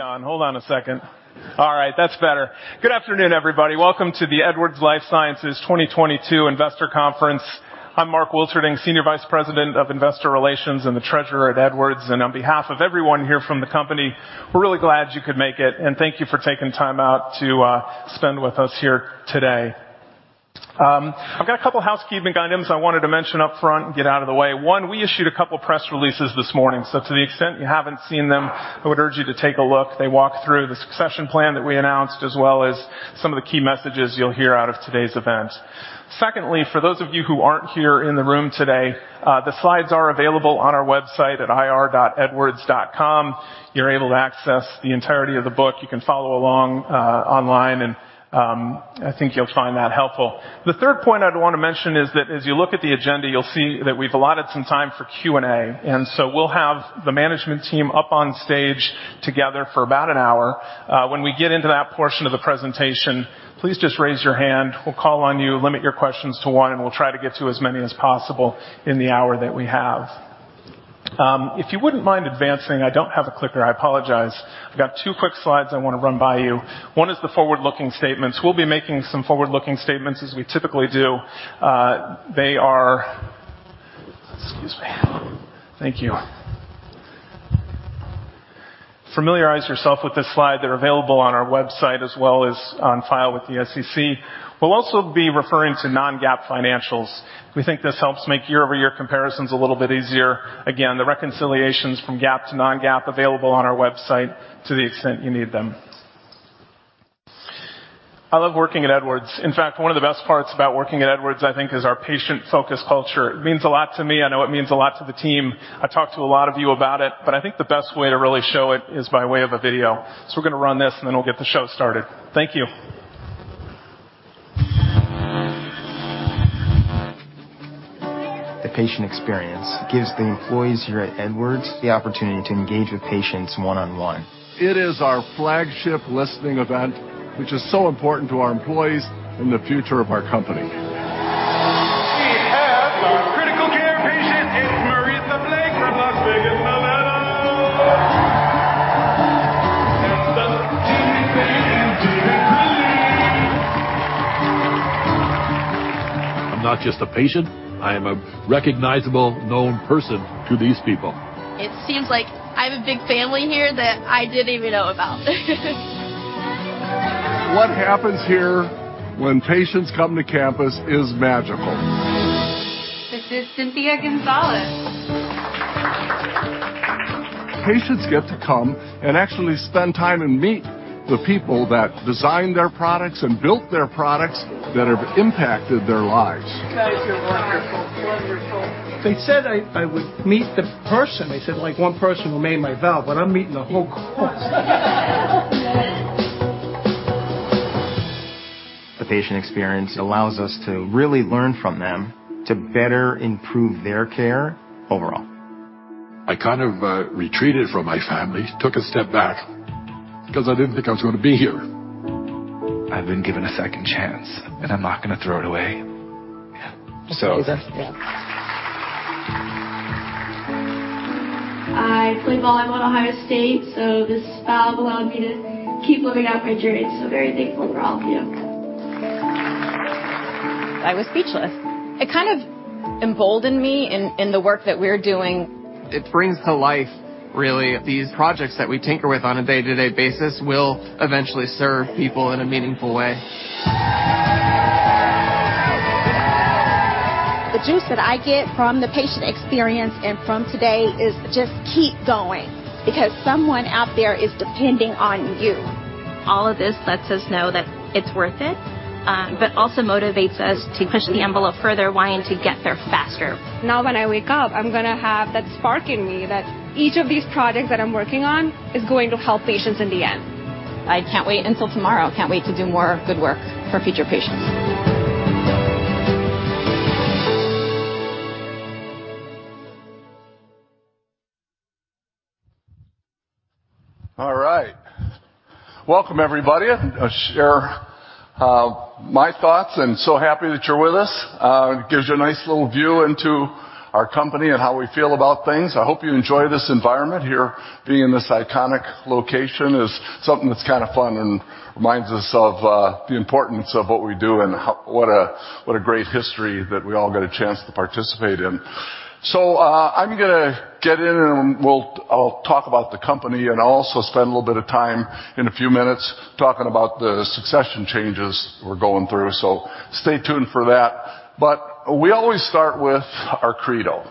The world keeps on spinning. You can't stop it if you try to. This time it's different. May not be on. Hold on a second. All right, that's better. Good afternoon, everybody. Welcome to the Edwards Lifesciences 2022 Investor Conference. I'm Mark Wilterding, Senior Vice President of Investor Relations and the Treasurer at Edwards. On behalf of everyone here from the company, we're really glad you could make it. Thank you for taking time out to spend with us here today. I've got a couple housekeeping items I wanted to mention up front and get out of the way. One, we issued a couple press releases this morning, to the extent you haven't seen them, I would urge you to take a look. They walk through the succession plan that we announced, as well as some of the key messages you'll hear out of today's event. Secondly, for those of you who aren't here in the room today, the slides are available on our website at ir.edwards.com. You're able to access the entirety of the book. You can follow along online, and I think you'll find that helpful. The third point I'd want to mention is that as you look at the agenda, you'll see that we've allotted some time for Q&A. We'll have the management team up on stage together for about an hour. When we get into that portion of the presentation, please just raise your hand. We'll call on you, limit your questions to 1, and we'll try to get to as many as possible in the hour that we have. If you wouldn't mind advancing, I don't have a clicker. I apologize. I've got 2 quick slides I want to run by you. One is the forward-looking statements. We'll be making some forward-looking statements as we typically do. Excuse me. Thank you. Familiarize yourself with this slide. They're available on our website as well as on file with the SEC. We'll also be referring to non-GAAP financials. We think this helps make year-over-year comparisons a little bit easier. Again, the reconciliations from GAAP to non-GAAP available on our website to the extent you need them. I love working at Edwards. In fact, one of the best parts about working at Edwards, I think, is our patient-focused culture. It means a lot to me. I know it means a lot to the team. I've talked to a lot of you about it. I think the best way to really show it is by way of a video. We're gonna run this, and then we'll get the show started. Thank you. The patient experience gives the employees here at Edwards the opportunity to engage with patients one-on-one. It is our flagship listening event, which is so important to our employees and the future of our company. We have our critical care patient. It's Marissa Blake from Las Vegas, Nevada. It's the amazing David Cooley. I'm not just a patient. I am a recognizable, known person to these people. It seems like I have a big family here that I didn't even know about. What happens here when patients come to campus is magical. This is Cynthia Gonzalez. Patients get to come and actually spend time and meet the people that designed their products and built their products that have impacted their lives. You guys are wonderful. They said I would meet the person. They said, like, one person who made my valve, but I'm meeting a whole crowd. The patient experience allows us to really learn from them to better improve their care overall. I kind of retreated from my family, took a step back, because I didn't think I was gonna be here. I've been given a second chance, and I'm not gonna throw it away. Yeah. Let's do this. Yeah. I played volleyball at Ohio State, so this valve allowed me to keep living out my dreams. Very thankful for all of you. I was speechless. It kind of emboldened me in the work that we're doing. It brings to life really these projects that we tinker with on a day-to-day basis will eventually serve people in a meaningful way. The juice that I get from the patient experience and from today is just keep going because someone out there is depending on you. All of this lets us know that it's worth it, but also motivates us to push the envelope further, wanting to get there faster. Now, when I wake up, I'm gonna have that spark in me that each of these projects that I'm working on is going to help patients in the end. I can't wait until tomorrow. Can't wait to do more good work for future patients. Welcome, everybody. I'll share my thoughts and so happy that you're with us. It gives you a nice little view into our company and how we feel about things. I hope you enjoy this environment here. Being in this iconic location is something that's kinda fun and reminds us of the importance of what we do and what a great history that we all get a chance to participate in. I'm gonna get in, I'll talk about the company and also spend a little bit of time in a few minutes talking about the succession changes we're going through. Stay tuned for that. We always start with our Credo.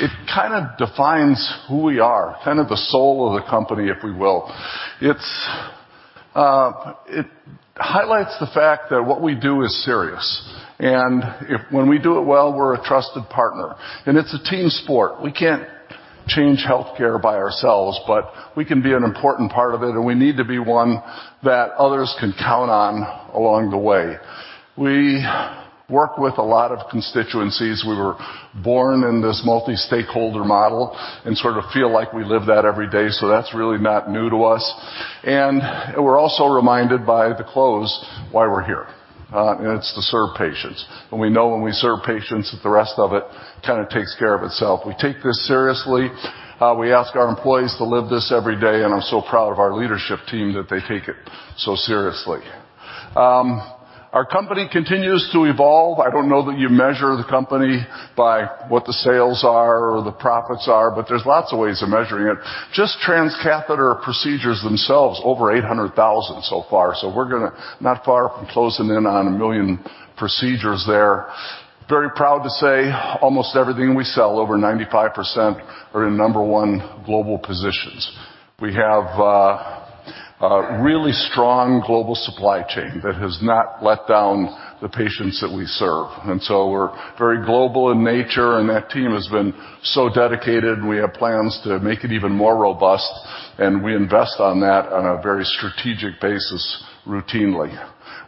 It kinda defines who we are, kind of the soul of the company, if we will. It's, it highlights the fact that what we do is serious. If when we do it well, we're a trusted partner. It's a team sport. We can't change healthcare by ourselves, but we can be an important part of it, and we need to be one that others can count on along the way. We work with a lot of constituencies. We were born in this multi-stakeholder model and sort of feel like we live that every day, so that's really not new to us. We're also reminded by the close why we're here. It's to serve patients. We know when we serve patients, that the rest of it kinda takes care of itself. We take this seriously. We ask our employees to live this every day, and I'm so proud of our leadership team that they take it so seriously. Our company continues to evolve. I don't know that you measure the company by what the sales are or the profits are, but there's lots of ways of measuring it. Just transcatheter procedures themselves, over 800,000 so far. We're not far from closing in on 1 million procedures there. Very proud to say almost everything we sell, over 95%, are in number 1 global positions. We have a really strong global supply chain that has not let down the patients that we serve. We're very global in nature, and that team has been so dedicated, and we have plans to make it even more robust, and we invest on that on a very strategic basis routinely.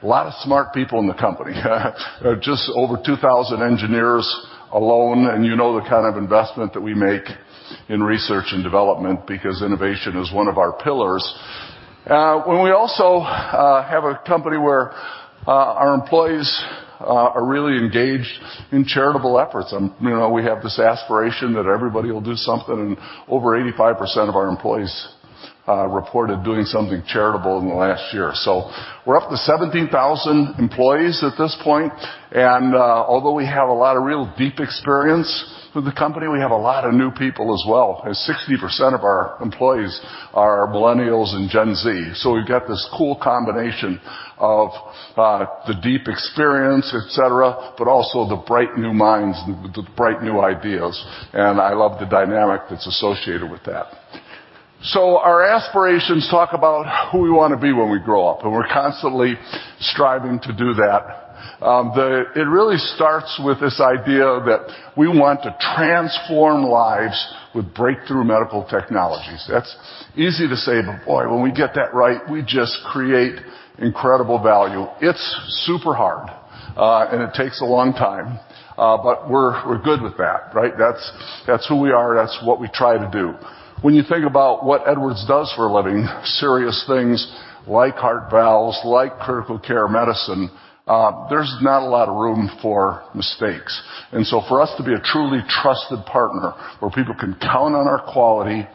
A lot of smart people in the company. Just over 2,000 engineers alone, and you know the kind of investment that we make in Research and Development because innovation is one of our pillars. We also have a company where our employees are really engaged in charitable efforts. You know, we have this aspiration that everybody will do something. Over 85% of our employees reported doing something charitable in the last year. So we're up to 17,000 employees at this point. Although we have a lot of real deep experience with the company, we have a lot of new people as well. And 60% of our employees are Millennials and Gen Z. So we've got this cool combination of the deep experience, et cetera, but also the bright new minds and the bright new ideas. And I love the dynamic that's associated with that Our aspirations talk about who we want to be when we grow up, and we're constantly striving to do that. It really starts with this idea that we want to transform lives with breakthrough medical technologies. That's easy to say, but boy, when we get that right, we just create incredible value. It's super hard, and it takes a long time, but we're good with that, right? That's who we are. That's what we try to do. When you think about what Edwards does for a living, serious things like heart valves, like critical care medicine, there's not a lot of room for mistakes. For us to be a truly trusted partner where people can count on our quality,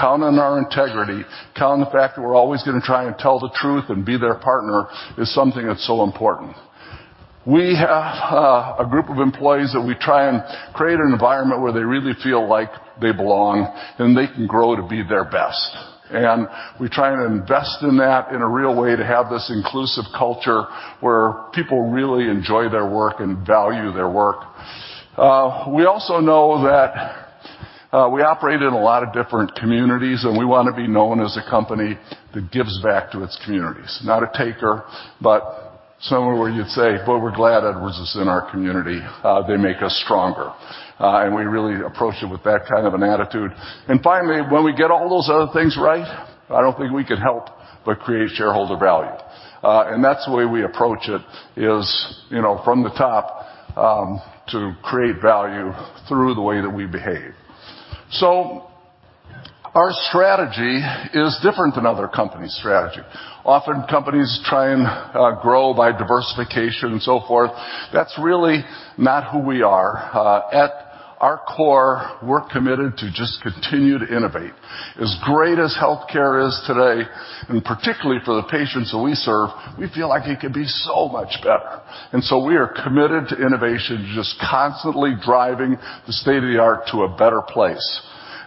count on our integrity, count on the fact that we're always gonna try and tell the truth and be their partner is something that's so important. We have a group of employees that we try and create an environment where they really feel like they belong and they can grow to be their best. We try and invest in that in a real way to have this inclusive culture where people really enjoy their work and value their work. We also know that we operate in a lot of different communities, and we wanna be known as a company that gives back to its communities. Not a taker, but somewhere where you'd say, "Boy, we're glad Edwards is in our community. They make us stronger." We really approach it with that kind of an attitude. Finally, when we get all those other things right, I don't think we can help but create shareholder value. That's the way we approach it is, you know, from the top, to create value through the way that we behave. Our strategy is different than other companies' strategy. Often companies try and grow by diversification and so forth. That's really not who we are. At our core, we're committed to just continue to innovate. As great as healthcare is today, and particularly for the patients that we serve, we feel like it could be so much better. We are committed to innovation, just constantly driving the state-of-the-art to a better place.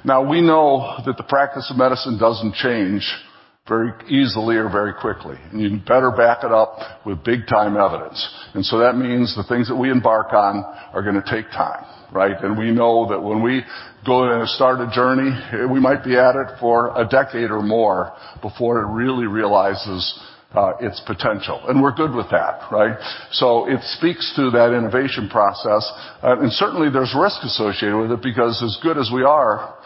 Now, we know that the practice of medicine doesn't change very easily or very quickly. You'd better back it up with big-time evidence. That means the things that we embark on are gonna take time, right? We know that when we go in and start a journey, we might be at it for a decade or more before it really realizes its potential. We're good with that, right? It speaks to that innovation process. Certainly, there's risk associated with it because as good as we are,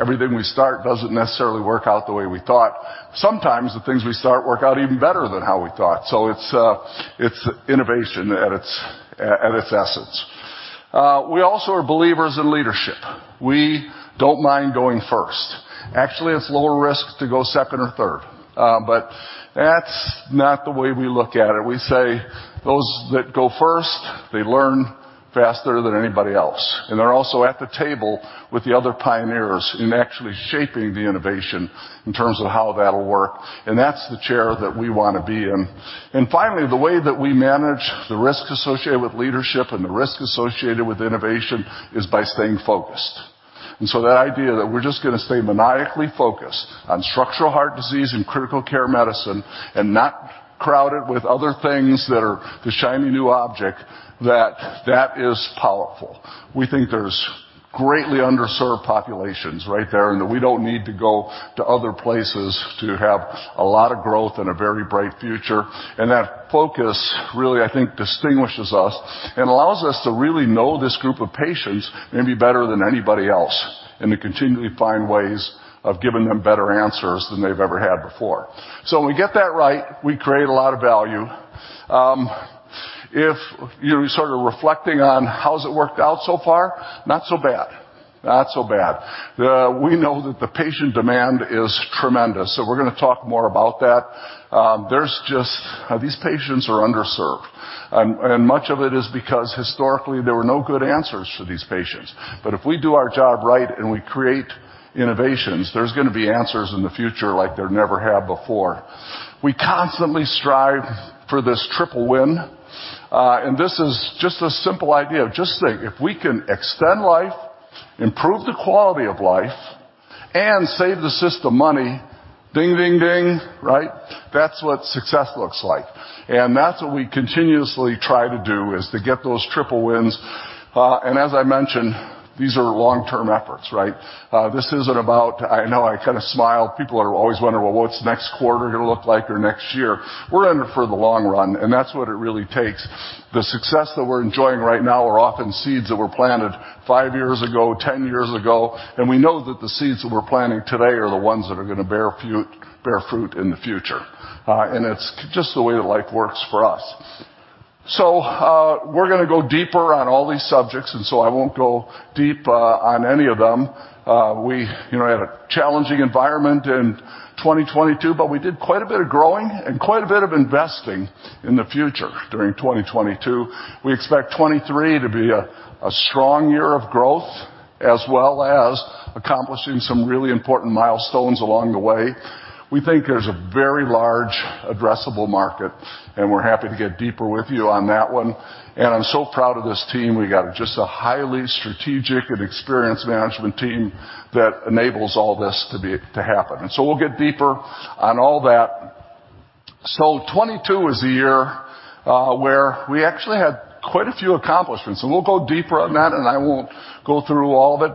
everything we start doesn't necessarily work out the way we thought. Sometimes the things we start work out even better than how we thought. It's innovation at its essence. We also are believers in leadership. We don't mind going first. Actually, it's lower risk to go second or third, that's not the way we look at it. We say those that go first, they learn faster than anybody else, and they're also at the table with the other pioneers in actually shaping the innovation in terms of how that'll work, and that's the chair that we wanna be in. Finally, the way that we manage the risk associated with leadership and the risk associated with innovation is by staying focused. That idea that we're just gonna stay maniacally focused on structural heart disease and critical care medicine and not crowded with other things that are the shiny new object, that is powerful. We think there's greatly underserved populations right there, and that we don't need to go to other places to have a lot of growth and a very bright future. That focus really, I think, distinguishes us and allows us to really know this group of patients maybe better than anybody else, and to continually find ways of giving them better answers than they've ever had before. When we get that right, we create a lot of value. If you're sort of reflecting on how has it worked out so far, not so bad. Not so bad. We know that the patient demand is tremendous, so we're gonna talk more about that. There's just These patients are underserved and much of it is because historically there were no good answers for these patients. If we do our job right and we create innovations, there's gonna be answers in the future like there never have before. We constantly strive for this triple win, and this is just a simple idea. Just think, if we can extend life, improve the quality of life, and save the system money, ding, ding, right? That's what success looks like. That's what we continuously try to do, is to get those triple wins. As I mentioned, these are long-term efforts, right? This isn't about... I know I kind of smile. People are always wondering, "Well, what's next quarter gonna look like or next year?" We're in it for the long run, and that's what it really takes. The success that we're enjoying right now are often seeds that were planted 5 years ago, 10 years ago, We know that the seeds that we're planting today are the ones that are gonna bear fruit in the future. It's just the way that life works for us. We're gonna go deeper on all these subjects, I won't go deep on any of them. We, you know, had a challenging environment in 2022, we did quite a bit of growing and quite a bit of investing in the future during 2022. We expect 2023 to be a strong year of growth, as well as accomplishing some really important milestones along the way. We think there's a very large addressable market, we're happy to get deeper with you on that one. I'm so proud of this team. We got just a highly strategic and experienced management team that enables all this to happen. We'll get deeper on all that. 22 was the year where we actually had quite a few accomplishments, and we'll go deeper on that and I won't go through all of it.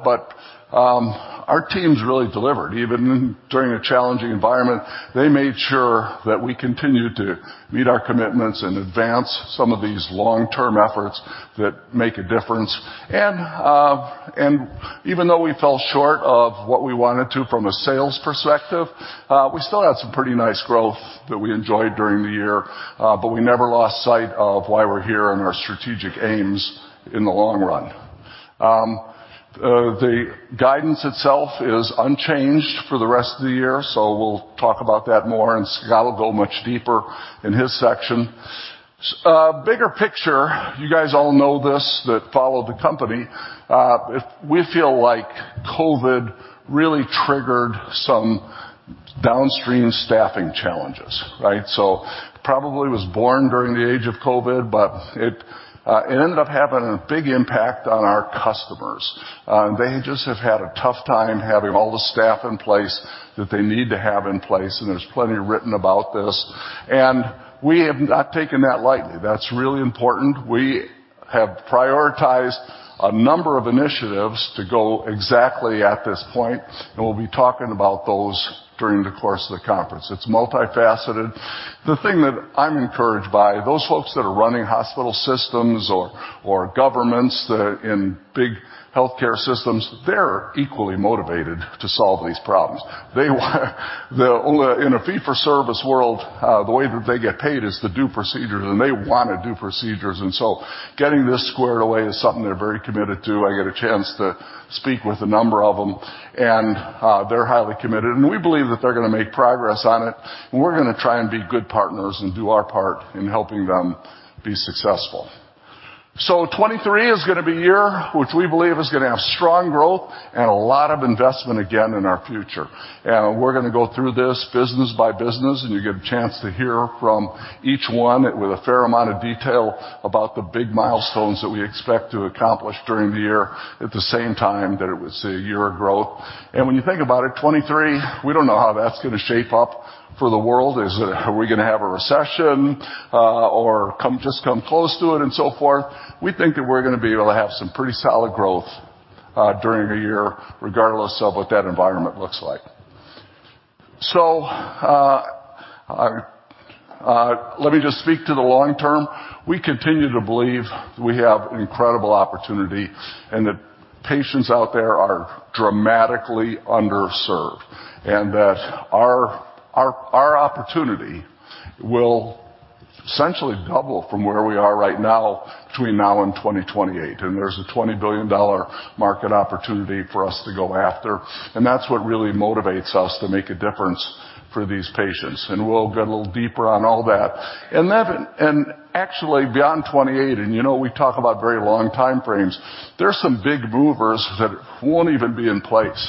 Our teams really delivered. Even during a challenging environment, they made sure that we continued to meet our commitments and advance some of these long-term efforts that make a difference. Even though we fell short of what we wanted to from a sales perspective, we still had some pretty nice growth that we enjoyed during the year, but we never lost sight of why we're here and our strategic aims in the long run. The guidance itself is unchanged for the rest of the year, so we'll talk about that more, and Scott will go much deeper in his section. Bigger picture, you guys all know this that follow the company. We feel like COVID really triggered some downstream staffing challenges, right? Probably was born during the age of COVID, but it ended up having a big impact on our customers. They just have had a tough time having all the staff in place that they need to have in place. There's plenty written about this. We have not taken that lightly. That's really important. We have prioritized a number of initiatives to go exactly at this point, and we'll be talking about those during the course of the conference. It's multifaceted. The thing that I'm encouraged by, those folks that are running hospital systems or governments that are in big healthcare systems, they're equally motivated to solve these problems. In a fee-for-service world, the way that they get paid is to do procedures, and they wanna do procedures. Getting this squared away is something they're very committed to. I get a chance to speak with a number of them, and they're highly committed. We believe that they're gonna make progress on it, and we're gonna try and be good partners and do our part in helping them be successful. 23 is gonna be a year which we believe is gonna have strong growth and a lot of investment again in our future. We're gonna go through this business by business, and you'll get a chance to hear from each one with a fair amount of detail about the big milestones that we expect to accomplish during the year at the same time that it was a year of growth. When you think about it, 2023, we don't know how that's gonna shape up for the world. Are we gonna have a recession, or just come close to it and so forth? We think that we're gonna be able to have some pretty solid growth during the year regardless of what that environment looks like. Let me just speak to the long term. We continue to believe we have an incredible opportunity and that patients out there are dramatically underserved and that our, our opportunity will essentially double from where we are right now between now and 2028. There's a $20 billion market opportunity for us to go after. That's what really motivates us to make a difference for these patients. We'll get a little deeper on all that. Actually, beyond 2028, and you know we talk about very long time frames, there's some big movers that won't even be in place.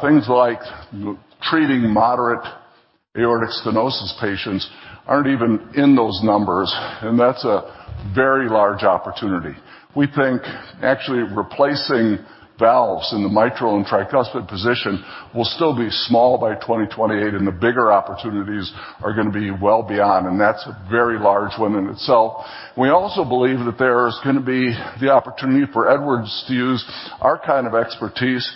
Things like treating moderate aortic stenosis patients aren't even in those numbers, and that's a very large opportunity. We think actually replacing valves in the mitral and tricuspid position will still be small by 2028, and the bigger opportunities are gonna be well beyond, and that's a very large one in itself. We also believe that there is gonna be the opportunity for Edwards to use our kind of expertise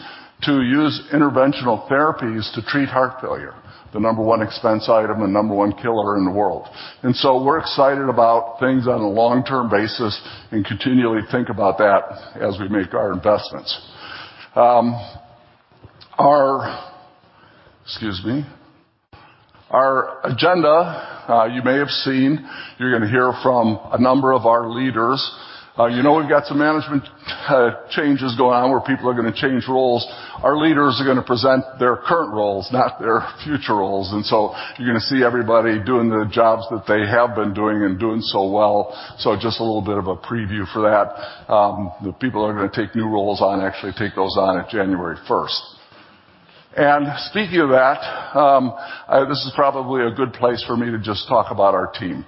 to use interventional therapies to treat heart failure, the number one expense item and number one killer in the world. We're excited about things on a long-term basis and continually think about that as we make our investments. Excuse me. Our agenda, you may have seen, you're going to hear from a number of our leaders. You know we've got some management changes going on where people are going to change roles. Our leaders are going to present their current roles, not their future roles. You're going to see everybody doing the jobs that they have been doing and doing so well. Just a little bit of a preview for that. The people that are going to take new roles on actually take those on at January 1st. Speaking of that, this is probably a good place for me to just talk about our team.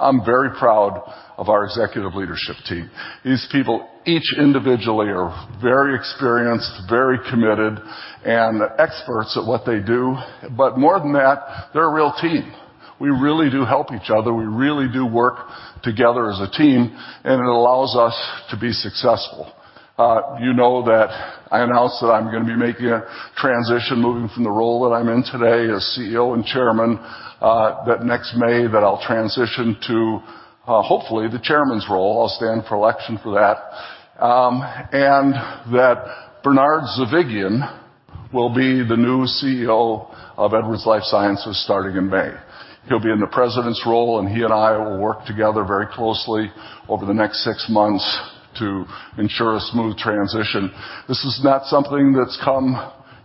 I'm very proud of our executive leadership team. These people, each individually, are very experienced, very committed, and experts at what they do. More than that, they're a real team. We really do help each other. We really do work together as a team, and it allows us to be successful. You know that I announced that I'm gonna be making a transition, moving from the role that I'm in today as CEO and Chairman, that next May that I'll transition to, hopefully the Chairman's role. I'll stand for election for that. That Bernard Zovighian will be the new CEO of Edwards Lifesciences starting in May. He'll be in the President's role, and he and I will work together very closely over the next six months to ensure a smooth transition. This is not something that's come,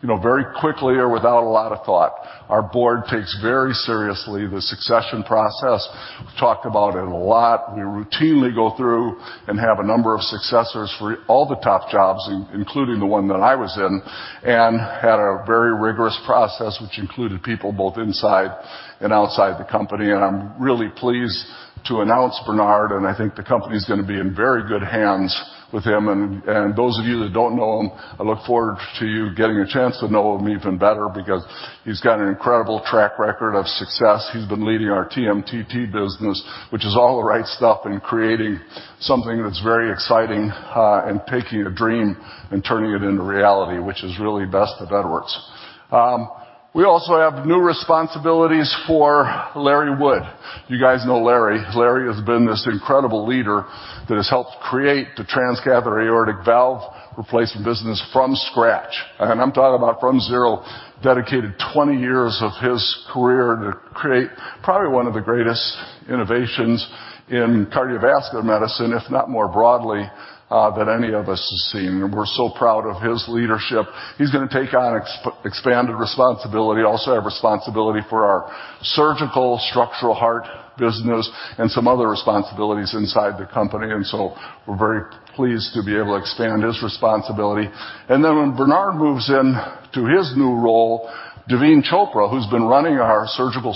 you know, very quickly or without a lot of thought. Our Board takes very seriously the succession process. We've talked about it a lot. We routinely go through and have a number of successors for all the top jobs, including the one that I was in, and had a very rigorous process, which included people both inside and outside the company. I'm really pleased to announce Bernard, and I think the company's gonna be in very good hands with him. Those of you that don't know him, I look forward to you getting a chance to know him even better because he's got an incredible track record of success. He's been leading our TMTT business, which is all the right stuff in creating something that's very exciting, and taking a dream and turning it into reality, which is really best of Edwards. We also have new responsibilities for Larry Wood. You guys know Larry. Larry has been this incredible leader that has helped create the transcatheter aortic valve replacement business from scratch. I'm talking about from 0. Dedicated 20 years of his career to create probably one of the greatest innovations in cardiovascular medicine, if not more broadly, than any of us has seen. We're so proud of his leadership. He's gonna take on expanded responsibility, also have responsibility for our surgical structural heart business and some other responsibilities inside the company. We're very pleased to be able to expand his responsibility. When Bernard moves into his new role, Daveen Chopra, who's been running our surgical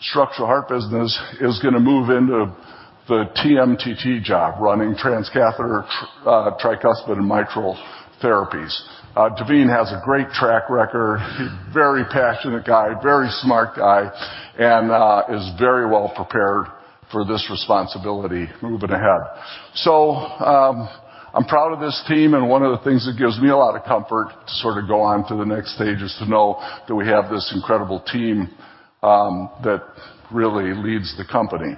structural heart business, is gonna move into the TMTT job, running transcatheter tricuspid and mitral therapies. Daveen has a great track record. He's very passionate guy, very smart guy, and is very well prepared for this responsibility moving ahead. I'm proud of this team, and one of the things that gives me a lot of comfort to sort of go on to the next stage is to know that we have this incredible team that really leads the company.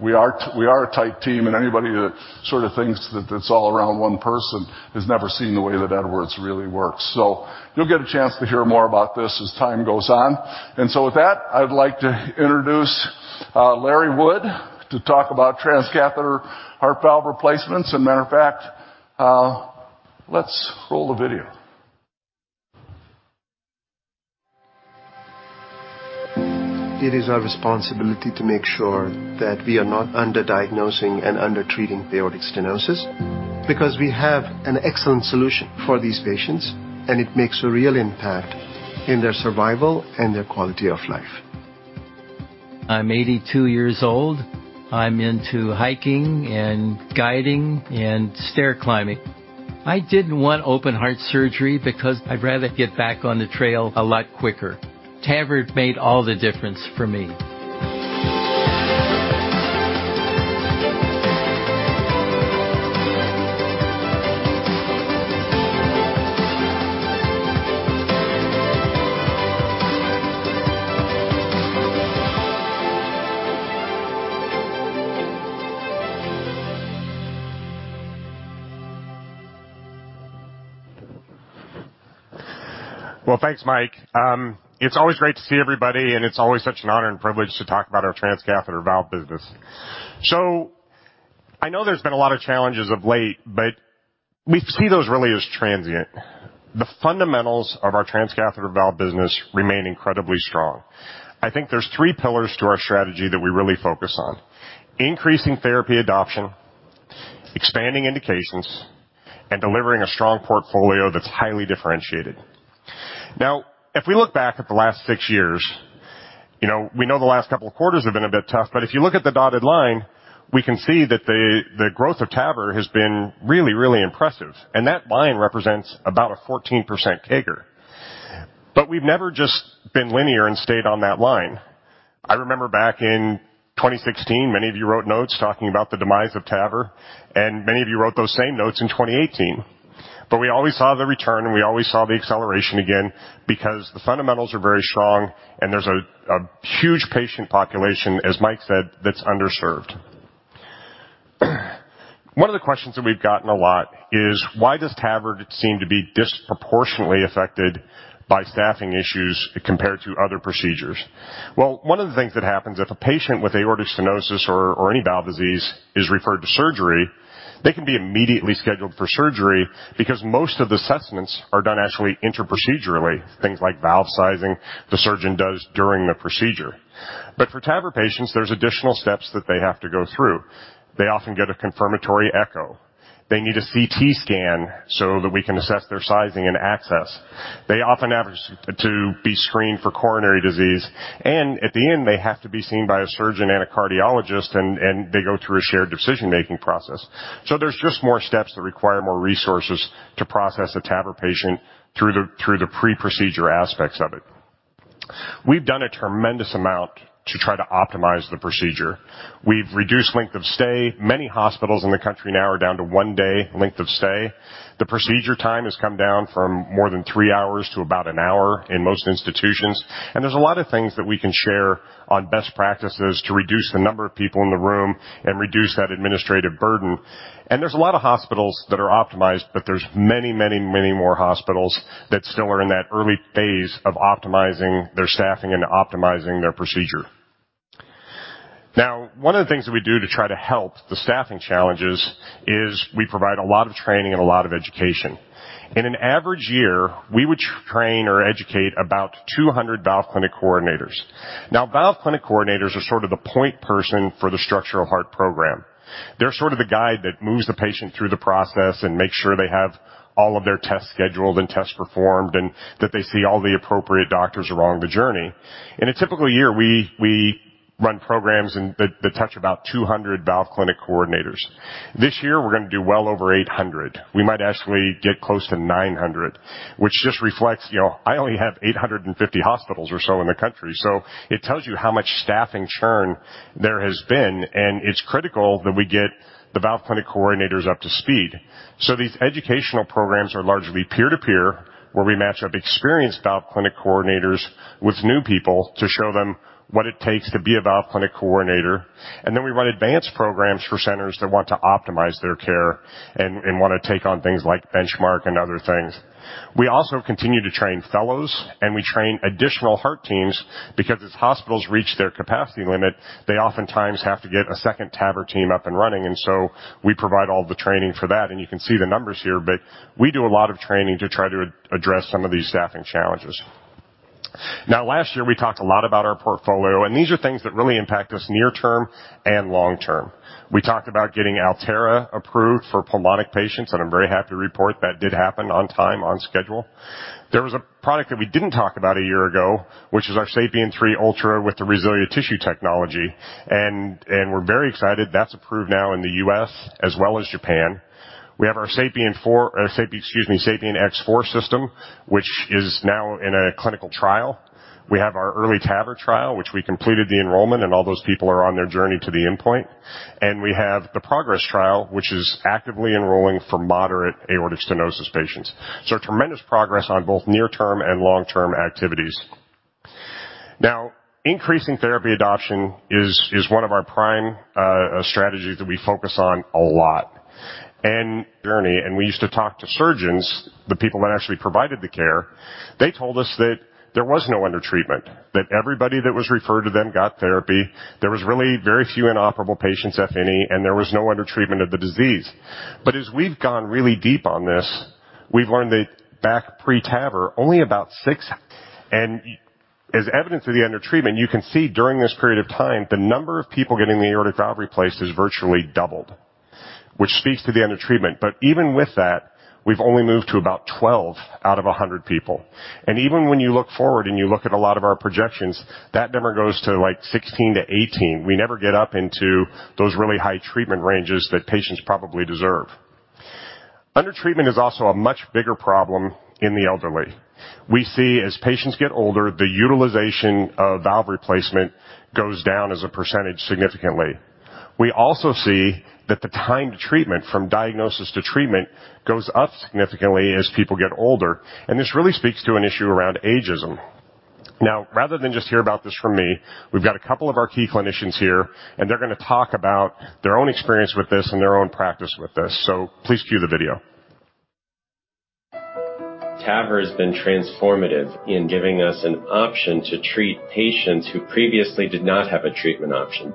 We are a tight team, and anybody that sort of thinks that it's all around one person has never seen the way that Edwards really works. You'll get a chance to hear more about this as time goes on. With that, I'd like to introduce Larry Wood to talk about transcatheter heart valve replacements. Matter of fact, let's roll the video. It is our responsibility to make sure that we are not under-diagnosing and under-treating aortic stenosis because we have an excellent solution for these patients, and it makes a real impact in their survival and their quality of life. I'm 82 years old. I'm into hiking and guiding and stair climbing. I didn't want open heart surgery because I'd rather get back on the trail a lot quicker. TAVR made all the difference for me. Well, thanks, Mike. It's always great to see everybody, and it's always such an honor and privilege to talk about our transcatheter valve business. I know there's been a lot of challenges of late, but we see those really as transient. The fundamentals of our transcatheter valve business remain incredibly strong. I think there's 3 pillars to our strategy that we really focus on: Increasing therapy adoption, Expanding indications, and Delivering a strong portfolio that's highly differentiated. Now, if we look back at the last 6 years, you know, we know the last couple of quarters have been a bit tough, but if you look at the dotted line, we can see that the growth of TAVR has been really, really impressive, and that line represents about a 14% CAGR. We've never just been linear and stayed on that line. I remember back in 2016, many of you wrote notes talking about the demise of TAVR, and many of you wrote those same notes in 2018. We always saw the return, and we always saw the acceleration again because the fundamentals are very strong and there's a huge patient population, as Mike said, that's underserved. One of the questions that we've gotten a lot is: Why does TAVR seem to be disproportionately affected by staffing issues compared to other procedures? One of the things that happens if a patient with aortic stenosis or any valve disease is referred to surgery, they can be immediately scheduled for surgery because most of the assessments are done actually intraprocedurally. Things like valve sizing, the surgeon does during the procedure. But for TAVR patients, there's additional steps that they have to go through. They often get a confirmatory echo. They need a CT scan so that we can assess their sizing and access. They often average to be screened for coronary disease. At the end, they have to be seen by a surgeon and a cardiologist and they go through a shared decision-making process. There's just more steps that require more resources to process a TAVR patient through the, through the pre-procedure aspects of it. We've done a tremendous amount to try to optimize the procedure. We've reduced length of stay. Many hospitals in the country now are down to 1-day length of stay. The procedure time has come down from more than 3 hours to about 1 hour in most institutions. There's a lot of things that we can share on best practices to reduce the number of people in the room and reduce that administrative burden. There's a lot of hospitals that are optimized, but there's many, many, many more hospitals that still are in that early phase of optimizing their staffing and optimizing their procedure. One of the things that we do to try to help the staffing challenges is we provide a lot of training and a lot of education. In an average year, we would train or educate about 200 valve clinic coordinators. Valve clinic coordinators are sort of the point person for the structural heart program. They're sort of the guide that moves the patient through the process and makes sure they have all of their tests scheduled and tests performed, and that they see all the appropriate doctors along the journey. In a typical year, we run programs that touch about 200 valve clinic coordinators. This year we're gonna do well over 800. We might actually get close to 900, which just reflects, you know, I only have 850 hospitals or so in the country. It tells you how much staffing churn there has been, and it's critical that we get the valve clinic coordinators up to speed. These educational programs are largely peer-to-peer, where we match up experienced valve clinic coordinators with new people to show them what it takes to be a valve clinic coordinator. Then we run advanced programs for centers that want to optimize their care and wanna take on things like Benchmark and other things. We also continue to train fellows, and we train additional heart teams because as hospitals reach their capacity limit, they oftentimes have to get a second TAVR team up and running. We provide all the training for that, and you can see the numbers here. We do a lot of training to try to address some of these staffing challenges. Last year we talked a lot about our portfolio. These are things that really impact us near term and long term. We talked about getting Alterra approved for pulmonic patients. I'm very happy to report that did happen on time, on schedule. There was a product that we didn't talk about a year ago, which is our SAPIEN 3 Ultra with the RESILIA tissue technology. We're very excited. That's approved now in the U.S. as well as Japan. We have our SAPIEN X4 system, which is now in a clinical trial. We have our EARLY TAVR trial, which we completed the enrollment. All those people are on their journey to the endpoint. We have the PROGRESS Trial, which is actively enrolling for moderate aortic stenosis patients. Tremendous progress on both near-term and long-term activities. Increasing therapy adoption is one of our prime strategies that we focus on a lot. We used to talk to surgeons, the people that actually provided the care. They told us that there was no undertreatment, that everybody that was referred to them got therapy. There was really very few inoperable patients, if any, and there was no undertreatment of the disease. As we've gone really deep on this, we've learned that back pre-TAVR, as evidence of the undertreatment, you can see during this period of time, the number of people getting the aortic valve replaced has virtually doubled, which speaks to the undertreatment. Even with that, we've only moved to about 12 out of 100 people. Even when you look forward and you look at a lot of our projections, that number goes to, like, 16-18. We never get up into those really high treatment ranges that patients probably deserve. Undertreatment is also a much bigger problem in the elderly. We see as patients get older, the utilization of valve replacement goes down as a percentage significantly. We also see that the time to treatment, from diagnosis to treatment, goes up significantly as people get older, and this really speaks to an issue around ageism. Rather than just hear about this from me, we've got a couple of our key clinicians here, and they're gonna talk about their own experience with this and their own practice with this. Please cue the video. TAVR has been transformative in giving us an option to treat patients who previously did not have a treatment option.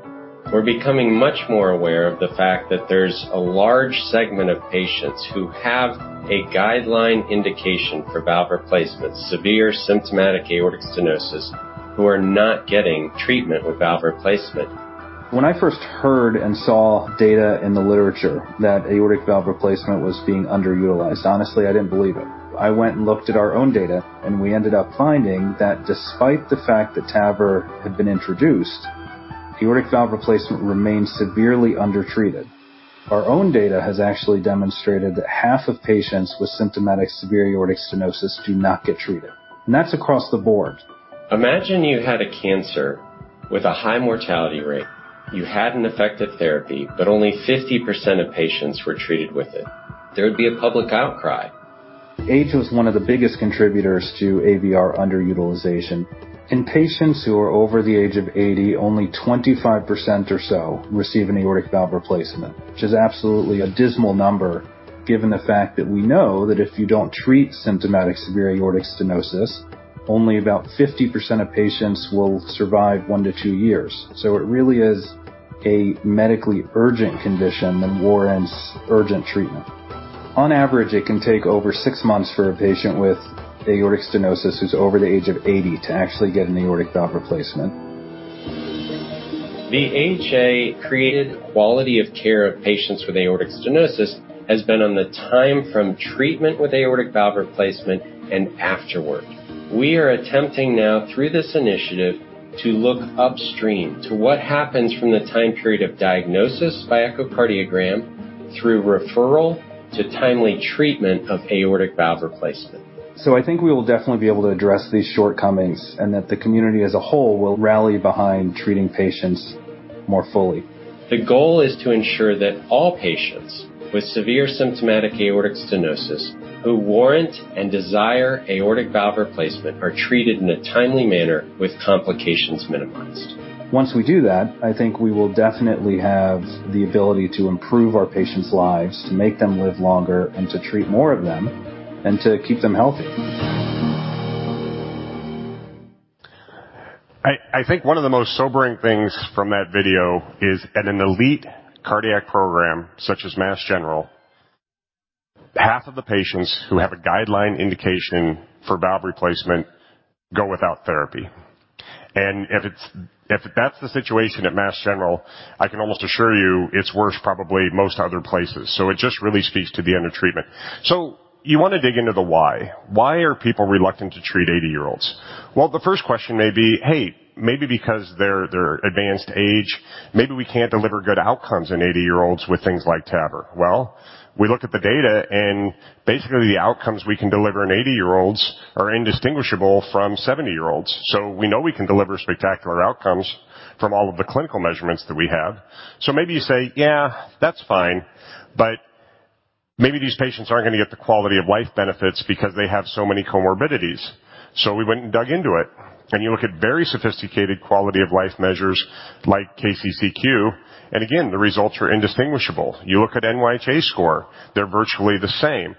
We're becoming much more aware of the fact that there's a large segment of patients who have a guideline indication for valve replacement, severe symptomatic aortic stenosis, who are not getting treatment with valve replacement. When I first heard and saw data in the literature that aortic valve replacement was being underutilized, honestly, I didn't believe it. I went and looked at our own data. We ended up finding that despite the fact that TAVR had been introduced, aortic valve replacement remained severely undertreated. Our own data has actually demonstrated that half of patients with symptomatic severe aortic stenosis do not get treated. That's across the board. Imagine you had a cancer with a high mortality rate. You had an effective therapy, but only 50% of patients were treated with it. There would be a public outcry. Age was one of the biggest contributors to AVR underutilization. In patients who are over the age of 80, only 25% or so receive an aortic valve replacement, which is absolutely a dismal number given the fact that we know that if you don't treat symptomatic severe aortic stenosis, only about 50% of patients will survive 1-2 years. It really is a medically urgent condition that warrants urgent treatment. On average, it can take over 6 months for a patient with aortic stenosis who's over the age of 80 to actually get an aortic valve replacement. The AHA created quality of care of patients with aortic stenosis has been on the time from treatment with aortic valve replacement and afterward. We are attempting now, through this initiative, to look upstream to what happens from the time period of diagnosis by echocardiogram through referral to timely treatment of aortic valve replacement. I think we will definitely be able to address these shortcomings, and that the community as a whole will rally behind treating patients more fully. The goal is to ensure that all patients with severe symptomatic aortic stenosis who warrant and desire aortic valve replacement are treated in a timely manner with complications minimized. Once we do that, I think we will definitely have the ability to improve our patients' lives, to make them live longer, and to treat more of them, and to keep them healthy. I think one of the most sobering things from that video is at an elite cardiac program such as Mass General, half of the patients who have a guideline indication for valve replacement go without therapy. If that's the situation at Mass General, I can almost assure you it's worse probably most other places. It just really speaks to the undertreatment. You wanna dig into the why. Why are people reluctant to treat eighty-year-olds? The first question may be, hey, maybe because their advanced age, maybe we can't deliver good outcomes in eighty-year-olds with things like TAVR. We look at the data, and basically, the outcomes we can deliver in eighty-year-olds are indistinguishable from seventy-year-olds. We know we can deliver spectacular outcomes from all of the clinical measurements that we have. Maybe you say, "Yeah, that's fine, but maybe these patients aren't going to get the quality of life benefits because they have so many comorbidities." We went and dug into it. You look at very sophisticated quality of life measures like KCCQ, and again, the results are indistinguishable. You look at NYHA score, they're virtually the same.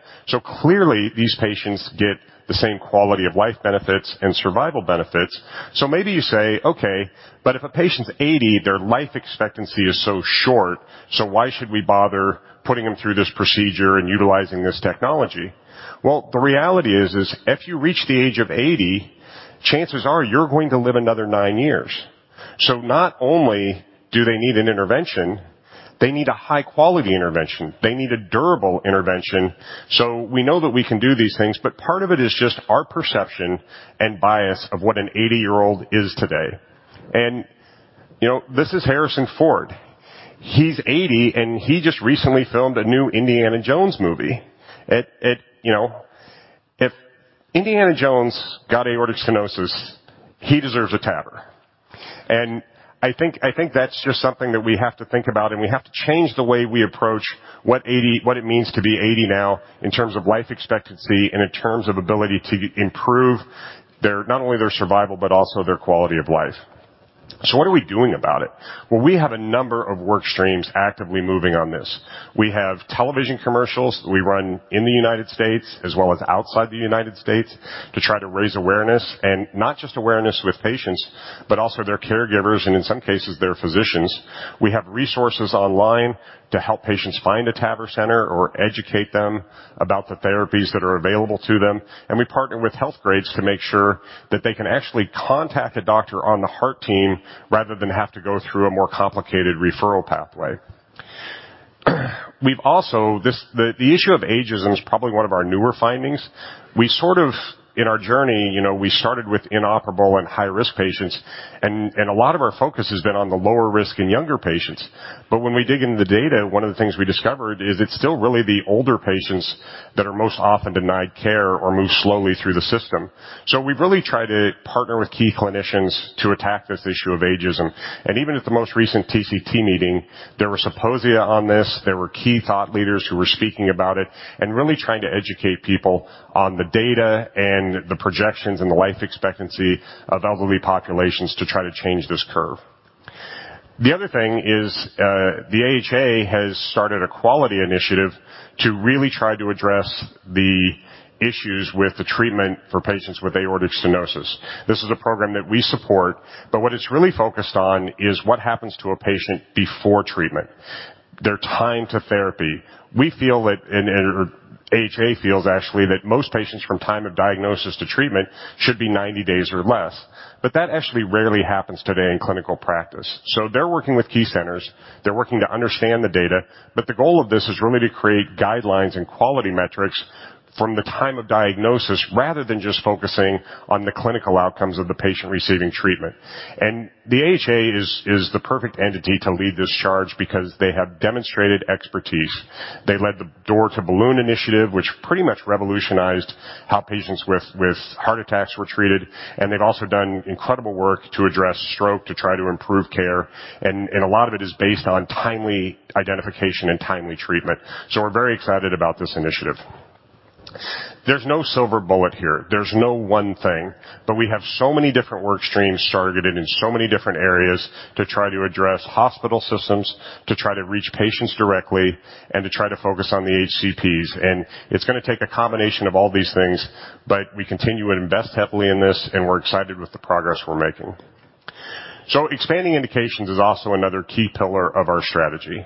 Clearly, these patients get the same quality of life benefits and survival benefits. Maybe you say, "Okay, but if a patient's 80, their life expectancy is so short, so why should we bother putting them through this procedure and utilizing this technology?" Well, the reality is if you reach the age of 80, chances are you're going to live another 9 years. Not only do they need an intervention, they need a high-quality intervention. They need a durable intervention. We know that we can do these things, but part of it is just our perception and bias of what an 80-year-old is today. You know, this is Harrison Ford. He's 80, and he just recently filmed a new Indiana Jones movie. You know, if Indiana Jones got aortic stenosis, he deserves a TAVR. I think that's just something that we have to think about, and we have to change the way we approach what it means to be 80 now in terms of life expectancy and in terms of ability to improve their, not only their survival, but also their quality of life. What are we doing about it? Well, we have a number of work streams actively moving on this. We have television commercials we run in the United States as well as outside the United States to try to raise awareness, and not just awareness with patients, but also their caregivers and in some cases their physicians. We have resources online to help patients find a TAVR center or educate them about the therapies that are available to them. We partner with Healthgrades to make sure that they can actually contact a doctor on the heart team rather than have to go through a more complicated referral pathway. We've also, the issue of ageism is probably one of our newer findings. We sort of, in our journey, you know, we started with inoperable and high-risk patients, and a lot of our focus has been on the lower risk and younger patients. When we dig into the data, one of the things we discovered is it's still really the older patients that are most often denied care or move slowly through the system. We've really tried to partner with key clinicians to attack this issue of ageism. Even at the most recent TCT meeting, there were symposia on this. There were key thought leaders who were speaking about it and really trying to educate people on the data and the projections and the life expectancy of elderly populations to try to change this curve. The other thing is, the AHA has started a quality initiative to really try to address the issues with the treatment for patients with aortic stenosis. This is a program that we support, but what it's really focused on is what happens to a patient before treatment, their time to therapy. We feel that or AHA feels actually that most patients from time of diagnosis to treatment should be 90 days or less. That actually rarely happens today in clinical practice. They're working with key centers. They're working to understand the data. The goal of this is really to create guidelines and quality metrics from the time of diagnosis, rather than just focusing on the clinical outcomes of the patient receiving treatment. The AHA is the perfect entity to lead this charge because they have demonstrated expertise. They led the Door to Balloon initiative, which pretty much revolutionized how patients with heart attacks were treated. They've also done incredible work to address stroke, to try to improve care. A lot of it is based on timely identification and timely treatment. We're very excited about this initiative. There's no silver bullet here. There's no one thing. We have so many different work streams targeted in so many different areas to try to address hospital systems, to try to reach patients directly and to try to focus on the HCPs. It's gonna take a combination of all these things, but we continue to invest heavily in this, and we're excited with the progress we're making. Expanding indications is also another key pillar of our strategy.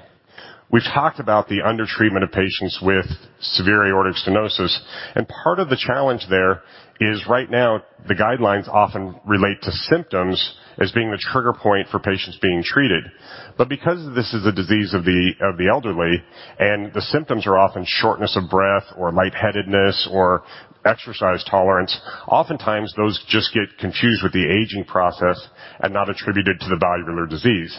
We've talked about the undertreatment of patients with severe aortic stenosis, and part of the challenge there is right now, the guidelines often relate to symptoms as being the trigger point for patients being treated. Because this is a disease of the elderly, and the symptoms are often shortness of breath or lightheadedness or exercise tolerance, oftentimes those just get confused with the aging process and not attributed to the valvular disease.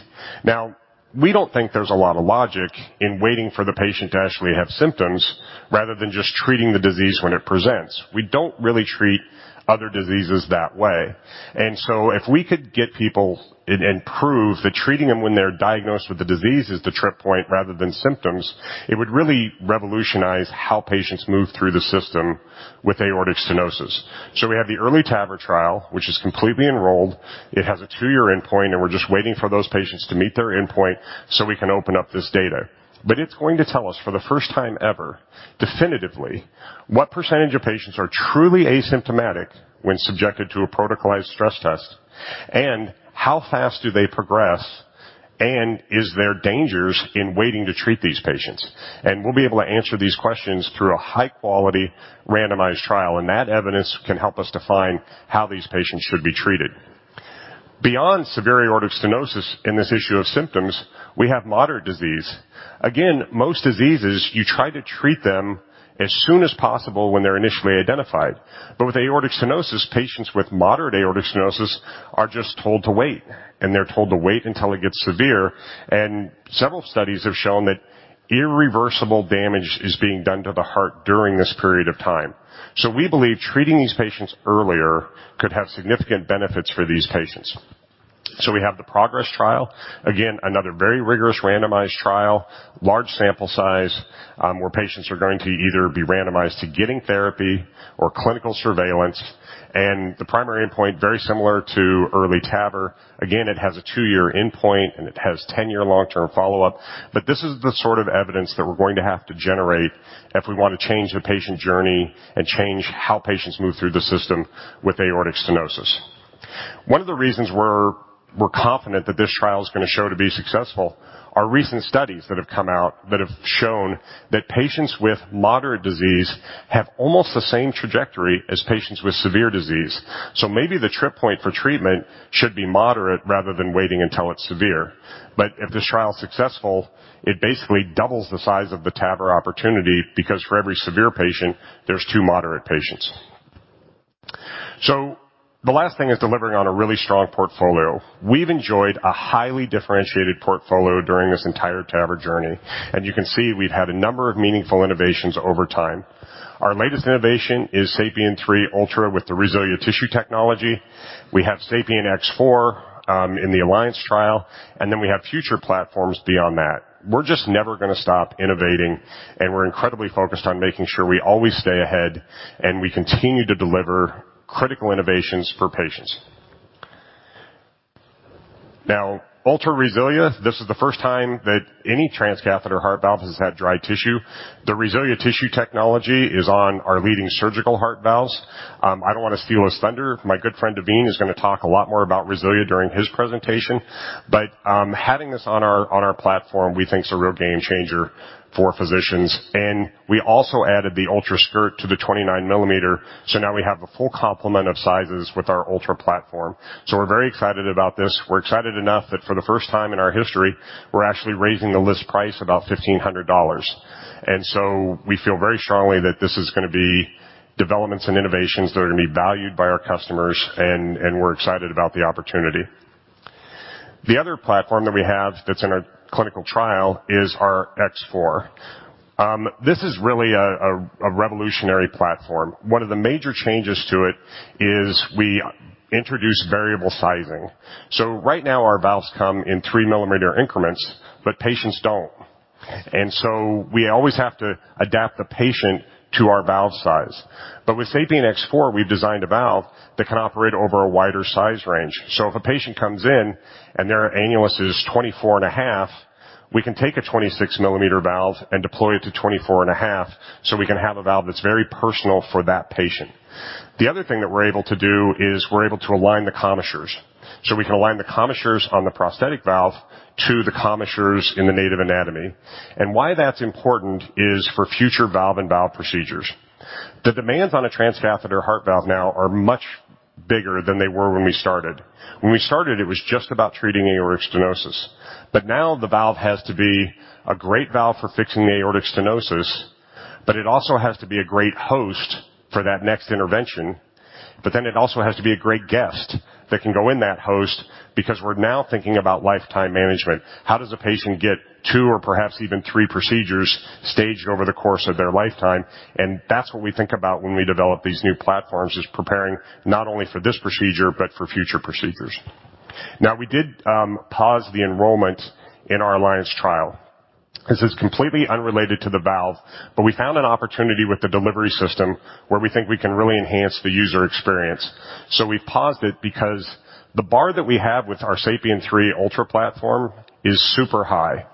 We don't think there's a lot of logic in waiting for the patient to actually have symptoms rather than just treating the disease when it presents. We don't really treat other diseases that way. If we could get people and prove that treating them when they're diagnosed with the disease is the trip point rather than symptoms, it would really revolutionize how patients move through the system with aortic stenosis. We have the EARLY TAVR trial, which is completely enrolled. It has a 2-year endpoint, and we're just waiting for those patients to meet their endpoint, so we can open up this data. It's going to tell us for the first time ever definitively what % of patients are truly asymptomatic when subjected to a protocolized stress test and how fast do they progress and is there dangers in waiting to treat these patients? We'll be able to answer these questions through a high-quality randomized trial, and that evidence can help us define how these patients should be treated. Beyond severe aortic stenosis in this issue of symptoms, we have moderate disease. Again, most diseases, you try to treat them as soon as possible when they're initially identified. With aortic stenosis, patients with moderate aortic stenosis are just told to wait, and they're told to wait until it gets severe. Several studies have shown that irreversible damage is being done to the heart during this period of time. We believe treating these patients earlier could have significant benefits for these patients. We have the PROGRESS Trial. Again, another very rigorous randomized trial, large sample size, where patients are going to either be randomized to getting therapy or clinical surveillance. The primary endpoint, very similar to EARLY TAVR. Again, it has a 2-year endpoint, and it has 10-year long-term follow-up. This is the sort of evidence that we're going to have to generate if we want to change the patient journey and change how patients move through the system with aortic stenosis. One of the reasons we're confident that this trial is gonna show to be successful are recent studies that have come out that have shown that patients with moderate disease have almost the same trajectory as patients with severe disease. Maybe the trip point for treatment should be moderate rather than waiting until it's severe. If this trial is successful, it basically doubles the size of the TAVR opportunity because for every severe patient, there's 2 moderate patients. The last thing is delivering on a really strong portfolio. We've enjoyed a highly differentiated portfolio during this entire TAVR journey. You can see we've had a number of meaningful innovations over time. Our latest innovation is SAPIEN 3 Ultra with the RESILIA tissue technology. We have SAPIEN X4 in the ALLIANCE trial, and then we have future platforms beyond that. We're just never gonna stop innovating, and we're incredibly focused on making sure we always stay ahead, and we continue to deliver critical innovations for patients. Now, Ultra RESILIA, this is the first time that any transcatheter heart valve has had dry tissue. The RESILIA tissue technology is on our leading surgical heart valves. I don't wanna steal his thunder. My good friend, Davee, is gonna talk a lot more about RESILIA during his presentation. Having this on our platform we think is a real game-changer for physicians. And we also added the Ultra skirt to the 29 millimeter, so now we have the full complement of sizes with our Ultra platform. So we're very excited about this. We're excited enough that for the first time in our history, we're actually raising the list price about $1,500. We feel very strongly that this is gonna be developments and innovations that are gonna be valued by our customers, and we're excited about the opportunity. The other platform that we have that's in our clinical trial is our X4. This is really a, a revolutionary platform. One of the major changes to it is we introduce variable sizing. Right now our valves come in 3-millimeter increments, but patients don't. We always have to adapt the patient to our valve size. With SAPIEN X4, we've designed a valve that can operate over a wider size range. If a patient comes in and their annulus is 24.5, we can take a 26-millimeter valve and deploy it to 24.5. We can have a valve that's very personal for that patient. The other thing that we're able to do is we're able to align the commissures. We can align the commissures on the prosthetic valve to the commissures in the native anatomy. Why that's important is for future valve and valve procedures. The demands on a transcatheter heart valve now are much bigger than they were when we started. When we started, it was just about treating aortic stenosis. Now the valve has to be a great valve for fixing the aortic stenosis, but it also has to be a great host for that next intervention. It also has to be a great guest that can go in that host because we're now thinking about lifetime management. How does a patient get 2 or perhaps even 3 procedures staged over the course of their lifetime? That's what we think about when we develop these new platforms, is preparing not only for this procedure but for future procedures. Now, we did pause the enrollment in our ALLIANCE trial. This is completely unrelated to the valve, but we found an opportunity with the delivery system where we think we can really enhance the user experience. We paused it because the bar that we have with our SAPIEN 3 Ultra platform is super high.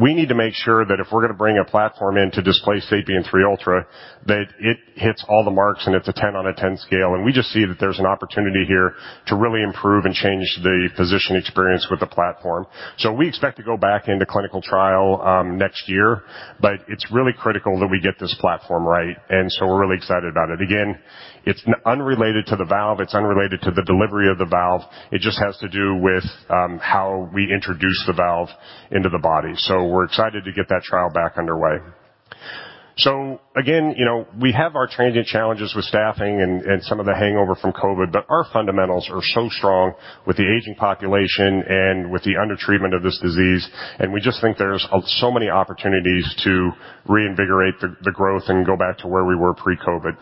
We need to make sure that if we're gonna bring a platform in to displace SAPIEN 3 Ultra, that it hits all the marks, and it's a 10 on a 10 scale. We just see that there's an opportunity here to really improve and change the physician experience with the platform. We expect to go back into clinical trial next year. It's really critical that we get this platform right, and so we're really excited about it. Again, it's unrelated to the valve. It's unrelated to the delivery of the valve. It just has to do with how we introduce the valve into the body. We're excited to get that trial back underway. Again, you know, we have our transient challenges with staffing and some of the hangover from COVID. Our fundamentals are so strong with the aging population and with the undertreatment of this disease, and we just think there's so many opportunities to reinvigorate the growth and go back to where we were pre-COVID.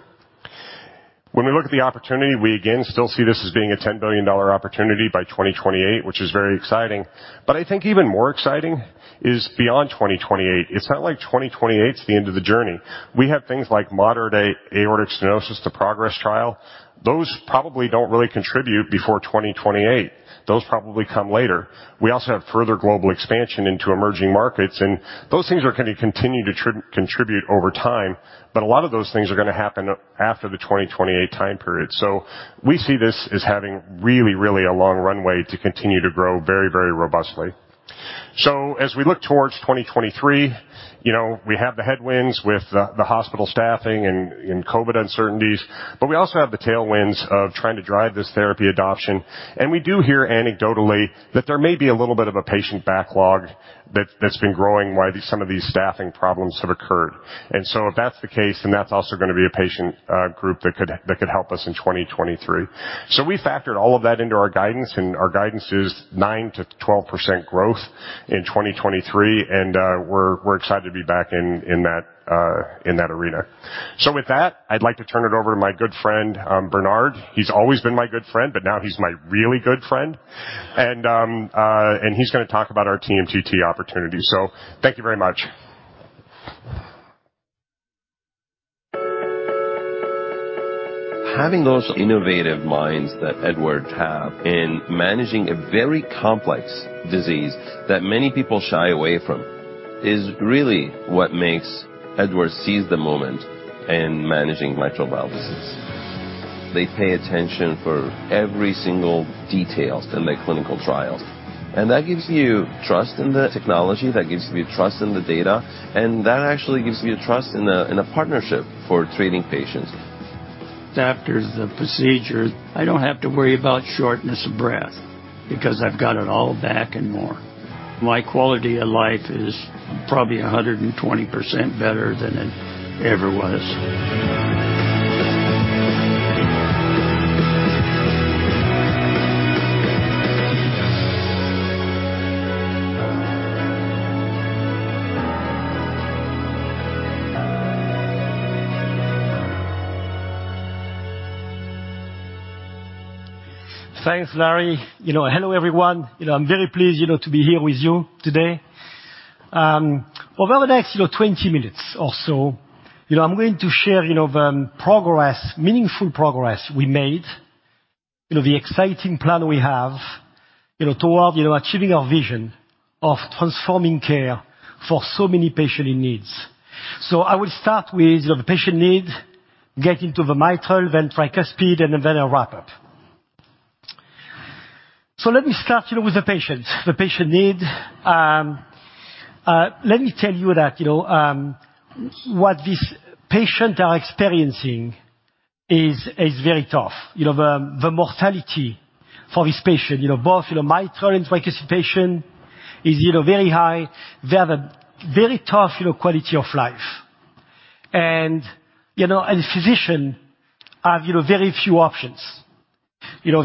When we look at the opportunity, we again still see this as being a $10 billion opportunity by 2028, which is very exciting. I think even more exciting is beyond 2028. It's not like 2028 is the end of the journey. We have things like moderate aortic stenosis, the PROGRESS Trial. Those probably don't really contribute before 2028. Those probably come later. We also have further global expansion into emerging markets. Those things are gonna continue to contribute over time, but a lot of those things are gonna happen after the 2028 time period. We see this as having really a long runway to continue to grow very robustly. As we look towards 2023, you know, we have the headwinds with the hospital staffing and COVID uncertainties, but we also have the tailwinds of trying to drive this therapy adoption. We do hear anecdotally that there may be a little bit of a patient backlog that's been growing while some of these staffing problems have occurred. If that's the case, that's also gonna be a patient group that could help us in 2023. We factored all of that into our guidance, and our guidance is 9%-12% growth in 2023, and we're excited to be back in that arena. With that, I'd like to turn it over to my good friend, Bernard. He's always been my good friend, but now he's my really good friend. He's gonna talk about our TMTT opportunity. Thank you very much. Having those innovative minds that Edwards have in managing a very complex disease that many people shy away from is really what makes Edwards seize the moment in managing mitral valve disease. They pay attention for every single details in their clinical trials, that gives you trust in the technology. That gives you trust in the data, that actually gives you trust in the, in the partnership for treating patients. After the procedure, I don't have to worry about shortness of breath because I've got it all back and more. My quality of life is probably 120% better than it ever was. Thanks, Larry. You know, hello, everyone. You know, I'm very pleased, you know, to be here with you today. Over the next, you know, 20 minutes or so, you know, I'm going to share, you know, the progress, meaningful progress we made, you know, the exciting plan we have, you know, toward, you know, achieving our vision of transforming care for so many patient in needs. I will start with the patient need, get into the mitral, then tricuspid, and then a wrap-up. Let me start, you know, with the patient. The patient need. Let me tell you that, you know, what these patients are experiencing is very tough. You know, the mortality for this patient, you know, both, you know, mitral and tricuspid patient is, you know, very high. They have a very tough, you know, quality of life. You know, as a physician, I have, you know, very few options. You know,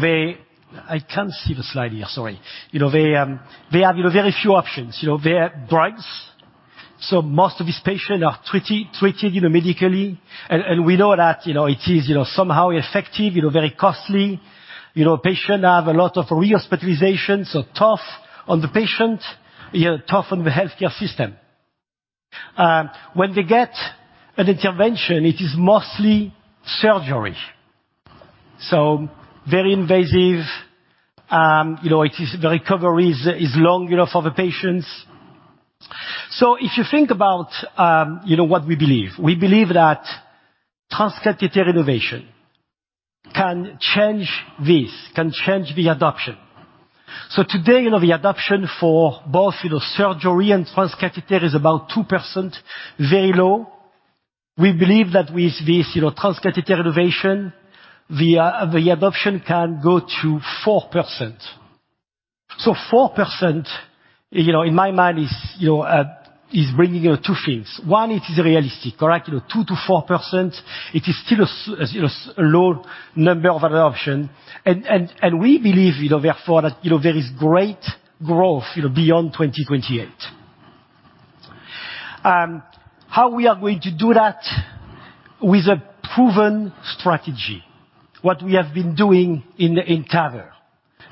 I can't see the slide here. Sorry. You know, they have, you know, very few options. You know, they have drugs. Most of these patients are treated, you know, medically. We know that, you know, it is, you know, somehow effective, you know, very costly. You know, patient have a lot of rehospitalization, tough on the patient, you know, tough on the healthcare system. When they get an intervention, it is mostly surgery. Very invasive. You know, the recovery is long, you know, for the patients. If you think about, you know what we believe. We believe that transcatheter innovation can change this, can change the adoption. Today, you know, the adoption for both, you know, surgery and transcatheter is about 2%, very low. We believe that with this, you know, transcatheter innovation, the adoption can go to 4%. 4%, you know, in my mind is, you know, is bringing, you know, 2 things. 1, it is realistic, correct? You know, 2%-4%, it is still a, you know, a low number of adoption and we believe, you know, therefore that, you know, there is great growth, you know, beyond 2028. How we are going to do that with a proven strategy, what we have been doing in TAVR,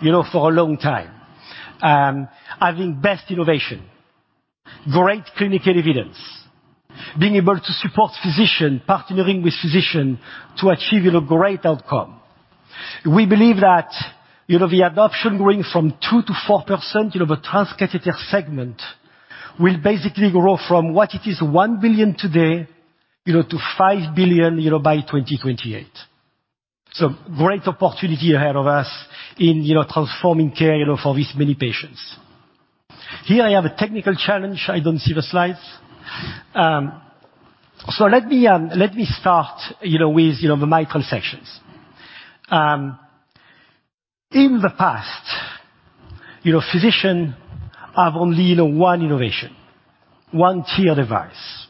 you know, for a long time. Having best innovation, great clinical evidence, being able to support physician, partnering with physician to achieve, you know, great outcome. We believe that, you know, the adoption going from 2% to 4%, you know, the transcatheter segment will basically grow from what it is, $1 billion today, you know, to $5 billion, you know, by 2028. Great opportunity ahead of us in, you know, transforming care, you know, for these many patients. Here I have a technical challenge. I don't see the slides. let me start, you know, with, you know, the mitral sections. In the past, you know, physician have only, you know, one innovation, one TEER device.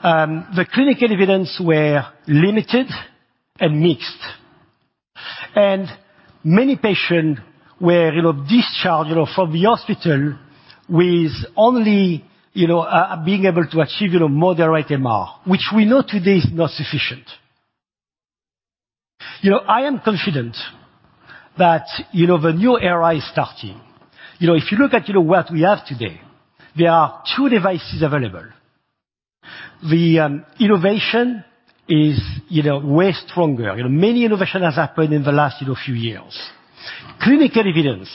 The clinical evidence were limited and mixed, and many patient were, you know, discharged, you know, from the hospital with only, you know, being able to achieve, you know, moderate MR, which we know today is not sufficient. You know, I am confident that, you know, the new era is starting. You know, if you look at, you know, what we have today, there are 2 devices available. The innovation is, you know, way stronger. You know, many innovation has happened in the last, you know, few years. Clinical evidence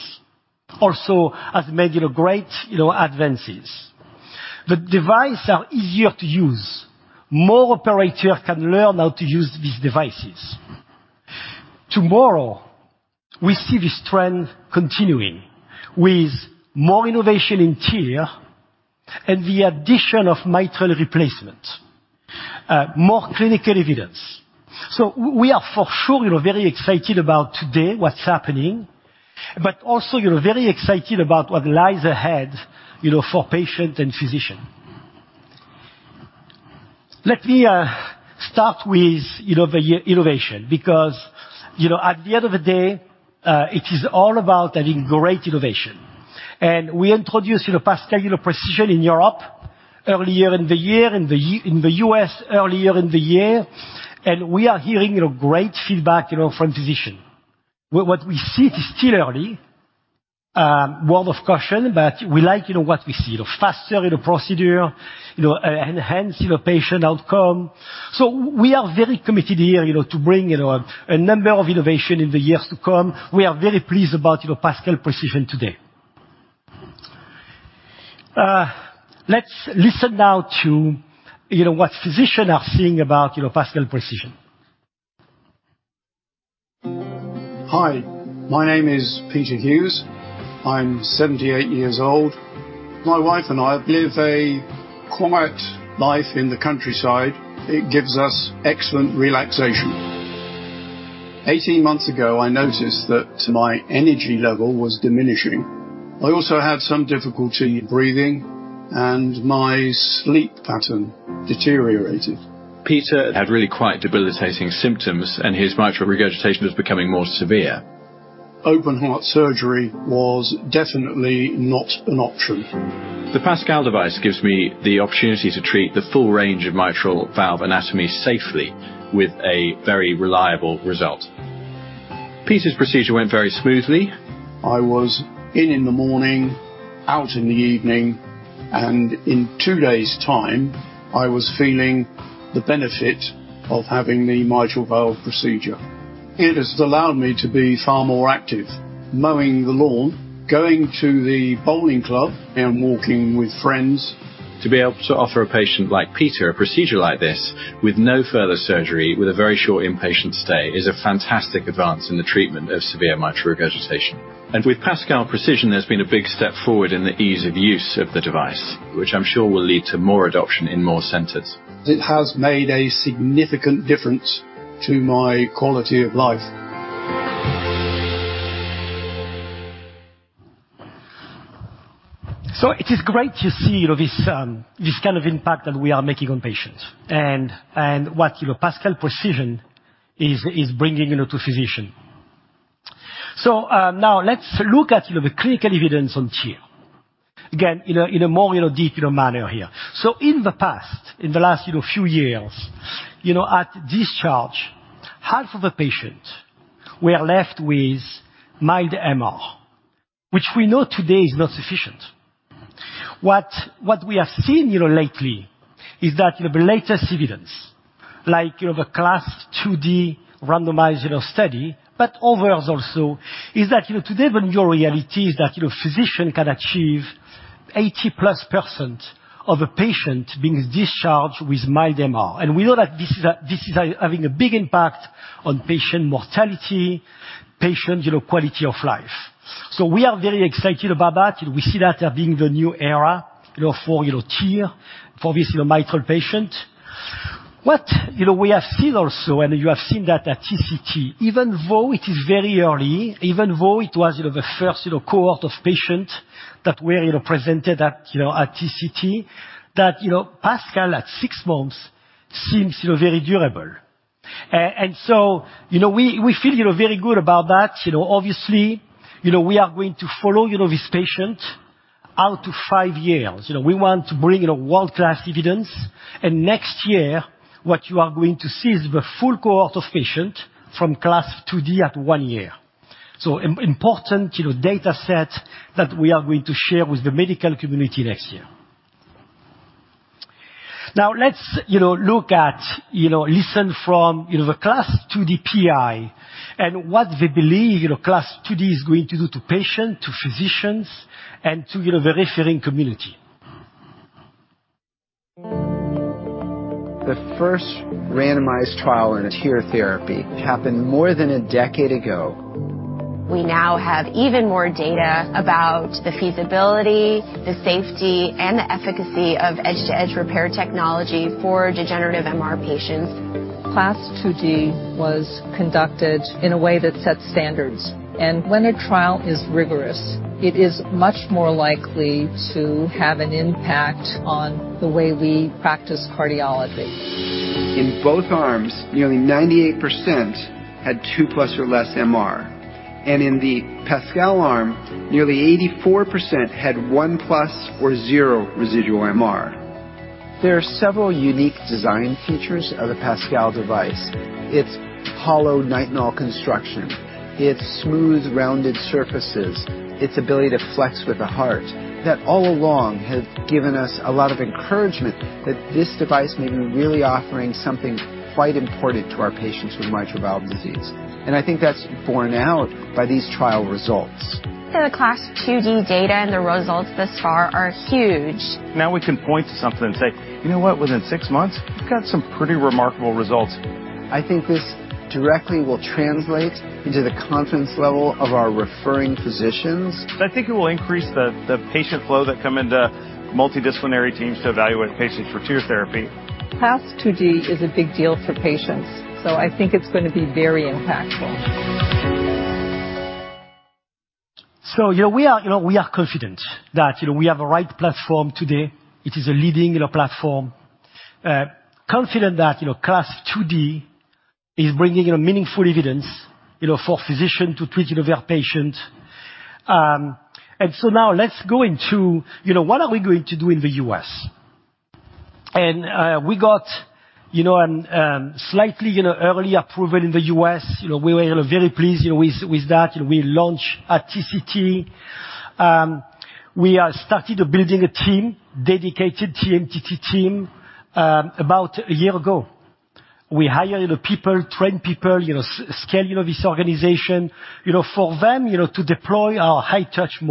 also has made, you know, great, you know, advances. The device are easier to use. More operator can learn how to use these devices. Tomorrow, we see this trend continuing with more innovation in TEER and the addition of mitral replacement. More clinical evidence. We are for sure, you know, very excited about today, what's happening, but also, you know, very excited about what lies ahead, you know, for patient and physician. Let me start with, you know, the innovation because, you know, at the end of the day, it is all about having great innovation. We introduced, you know, PASCAL Precision in Europe earlier in the year, in the US earlier in the year, and we are hearing, you know, great feedback, you know, from physician. What we see it is still early. Word of caution, we like, you know, what we see. You know, faster in the procedure, you know, enhanced, you know, patient outcome. We are very committed here, you know, to bring, you know, a number of innovation in the years to come. We are very pleased about, you know, PASCAL Precision today. Let's listen now to, you know, what physician are saying about, you know, PASCAL Precision. Hi, my name is Peter Hughes. I'm 78 years old. My wife and I live a quiet life in the countryside. It gives us excellent relaxation. 18 months ago, I noticed that my energy level was diminishing. I also had some difficulty breathing, and my sleep pattern deteriorated. Peter had really quite debilitating symptoms. His mitral regurgitation was becoming more severe. Open heart surgery was definitely not an option. The PASCAL device gives me the opportunity to treat the full range of mitral valve anatomy safely with a very reliable result. Peter's procedure went very smoothly. I was in the morning, out in the evening, and in two days' time, I was feeling the benefit of having the mitral valve procedure. It has allowed me to be far more active. Mowing the lawn, going to the bowling club, and walking with friends. To be able to offer a patient like Peter a procedure like this with no further surgery, with a very short inpatient stay, is a fantastic advance in the treatment of severe mitral regurgitation. With PASCAL Precision, there's been a big step forward in the ease of use of the device, which I'm sure will lead to more adoption in more centers. It has made a significant difference to my quality of life. It is great to see, you know, this kind of impact that we are making on patients and what, you know, PASCAL Precision is bringing, you know, to physician. Now let's look at, you know, the clinical evidence on TEER, again, you know, in a more, you know, deep, you know, manner here. In the past, in the last, you know, few years, you know, at discharge, half of the patient were left with mild MR, which we know today is not sufficient. What we have seen, you know, lately is that, you know, the latest evidence, like, you know, the CLASP IID randomized, you know, study, but others also, is that, you know, today the new reality is that, you know, physician can achieve 80%+ of a patient being discharged with mild MR. We know that this is a, having a big impact on patient mortality, patient, you know, quality of life. We are very excited about that. You know, we see that as being the new era, you know, for, you know, TEER for this, you know, mitral patient. You know, we have seen also, and you have seen that at TCT, even though it is very early, even though it was, you know, the first, you know, cohort of patients that were, you know, presented at, you know, at TCT, that, you know, PASCAL at 6 months seems, you know, very durable. You know, we feel, you know, very good about that. You know, obviously, you know, we are going to follow, you know, these patients out to 5 years. You know, we want to bring, you know, world-class evidence. Next year, what you are going to see is the full cohort of patients from CLASP IID at one year. Important, you know, data set that we are going to share with the medical community next year. Let's, you know, look at, you know, listen from, you know, the CLASP IID PI and what they believe, you know, CLASP IID is going to do to patients, to physicians, and to, you know, the referring community. The first randomized trial in a TEER therapy happened more than a decade ago. We now have even more data about the feasibility, the safety, and the efficacy of edge-to-edge repair technology for degenerative MR patients. CLASP IID was conducted in a way that sets standards. When a trial is rigorous, it is much more likely to have an impact on the way we practice cardiology. In both arms, nearly 98% had 2+ or less MR. In the PASCAL arm, nearly 84% had 1+ or 0 residual MR. There are several unique design features of the PASCAL device. Its hollow nitinol construction, its smooth, rounded surfaces, its ability to flex with the heart, that all along have given us a lot of encouragement that this device may be really offering something quite important to our patients with mitral valve disease. I think that's borne out by these trial results. The CLASP IID data and the results thus far are huge. Now we can point to something and say, "You know what? Within six months, we've got some pretty remarkable results. I think this directly will translate into the confidence level of our referring physicians. I think it will increase the patient flow that come into multidisciplinary teams to evaluate patients for TEER therapy. Class IID is a big deal for patients, so I think it's gonna be very impactful. You know, we are, you know, we are confident that, you know, we have the right platform today. It is a leading, you know, platform. Confident that, you know, CLASP IID is bringing, you know, meaningful evidence, you know, for physicians to treat, you know, their patients. Now let's go into, you know, what are we going to do in the U.S.? We got, you know, slightly, you know, early approval in the U.S. You know, we were, you know, very pleased, you know, with that, and we launched at TCT. We are started building a team, dedicated TMTT team, about a year ago. We hire, you know, people, train people, you know, scale, you know, this organization, you know, for them, you know, to deploy our high-touch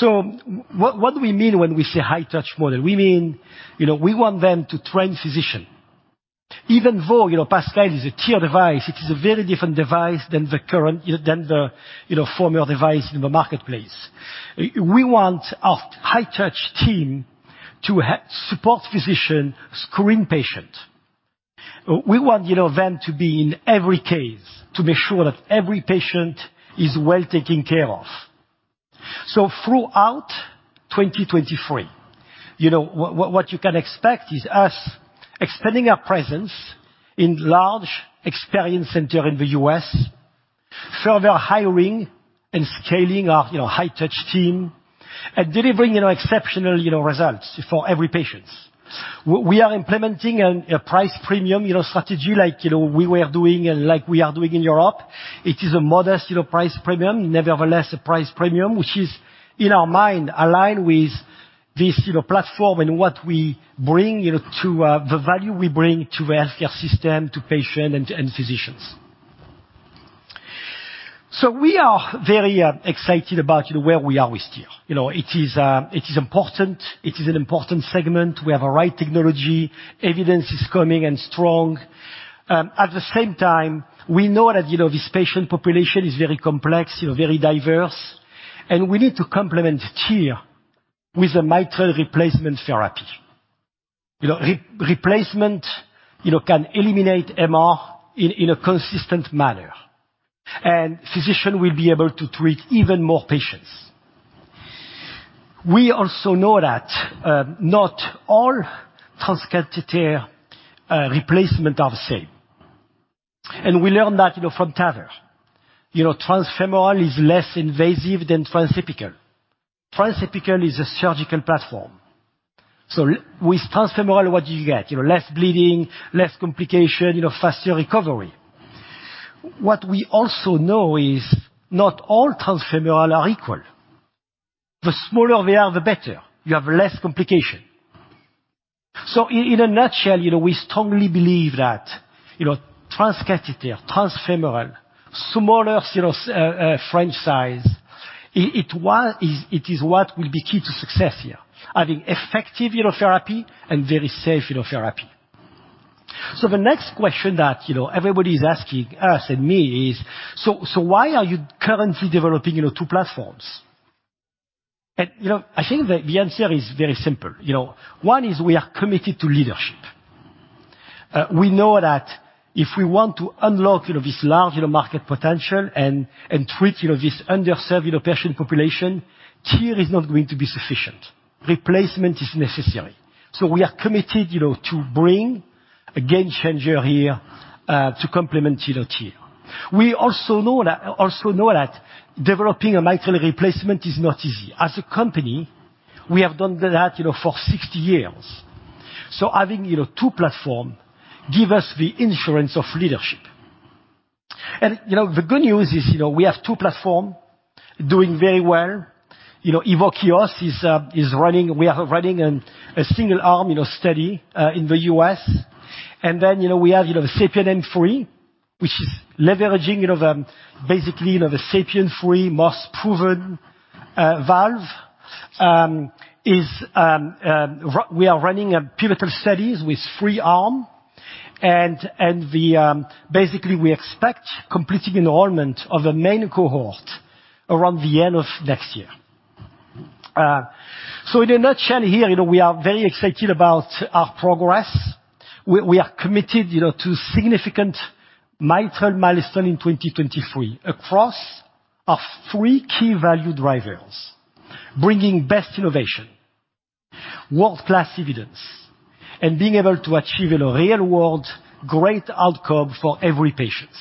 model. What do we mean when we say high-touch model? We mean, you know, we want them to train physicians. Even though, you know, PASCAL is a TEER device, it is a very different device than the current, you know, former device in the marketplace. We want our high-touch team to support physicians screen patients. We want, you know, them to be in every case to be sure that every patient is well taken care of. Throughout 2023, you know, what you can expect is us expanding our presence in large experience center in the U.S., further hiring and scaling our, you know, high-touch team, and delivering, you know, exceptional, you know, results for every patients. We are implementing a price premium, you know, strategy like, you know, we were doing and like we are doing in Europe. It is a modest, you know, price premium. Nevertheless, a price premium, which is, in our mind, aligned with this, you know, platform and what we bring, you know, to the value we bring to the healthcare system, to patients and physicians. We are very excited about, you know, where we are with TEER. You know, it is important. It is an important segment. We have the right technology. Evidence is coming and strong. At the same time, we know that, you know, this patient population is very complex, you know, very diverse, and we need to complement TEER with a mitral replacement therapy. You know, re-replacement, you know, can eliminate MR in a consistent manner, and physician will be able to treat even more patients. We also know that not all transcatheter replacement are the same. We learned that, you know, from TAVR. You know, transfemoral is less invasive than transapical. Transapical is a surgical platform. With transfemoral, what do you get? You know, less bleeding, less complication, you know, faster recovery. What we also know is not all transfemoral are equal. The smaller they are, the better. You have less complication. In a nutshell, you know, we strongly believe that, you know, transcatheter, transfemoral, smaller, you know, frame size, it is what will be key to success here. Having effective, you know, therapy and very safe, you know, therapy. The next question that, you know, everybody is asking us and me is, "So why are you currently developing, you know, two platforms?" I think the answer is very simple. You know, one is we are committed to leadership. We know that if we want to unlock, you know, this large market potential and treat, you know, this underserved, you know, patient population, TEER is not going to be sufficient. Replacement is necessary. We are committed, you know, to bring a game changer here to complement, you know, TEER. We also know that developing a mitral replacement is not easy. As a company, we have done that, you know, for 60 years. Having, you know, two platform give us the insurance of leadership. The good news is, you know, we have two platform doing very well. You know, EVOQUE OS is running. We are running a single arm, you know, study in the U.S. you know, we have, you know, the SAPIEN M3, which is leveraging, you know, the basically, you know, the SAPIEN 3 most proven valve. We are running a pivotal studies with 3 arm basically we expect completing enrollment of a main cohort around the end of next year. In a nutshell here, you know, we are very excited about our progress. We are committed, you know, to significant mitral milestone in 2023 across our 3 key value drivers: bringing best innovation, world-class evidence, and being able to achieve in the real world great outcome for every patients.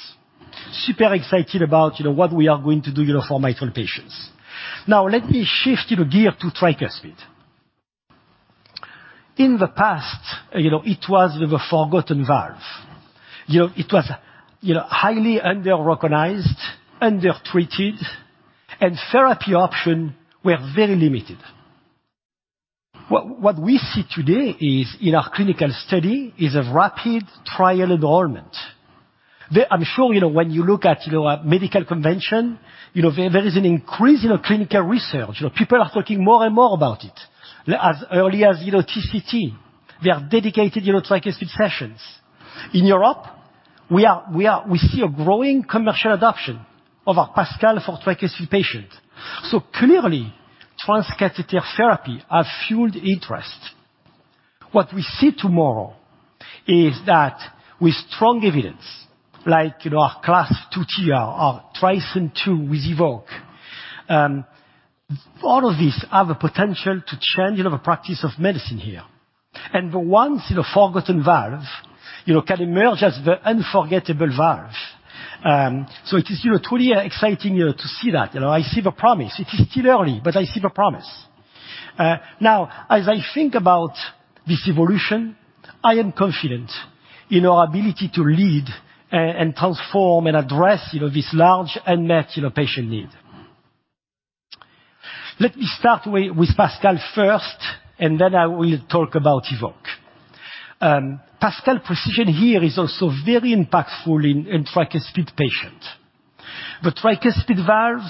Super excited about, you know, what we are going to do, you know, for mitral patients. Let me shift gear to tricuspid. In the past, you know, it was the forgotten valve. It was highly underrecognized, undertreated, and therapy option were very limited. What we see today is in our clinical study is a rapid trial enrollment. I'm sure when you look at a medical convention, there is an increase in a clinical research. People are talking more and more about it. As early as TCT, there are dedicated tricuspid sessions. In Europe, we see a growing commercial adoption of our PASCAL for tricuspid patient. Clearly, transcatheter therapy has fueled interest. What we see tomorrow is that with strong evidence, like our CLASP II TR, our TRISCEND II with EVOQUE, all of these have a potential to change the practice of medicine here. The once forgotten valve, you know, can emerge as the unforgettable valve. It is, you know, truly exciting, you know, to see that. You know, I see the promise. It is still early, but I see the promise. Now, as I think about this evolution, I am confident in our ability to lead and transform and address, you know, this large unmet, you know, patient need. Let me start with PASCAL first, and then I will talk about EVOQUE. PASCAL Precision here is also very impactful in tricuspid patient. The tricuspid valve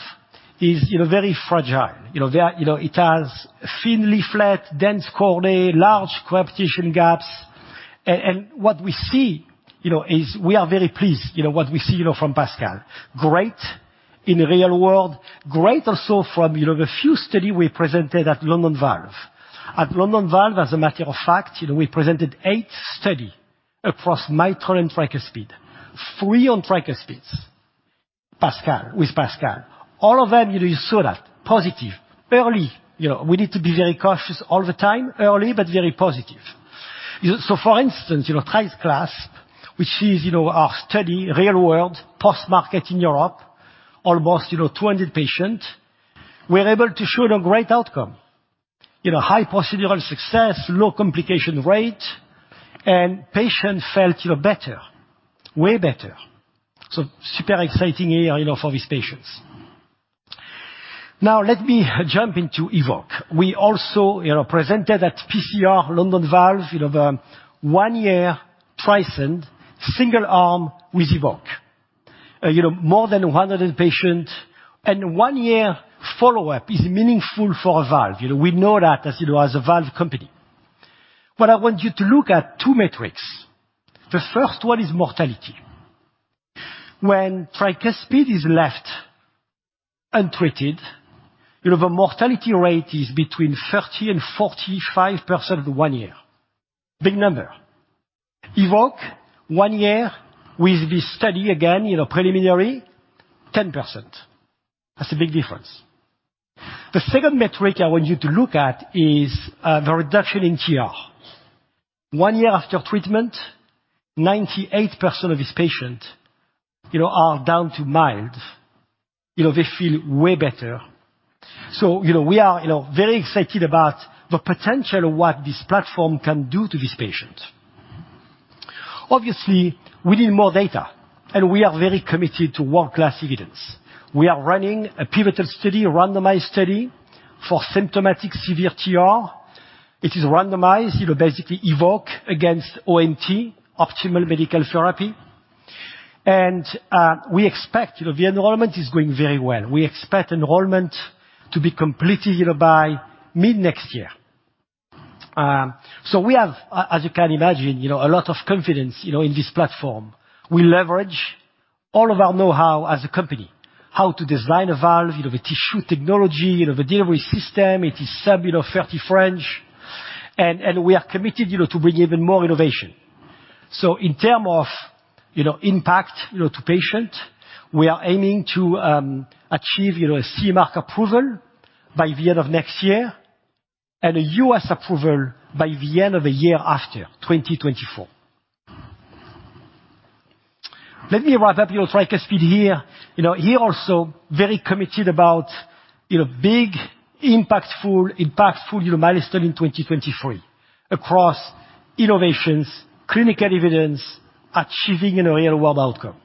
is, you know, very fragile. You know, there, you know, it has thin leaflets, dense chordae, large coaptation gaps. What we see, you know, is we are very pleased, you know, what we see, you know, from PASCAL. Great in the real world. Great also from, you know, the few study we presented at London Valve. At London Valve, as a matter of fact, you know, we presented 8 study across mitral and tricuspid. 3 on tricuspids. PASCAL, with PASCAL. All of them, you know, is solid, positive, early. You know, we need to be very cautious all the time. Early, very positive. For instance, you know, TriCLASP, which is, you know, our study, real world, post-market in Europe, almost, you know, 200 patient, we're able to show the great outcome. You know, high procedural success, low complication rate, and patient felt, you know, better, way better. Super exciting year, you know, for these patients. Now let me jump into EVOQUE. We also, you know, presented at PCR London Valves, you know, the 1-year TRISCEND single arm with EVOQUE. You know, more than 100 patient and one year follow-up is meaningful for a valve. You know, we know that as, you know, as a valve company. What I want you to look at 2 metrics. The first one is mortality. When tricuspid is left untreated, you know, the mortality rate is between 30% and 45% in one year. Big number. EVOQUE, one year with this study, again, you know, preliminary, 10%. That's a big difference. The second metric I want you to look at is the reduction in TR. One year after treatment, 98% of this patient, you know, are down to mild. You know, they feel way better. You know, we are, you know, very excited about the potential of what this platform can do to this patient. Obviously, we need more data, we are very committed to world-class evidence. We are running a pivotal study, a randomized study for symptomatic severe TR. It is randomized. You know, basically EVOQUE against OMT, optimal medical therapy. We expect, you know, the enrollment is going very well. We expect enrollment to be completed, you know, by mid-next year. We have, as you can imagine, you know, a lot of confidence, you know, in this platform. We leverage all of our know-how as a company, how to design a valve, you know, the tissue technology, you know, the delivery system. It is sub, you know, 30 French. We are committed, you know, to bring even more innovation. In terms of, impact to patient, we are aiming to achieve a CE mark approval by the end of next year and a U.S. approval by the end of the year after, 2024. Let me wrap up Tricuspid here. Here also very committed about big, impactful milestone in 2023 across innovations, clinical evidence, achieving real-world outcome.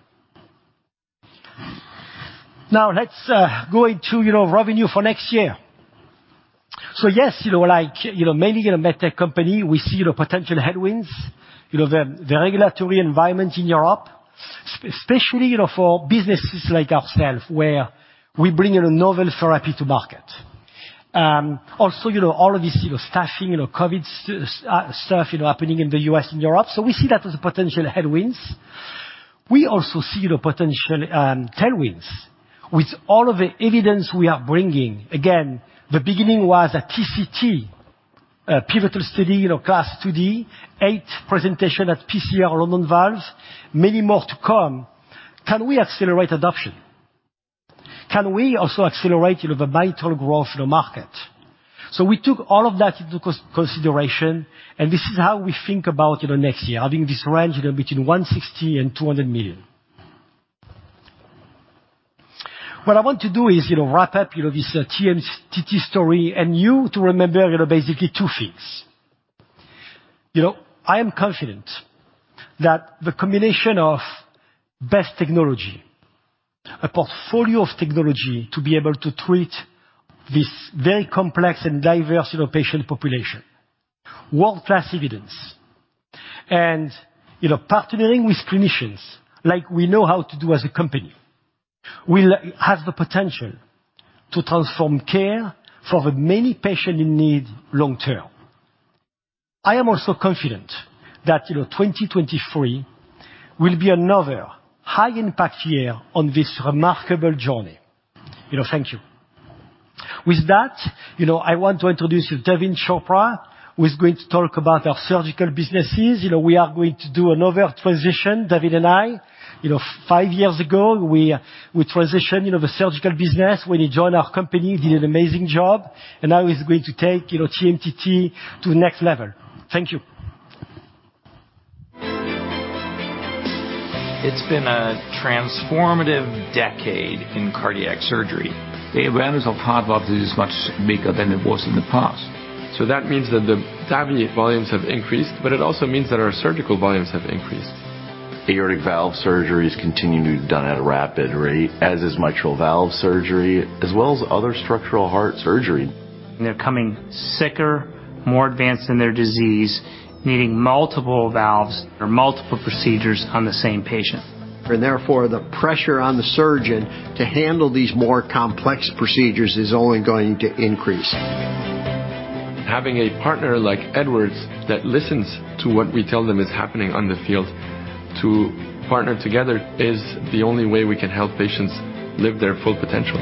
Let's go into revenue for next year. Yes, many medtech company, we see the potential headwinds, the regulatory environment in Europe, especially for businesses like ourselves, where we bring in a novel therapy to market. Also, you know, all of this, you know, staffing, COVID stuff, you know, happening in the U.S. and Europe. We see that as a potential headwinds. We also see the potential tailwinds with all of the evidence we are bringing. Again, the beginning was at TCT, a pivotal study, you know, CLASP IID, 8 presentation at PCR London Valves, many more to come. Can we accelerate adoption? Can we also accelerate, you know, the vital growth in the market? We took all of that into consideration, and this is how we think about, you know, next year, having this range, you know, between $160 million and $200 million. What I want to do is, you know, wrap up, you know, this TMTT story and you to remember, you know, basically two things. You know, I am confident that the combination of best technology, a portfolio of technology to be able to treat this very complex and diverse, you know, patient population, world-class evidence, and, you know, partnering with clinicians like we know how to do as a company, will have the potential to transform care for the many patients in need long-term. I am also confident that, you know, 2023 will be another high-impact year on this remarkable journey. You know, thank you. With that, you know, I want to introduce you Daveen Chopra, who is going to talk about our surgical businesses. You know, we are going to do another transition, Daveen and I. You know, 5 years ago, we transitioned, you know, the surgical business. When he joined our company, he did an amazing job, and now he's going to take, you know, TMTT to the next level. Thank you. It's been a transformative decade in cardiac surgery. The awareness of heart valve disease is much bigger than it was in the past. That means that the TAVR volumes have increased, but it also means that our surgical volumes have increased. Aortic valve surgeries continue to be done at a rapid rate, as is mitral valve surgery, as well as other structural heart surgery. They're coming sicker, more advanced in their disease, needing multiple valves or multiple procedures on the same patient. Therefore, the pressure on the surgeon to handle these more complex procedures is only going to increase. Having a partner like Edwards that listens to what we tell them is happening on the field to partner together is the only way we can help patients live their full potential.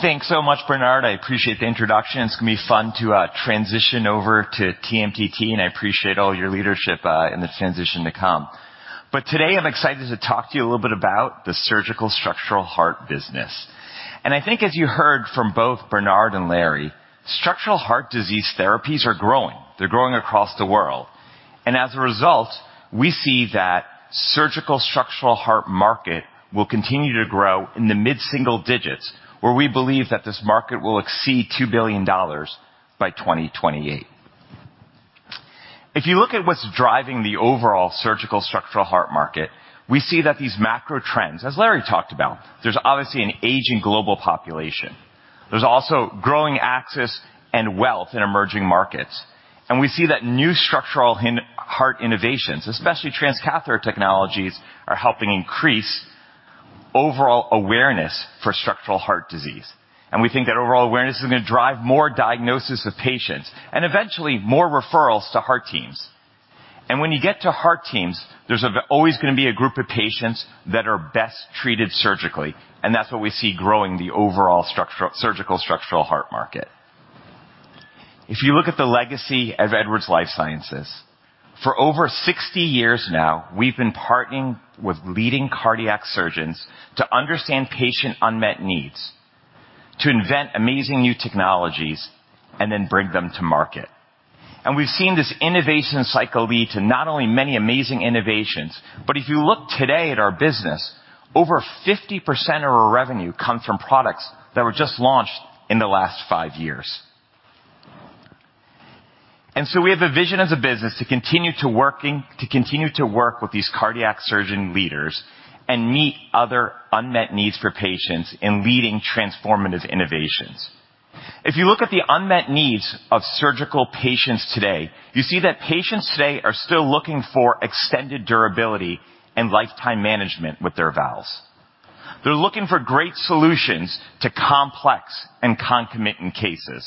Thanks so much, Bernard. I appreciate the introduction. It's going to be fun to transition over to TMTT, and I appreciate all your leadership in this transition to come. Today, I'm excited to talk to you a little bit about the surgical structural heart business. I think as you heard from both Bernard and Larry, structural heart disease therapies are growing. They're growing across the world. As a result, we see that surgical structural heart market will continue to grow in the mid-single digits, where we believe that this market will exceed $2 billion by 2028. If you look at what's driving the overall surgical structural heart market, we see that these macro trends, as Larry talked about, there's obviously an aging global population. There's also growing access and wealth in emerging markets. We see that new structural heart innovations, especially transcatheter technologies, are helping increase overall awareness for structural heart disease. We think that overall awareness is going to drive more diagnosis of patients and eventually more referrals to heart teams. When you get to heart teams, there's always going to be a group of patients that are best treated surgically, and that's what we see growing the overall surgical structural heart market. If you look at the legacy of Edwards Lifesciences, for over 60 years now, we've been partnering with leading cardiac surgeons to understand patient unmet needs, to invent amazing new technologies, and then bring them to market. We've seen this innovation cycle lead to not only many amazing innovations, but if you look today at our business, over 50% of our revenue come from products that were just launched in the last 5 years. We have a vision as a business to continue to work with these cardiac surgeon leaders and meet other unmet needs for patients in leading transformative innovations. If you look at the unmet needs of surgical patients today, you see that patients today are still looking for extended durability and lifetime management with their valves. They're looking for great solutions to complex and concomitant cases,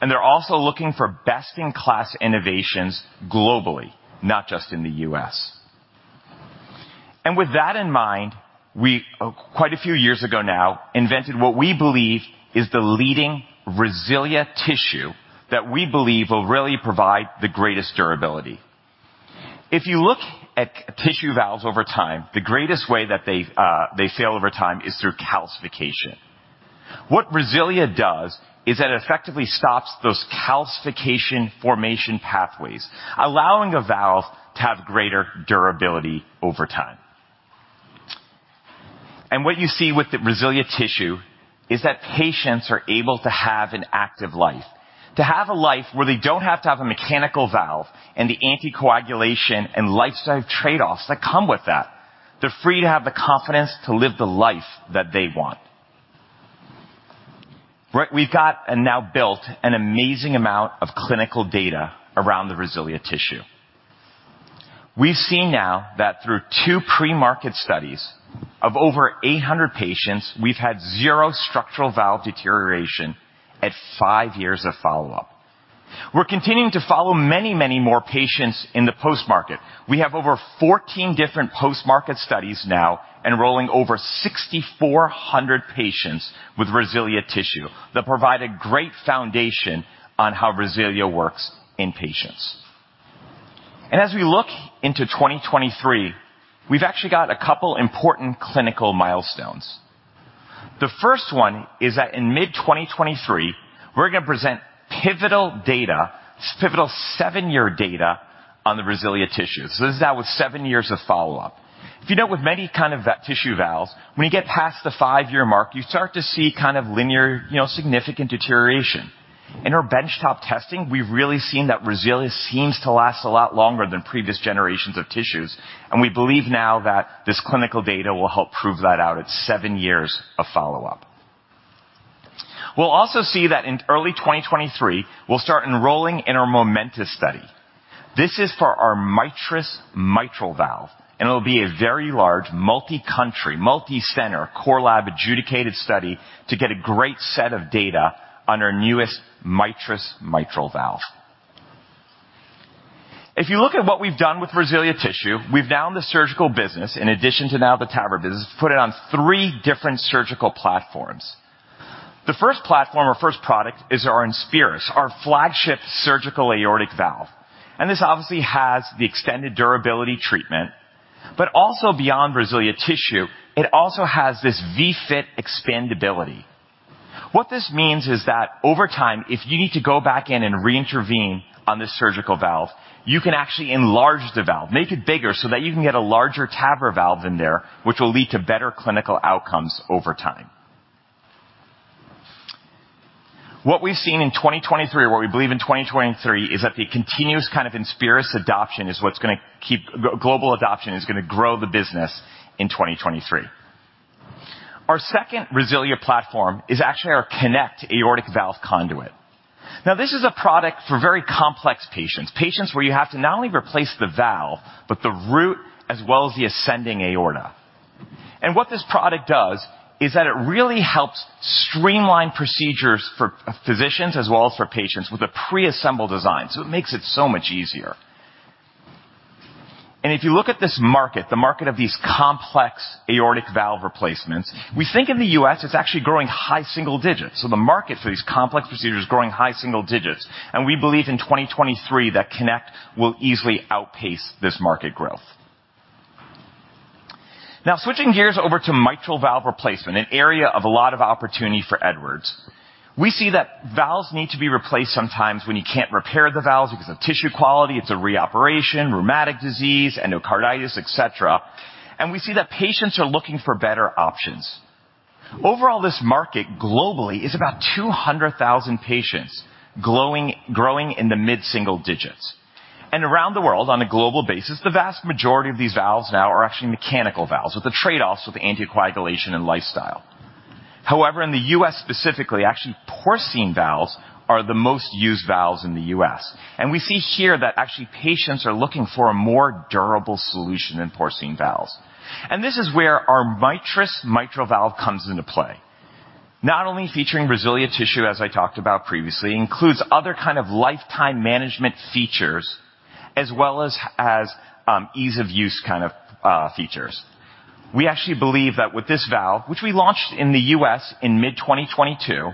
and they're also looking for best-in-class innovations globally, not just in the U.S. With that in mind, we, quite a few years ago now invented what we believe is the leading RESILIA tissue that we believe will really provide the greatest durability. If you look at tissue valves over time, the greatest way that they fail over time is through calcification. What RESILIA does is that it effectively stops those calcification formation pathways, allowing a valve to have greater durability over time. What you see with the RESILIA tissue is that patients are able to have an active life, to have a life where they don't have to have a mechanical valve and the anticoagulation and lifestyle trade-offs that come with that. They're free to have the confidence to live the life that they want. Right, we've got and now built an amazing amount of clinical data around the RESILIA tissue. We see now that through two pre-market studies of over 800 patients, we've had zero structural valve deterioration at 5 years of follow-up. We're continuing to follow many more patients in the post-market. We have over 14 different post-market studies now enrolling over 6,400 patients with RESILIA tissue that provide a great foundation on how RESILIA works in patients. As we look into 2023, we've actually got a couple important clinical milestones. The first one is that in mid 2023 we're gonna present pivotal data, pivotal 7-year data on the RESILIA tissue. This is now with 7 years of follow-up. If you note with many kind of tissue valves, when you get past the 5-year mark, you start to see kind of linear, you know, significant deterioration. In our bench-top testing, we've really seen that RESILIA seems to last a lot longer than previous generations of tissues. We believe now that this clinical data will help prove that out at 7 years of follow-up. We'll also see that in early 2023 we'll start enrolling in our MOMENTIS study. It'll be a very large multi-country, multi-center core lab adjudicated study to get a great set of data on our newest MITRIS mitral valve. If you look at what we've done with RESILIA tissue, we've now in the surgical business, in addition to now the TAVR business, put it on 3 different surgical platforms. The first platform or first product is our INSPIRIS, our flagship surgical aortic valve. This obviously has the extended durability treatment, but also beyond RESILIA tissue it also has this VFit expandability. What this means is that over time, if you need to go back in and re-intervene on this surgical valve, you can actually enlarge the valve, make it bigger, so that you can get a larger TAVR valve in there, which will lead to better clinical outcomes over time. What we've seen in 2023 or what we believe in 2023 is that the continuous kind of INSPIRIS adoption global adoption is gonna grow the business in 2023. Our second RESILIA platform is actually our KONECT aortic valve conduit. This is a product for very complex patients where you have to not only replace the valve, but the root as well as the ascending aorta. What this product does is that it really helps streamline procedures for physicians as well as for patients with a preassembled design, so it makes it so much easier. If you look at this market, the market of these complex aortic valve replacements, we think in the U.S. it's actually growing high single digits. The market for these complex procedures is growing high single digits, and we believe in 2023 that KONECT will easily outpace this market growth. Switching gears over to mitral valve replacement, an area of a lot of opportunity for Edwards. We see that valves need to be replaced sometimes when you can't repair the valves because of tissue quality, it's a reoperation, rheumatic disease, endocarditis, et cetera, and we see that patients are looking for better options. Overall, this market globally is about 200,000 patients growing in the mid-single digits. Around the world on a global basis, the vast majority of these valves now are actually mechanical valves with the trade-offs with anticoagulation and lifestyle. However, in the U.S. specifically, actually porcine valves are the most used valves in the U.S. We see here that actually patients are looking for a more durable solution than porcine valves. This is where our MITRIS mitral valve comes into play. Not only featuring RESILIA tissue, as I talked about previously, it includes other kind of lifetime management features as well as ease-of-use kind of features. We actually believe that with this valve, which we launched in the U.S. in mid 2022,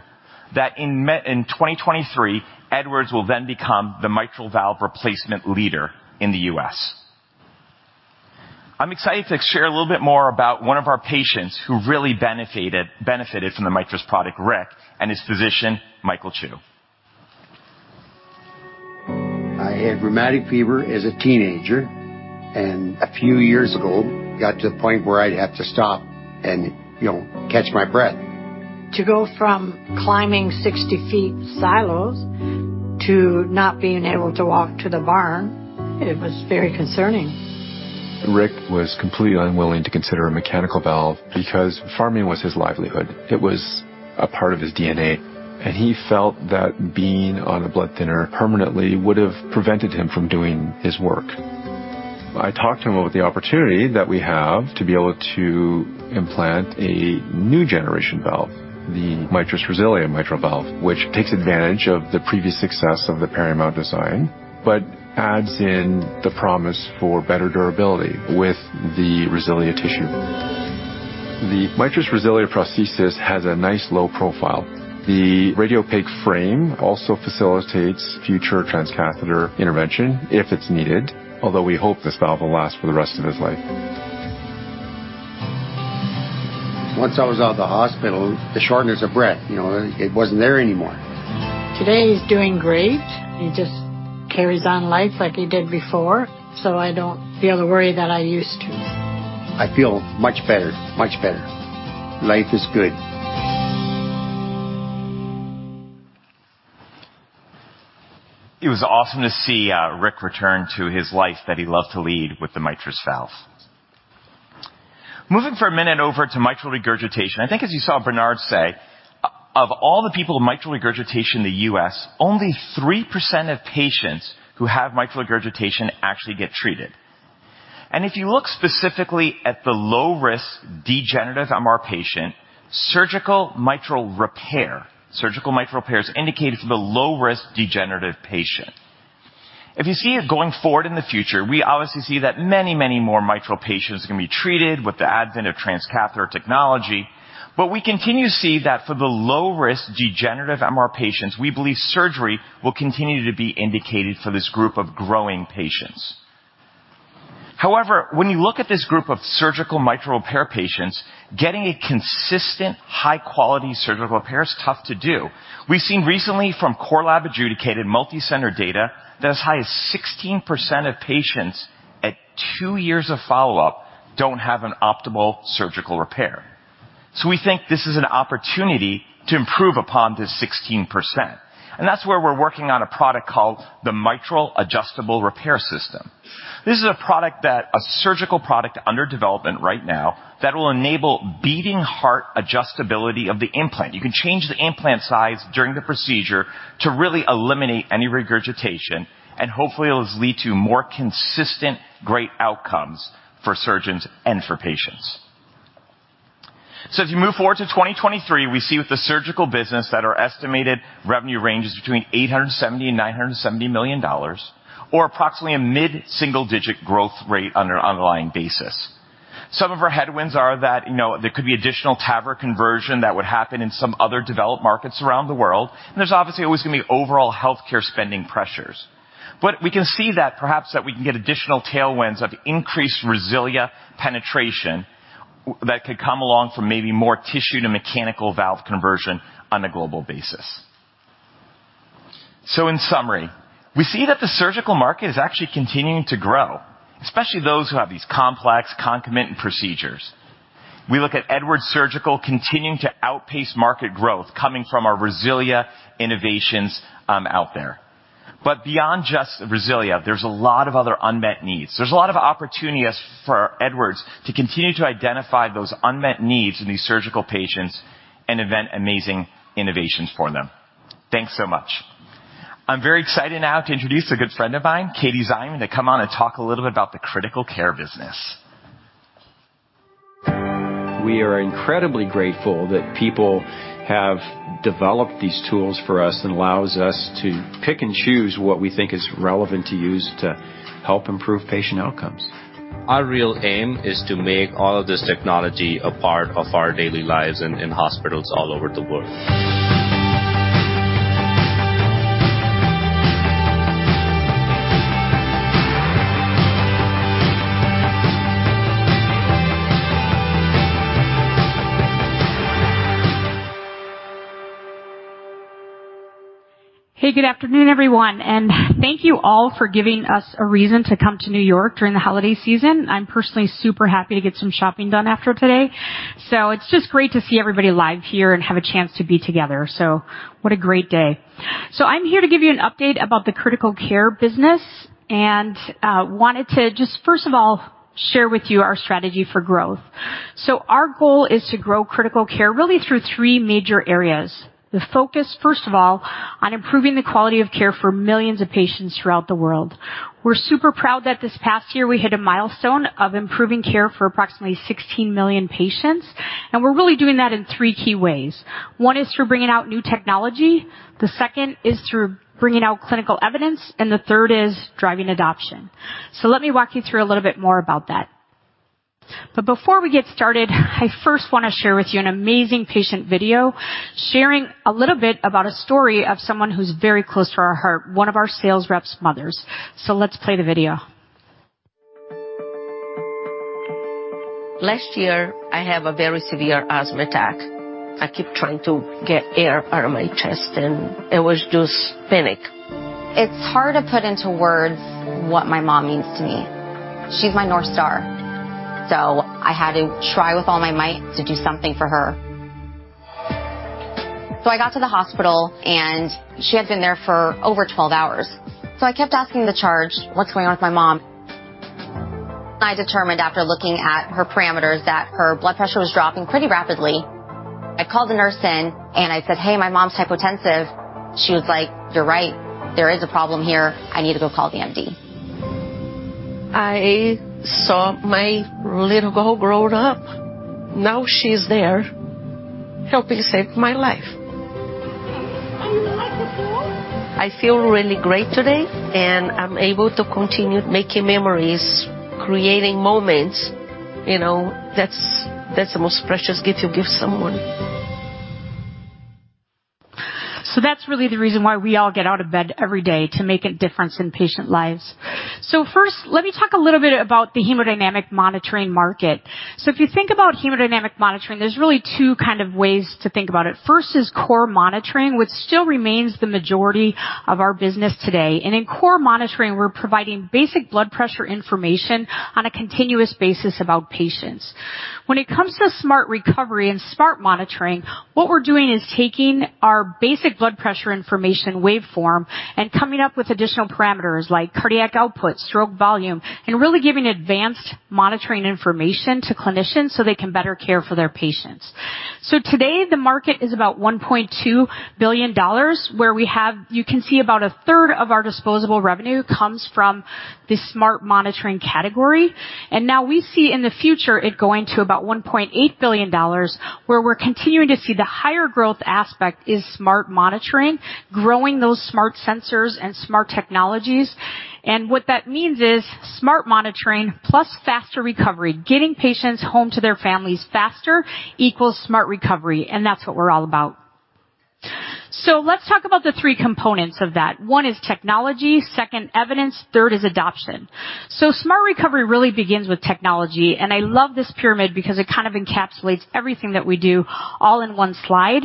that in 2023, Edwards will then become the mitral valve replacement leader in the U.S. I'm excited to share a little bit more about one of our patients who really benefited from the MITRIS product, Rick, and his physician, Michael Chu. I had rheumatic fever as a teenager, and a few years ago got to the point where I'd have to stop and, you know, catch my breath. To go from climbing 60 feet silos to not being able to walk to the barn, it was very concerning. Rick was completely unwilling to consider a mechanical valve because farming was his livelihood. It was a part of his DNA, and he felt that being on a blood thinner permanently would've prevented him from doing his work. I talked to him about the opportunity that we have to be able to implant a new generation valve, the MITRIS RESILIA mitral valve, which takes advantage of the previous success of the PERIMOUNT design, but adds in the promise for better durability with the RESILIA tissue. The MITRIS RESILIA prosthesis has a nice low profile. The radiopaque frame also facilitates future transcatheter intervention if it's needed, although we hope this valve will last for the rest of his life. Once I was out of the hospital, the shortness of breath, you know, it wasn't there anymore. Today, he's doing great. He just carries on life like he did before. I don't feel the worry that I used to. I feel much better, much better. Life is good. It was awesome to see Rick return to his life that he loved to lead with the MITRIS valve. Moving for a minute over to mitral regurgitation. I think as you saw Bernard say, of all the people with mitral regurgitation in the U.S., only 3% of patients who have mitral regurgitation actually get treated. If you look specifically at the low-risk degenerative MR patient, surgical mitral repair is indicated for the low-risk degenerative patient. If you see it going forward in the future, we obviously see that many, many more mitral patients are gonna be treated with the advent of transcatheter technology. We continue to see that for the low-risk degenerative MR patients, we believe surgery will continue to be indicated for this group of growing patients. When you look at this group of surgical mitral repair patients, getting a consistent high-quality surgical repair is tough to do. We've seen recently from CoreLab adjudicated multi-center data that as high as 16% of patients at 2 years of follow-up don't have an optimal surgical repair. We think this is an opportunity to improve upon this 16%. That's where we're working on a product called the Mitral Adjustable Repair System. This is a product, a surgical product under development right now that will enable beating heart adjustability of the implant. You can change the implant size during the procedure to really eliminate any regurgitation. Hopefully it'll lead to more consistent great outcomes for surgeons and for patients. As you move forward to 2023, we see with the surgical business that our estimated revenue range is between $870 million and $970 million, or approximately a mid-single-digit growth rate on an underlying basis. Some of our headwinds are that, you know, there could be additional TAVR conversion that would happen in some other developed markets around the world, and there's obviously always gonna be overall healthcare spending pressures. We can see that perhaps that we can get additional tailwinds of increased RESILIA penetration that could come along from maybe more tissue to mechanical valve conversion on a global basis. In summary, we see that the surgical market is actually continuing to grow, especially those who have these complex concomitant procedures. We look at Edwards Surgical continuing to outpace market growth coming from our RESILIA innovations out there. Beyond just RESILIA, there's a lot of other unmet needs. There's a lot of opportunities for Edwards to continue to identify those unmet needs in these surgical patients and invent amazing innovations for them. Thanks so much. I'm very excited now to introduce a good friend of mine, Katie Szyman, to come on and talk a little bit about the Critical Care business. We are incredibly grateful that people have developed these tools for us and allows us to pick and choose what we think is relevant to use to help improve patient outcomes. Our real aim is to make all of this technology a part of our daily lives in hospitals all over the world. Hey, good afternoon, everyone, thank you all for giving us a reason to come to New York during the holiday season. I'm personally super happy to get some shopping done after today. It's just great to see everybody live here and have a chance to be together. What a great day. I'm here to give you an update about the critical care business, and wanted to just first of all, share with you our strategy for growth. Our goal is to grow critical care really through three major areas. The focus, first of all, on improving the quality of care for millions of patients throughout the world. We're super proud that this past year we hit a milestone of improving care for approximately 16 million patients, and we're really doing that in three key ways. One is through bringing out new technology, the second is through bringing out clinical evidence, and the third is driving adoption. Let me walk you through a little bit more about that. Before we get started, I first wanna share with you an amazing patient video sharing a little bit about a story of someone who's very close to our heart, one of our sales rep's mothers. Let's play the video. Last year, I have a very severe asthma attack. I keep trying to get air out of my chest. It was just panic. It's hard to put into words what my mom means to me. She's my North Star. I had to try with all my might to do something for her. I got to the hospital, and she had been there for over 12 hours. I kept asking the charge, "What's going on with my mom?" I determined, after looking at her parameters, that her blood pressure was dropping pretty rapidly. I called the nurse in and I said, "Hey, my mom's hypotensive." She was like, "You're right. There is a problem here. I need to go call the MD. I saw my little girl grown up. Now she's there helping save my life. I feel really great today, and I'm able to continue making memories, creating moments. You know, that's the most precious gift to give someone. That's really the reason why we all get out of bed every day, to make a difference in patient lives. First, let me talk a little bit about the hemodynamic monitoring market. If you think about hemodynamic monitoring, there's really two kind of ways to think about it. First is core monitoring, which still remains the majority of our business today. In core monitoring, we're providing basic blood pressure information on a continuous basis about patients. When it comes to Smart Recovery and smart monitoring, what we're doing is taking our basic blood pressure information waveform and coming up with additional parameters like cardiac output, stroke volume, and really giving advanced monitoring information to clinicians so they can better care for their patients. Today the market is about $1.2 billion, where we have... You can see about a third of our disposable revenue comes from the smart monitoring category. Now we see in the future it going to about $1.8 billion, where we're continuing to see the higher growth aspect is smart monitoring, growing those smart sensors and smart technologies. What that means is smart monitoring plus faster recovery. Getting patients home to their families faster equals Smart Recovery, and that's what we're all about. Let's talk about the three components of that. One is technology, second evidence, third is adoption. Smart Recovery really begins with technology. I love this pyramid because it kind of encapsulates everything that we do all in one slide.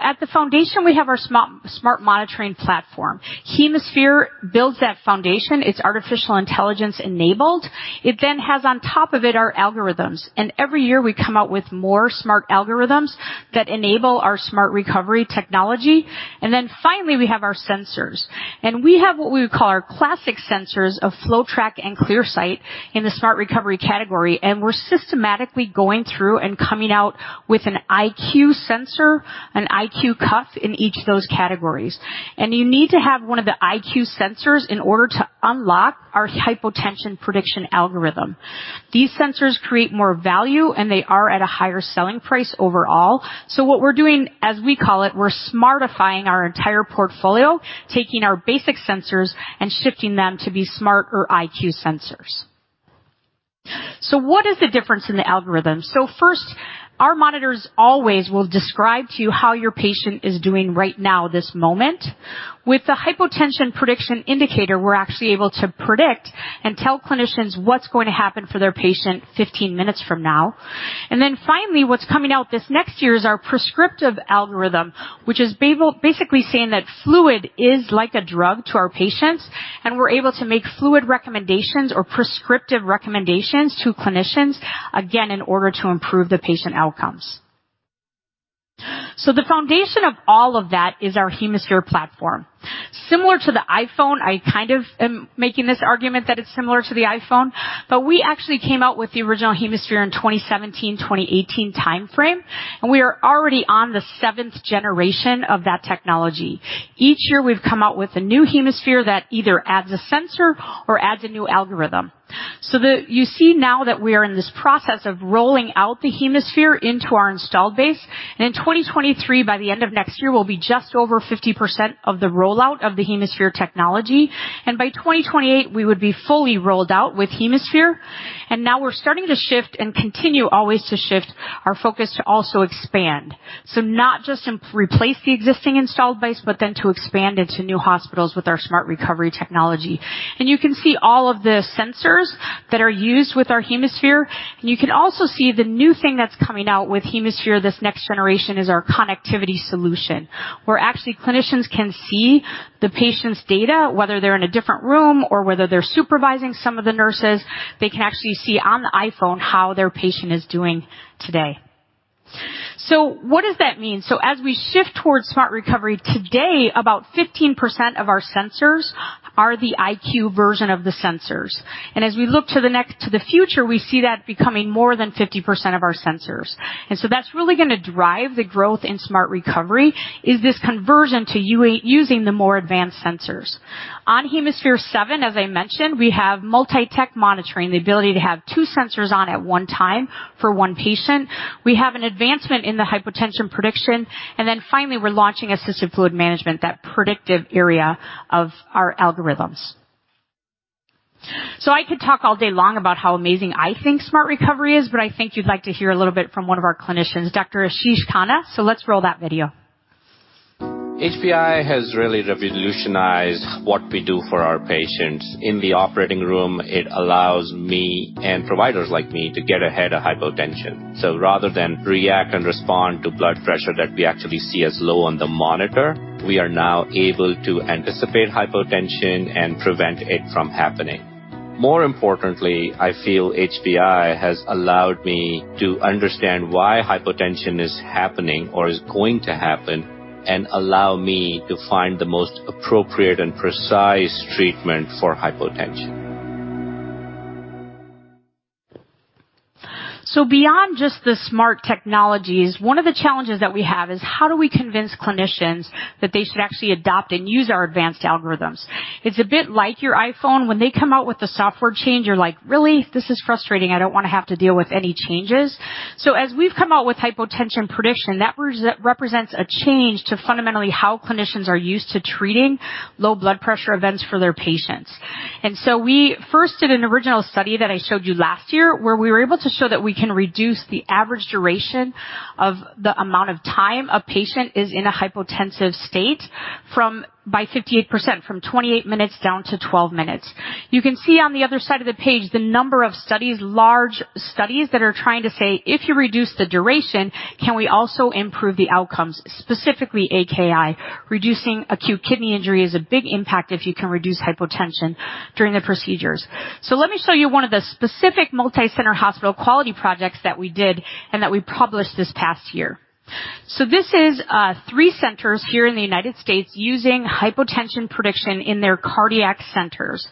At the foundation, we have our smart monitoring platform. HemoSphere builds that foundation. It's artificial intelligence enabled. It then has on top of it our algorithms. Every year we come out with more smart algorithms that enable our Smart Recovery technology. Then finally, we have our sensors, and we have what we would call our classic sensors of FloTrac and ClearSight in the Smart Recovery category. We're systematically going through and coming out with an IQ sensor, an IQ cuff in each of those categories. You need to have one of the IQ sensors in order to unlock our hypotension prediction algorithm. These sensors create more value, and they are at a higher selling price overall. What we're doing, as we call it, we're smartifying our entire portfolio, taking our basic sensors and shifting them to be smart or IQ sensors. What is the difference in the algorithm? First, our monitors always will describe to you how your patient is doing right now, this moment. With the hypotension prediction indicator, we're actually able to predict and tell clinicians what's going to happen for their patient 15 minutes from now. Finally, what's coming out this next year is our prescriptive algorithm, which is basically saying that fluid is like a drug to our patients, and we're able to make fluid recommendations or prescriptive recommendations to clinicians, again, in order to improve the patient outcomes. The foundation of all of that is our HemoSphere platform. Similar to the iPhone, I kind of am making this argument that it's similar to the iPhone, we actually came out with the original HemoSphere in 2017, 2018 timeframe, and we are already on the 7th generation of that technology. Each year we've come out with a new HemoSphere that either adds a sensor or adds a new algorithm. The... You see now that we are in this process of rolling out the HemoSphere into our installed base. In 2023, by the end of next year, we'll be just over 50% of the rollout of the HemoSphere technology. By 2028 we would be fully rolled out with HemoSphere. Now we're starting to shift and continue always to shift our focus to also expand. Not just replace the existing installed base, but then to expand into new hospitals with our Smart Recovery technology. You can see all of the sensors that are used with our HemoSphere. You can also see the new thing that's coming out with HemoSphere, this next generation is our connectivity solution, where actually clinicians can see the patient's data, whether they're in a different room or whether they're supervising some of the nurses, they can actually see on the iPhone how their patient is doing today. What does that mean? As we shift towards Smart Recovery, today about 15% of our sensors are the IQ version of the sensors. As we look to the future, we see that becoming more than 50% of our sensors. That's really gonna drive the growth in Smart Recovery, is this conversion to using the more advanced sensors. On HemoSphere 7, as I mentioned, we have multi-tech monitoring, the ability to have 2 sensors on at 1 time for 1 patient. We have an advancement in the hypotension prediction. Finally, we're launching assistive fluid management, that predictive area of our algorithms. I could talk all day long about how amazing I think Smart Recovery is, but I think you'd like to hear a little bit from one of our clinicians, Dr. Ashish Khanna. Let's roll that video. HPI has really revolutionized what we do for our patients. In the operating room, it allows me and providers like me to get ahead of hypotension. Rather than react and respond to blood pressure that we actually see as low on the monitor, we are now able to anticipate hypotension and prevent it from happening. More importantly, I feel HPI has allowed me to understand why hypotension is happening or is going to happen and allow me to find the most appropriate and precise treatment for hypotension. Beyond just the smart technologies, one of the challenges that we have is how do we convince clinicians that they should actually adopt and use our advanced algorithms? It's a bit like your iPhone. When they come out with a software change, you're like, "Really? This is frustrating. I don't want to have to deal with any changes." As we've come out with hypotension prediction, that represents a change to fundamentally how clinicians are used to treating low blood pressure events for their patients. We first did an original study that I showed you last year, where we were able to show that we can reduce the average duration of the amount of time a patient is in a hypotensive state from, by 58%, from 28 minutes down to 12 minutes. You can see on the other side of the page the number of studies, large studies that are trying to say, if you reduce the duration, can we also improve the outcomes, specifically AKI? Reducing acute kidney injury is a big impact if you can reduce hypotension during the procedures. Let me show you one of the specific multi-center hospital quality projects that we did and that we published this past year. This is three centers here in the United States using Hypotension Prediction in their cardiac centers.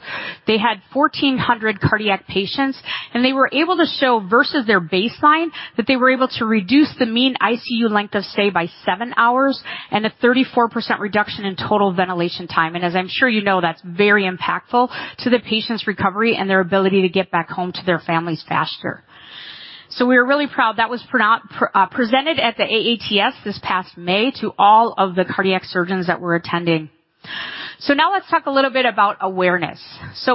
They had 1,400 cardiac patients, and they were able to show versus their baseline, that they were able to reduce the mean ICU length of stay by seven hours and a 34% reduction in total ventilation time. As I'm sure you know, that's very impactful to the patient's recovery and their ability to get back home to their families faster. We were really proud. That was presented at the AATS this past May to all of the cardiac surgeons that were attending. Now let's talk a little bit about awareness.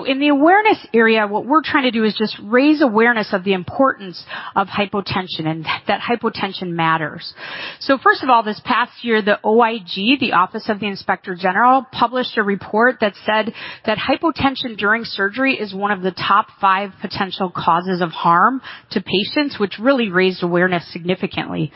In the awareness area, what we're trying to do is just raise awareness of the importance of hypotension, and that hypotension matters. First of all, this past year, the OIG, the Office of the Inspector General, published a report that said that hypotension during surgery is one of the top five potential causes of harm to patients, which really raised awareness significantly.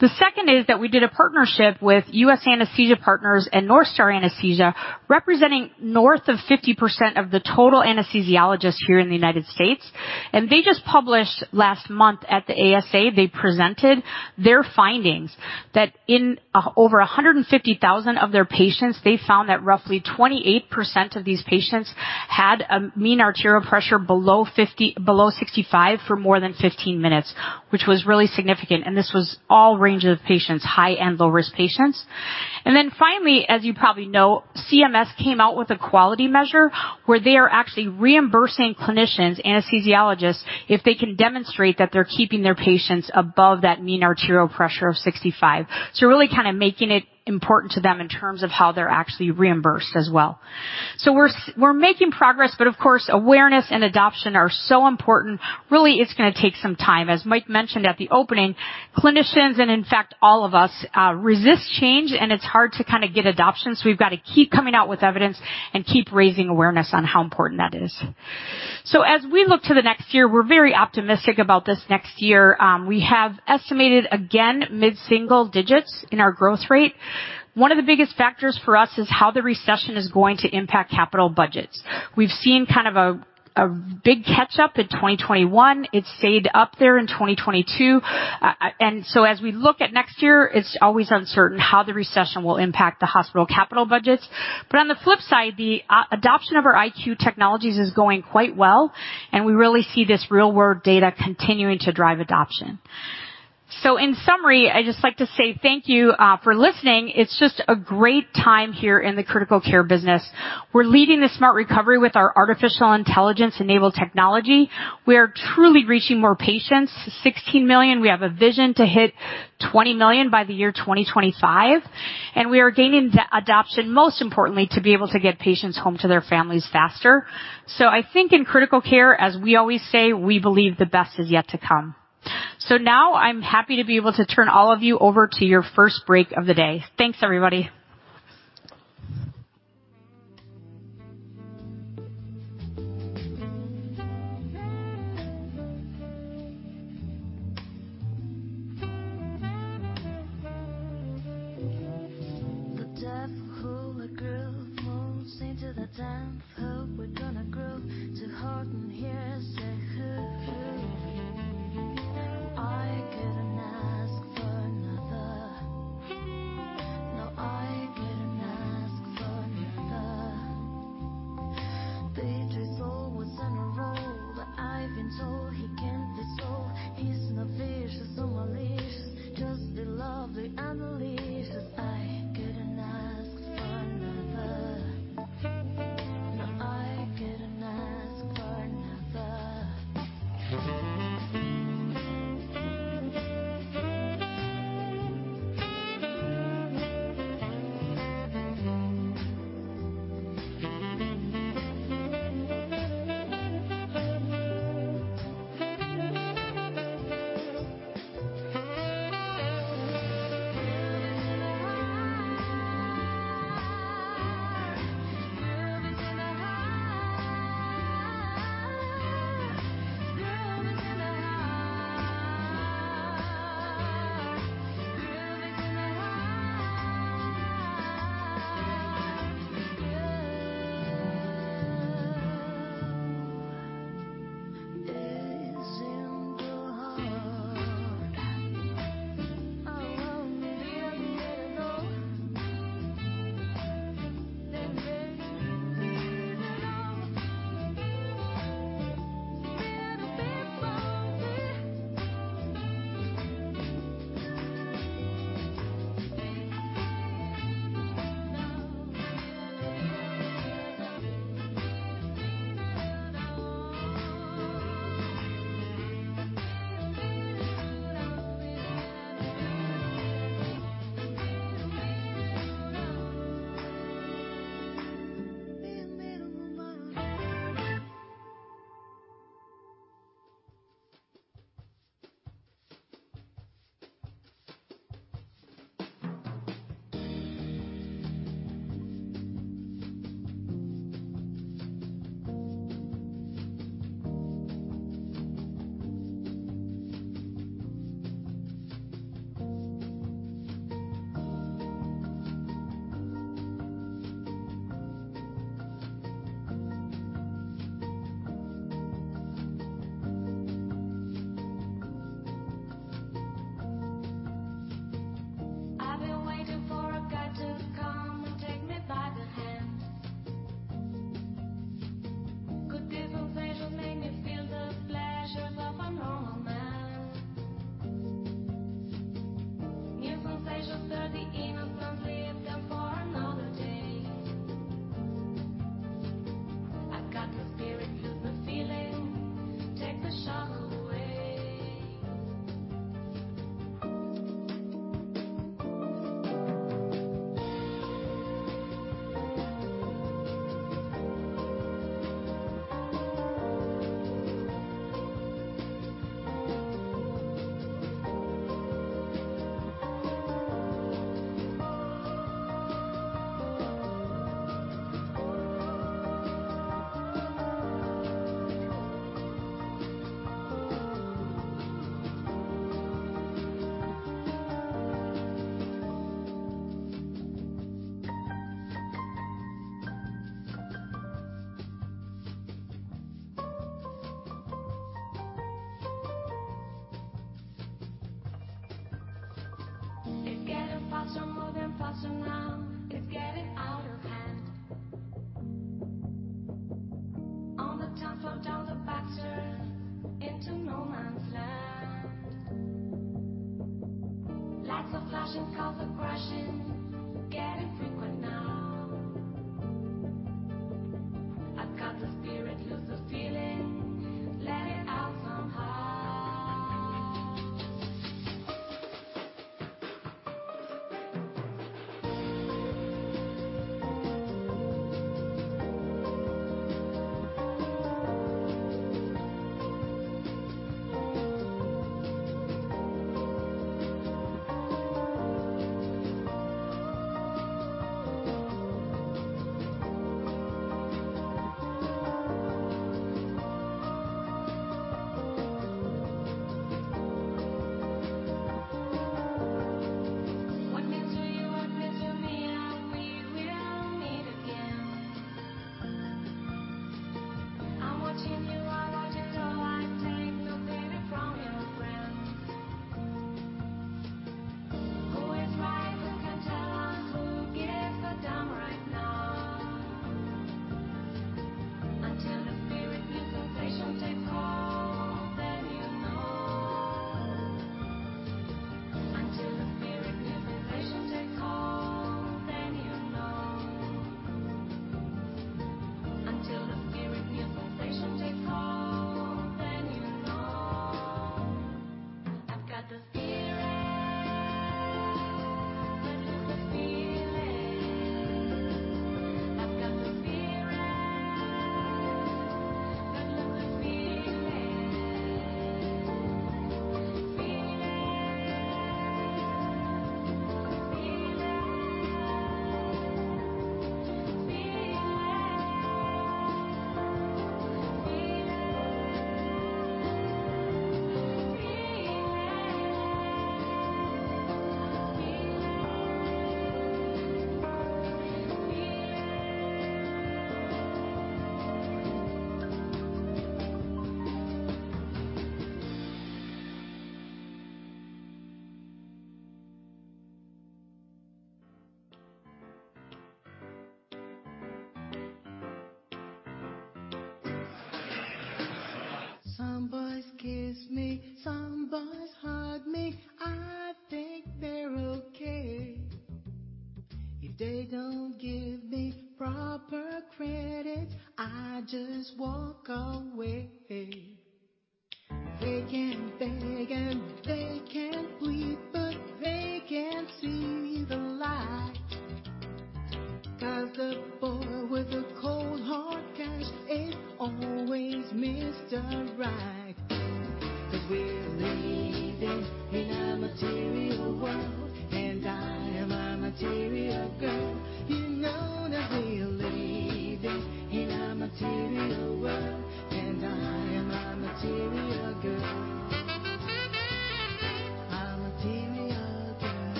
The second is that we did a partnership with US Anesthesia Partners and NorthStar Anesthesia, representing north of 50% of the total anesthesiologists here in the United States. They just published last month at the ASA, they presented their findings that in over 150,000 of their patients, they found that roughly 28% of these patients had a mean arterial pressure below 65 for more than 15 minutes, which was really significant. This was all range of patients, high and low-risk patients. Finally, as you probably know, CMS came out with a quality measure where they are actually reimbursing clinicians, anesthesiologists, if they can demonstrate that they're keeping their patients above that mean arterial pressure of 65. Really kind of making it important to them in terms of how they're actually reimbursed as well. We're making progress, but of course, awareness and adoption are so important. Really, it's gonna take some time. As Mike mentioned at the opening, clinicians, and in fact, all of us, resist change, and it's hard to kind of get adoption, so we've got to keep coming out with evidence and keep raising awareness on how important that is. As we look to the next year, we're very optimistic about this next year. We have estimated again mid-single digits in our growth rate. One of the biggest factors for us is how the recession is going to impact capital budgets. We've seen kind of a big catch-up in 2021. It stayed up there in 2022. As we look at next year, it's always uncertain how the recession will impact the hospital capital budgets. On the flip side, the adoption of our IQ technologies is going quite well, and we really see this real-world data continuing to drive adoption. In summary, I'd just like to say thank you for listening. It's just a great time here in the Critical Care business. We're leading the Smart Recovery with our artificial intelligence-enabled technology. We are truly reaching more patients, $16 million. We have a vision to hit $20 million by the year 2025, and we are gaining the adoption, most importantly, to be able to get patients home to their families faster. I think in Critical Care, as we always say, we believe the best is yet to come. Now I'm happy to be able to turn all of you over to your first break of the day. Thanks, everybody. Days in the heart.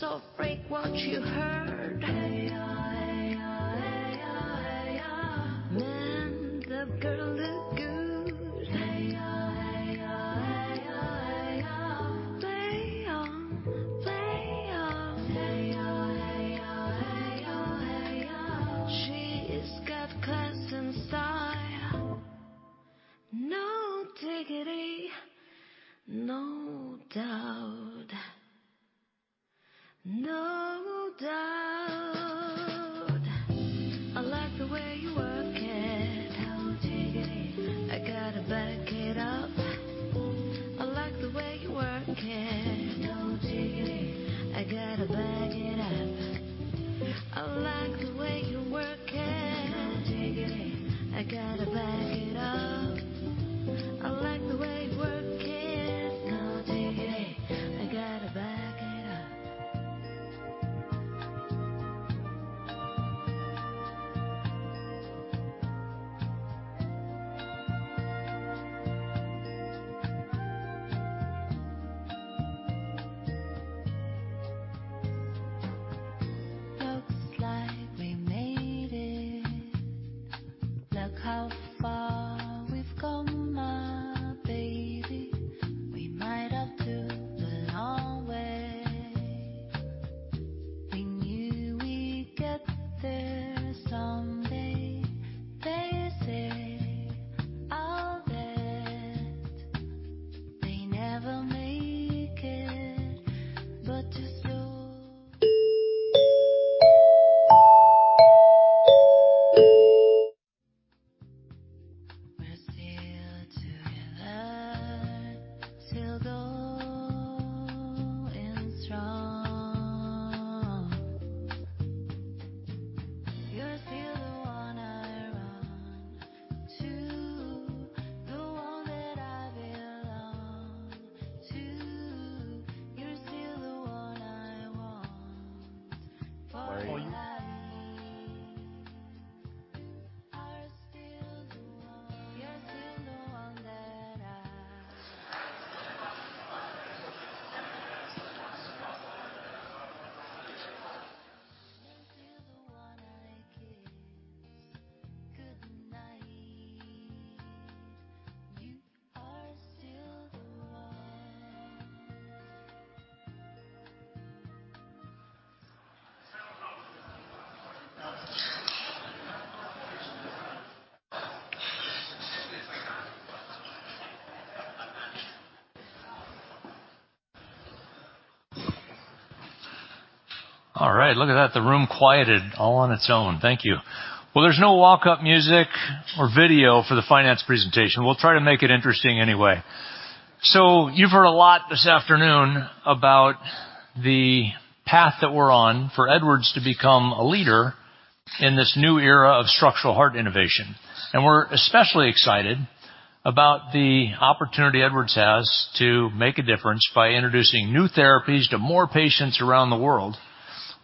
so freak what you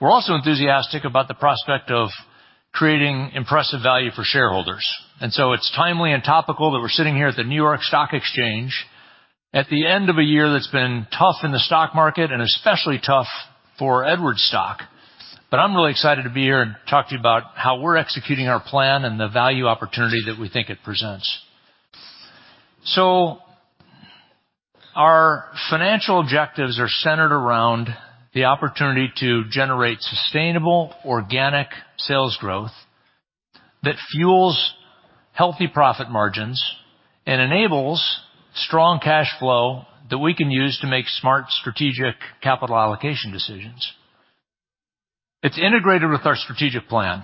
We're also enthusiastic about the prospect of creating impressive value for shareholders. It's timely and topical that we're sitting here at the New York Stock Exchange at the end of a year that's been tough in the stock market and especially tough for Edwards stock. I'm really excited to be here and talk to you about how we're executing our plan and the value opportunity that we think it presents. Our financial objectives are centered around the opportunity to generate sustainable organic sales growth that fuels healthy profit margins and enables strong cash flow that we can use to make smart strategic capital allocation decisions. It's integrated with our strategic plan.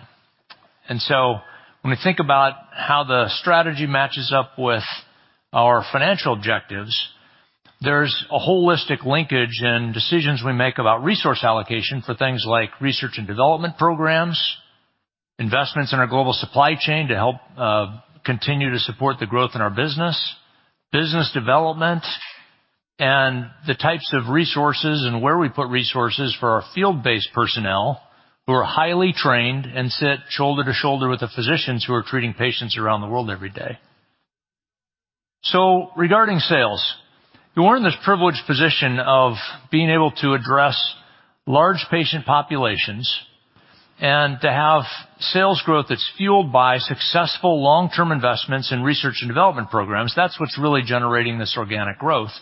When we think about how the strategy matches up with our financial objectives, there's a holistic linkage in decisions we make about resource allocation for things like Research and Development programs, investments in our global supply chain to help continue to support the growth in our business development, and the types of resources and where we put resources for our field-based personnel who are highly trained and sit shoulder to shoulder with the physicians who are treating patients around the world every day. Regarding sales, we're in this privileged position of being able to address large patient populations and to have sales growth that's fueled by successful long-term investments in Research and Development programs. That's what's really generating this organic growth.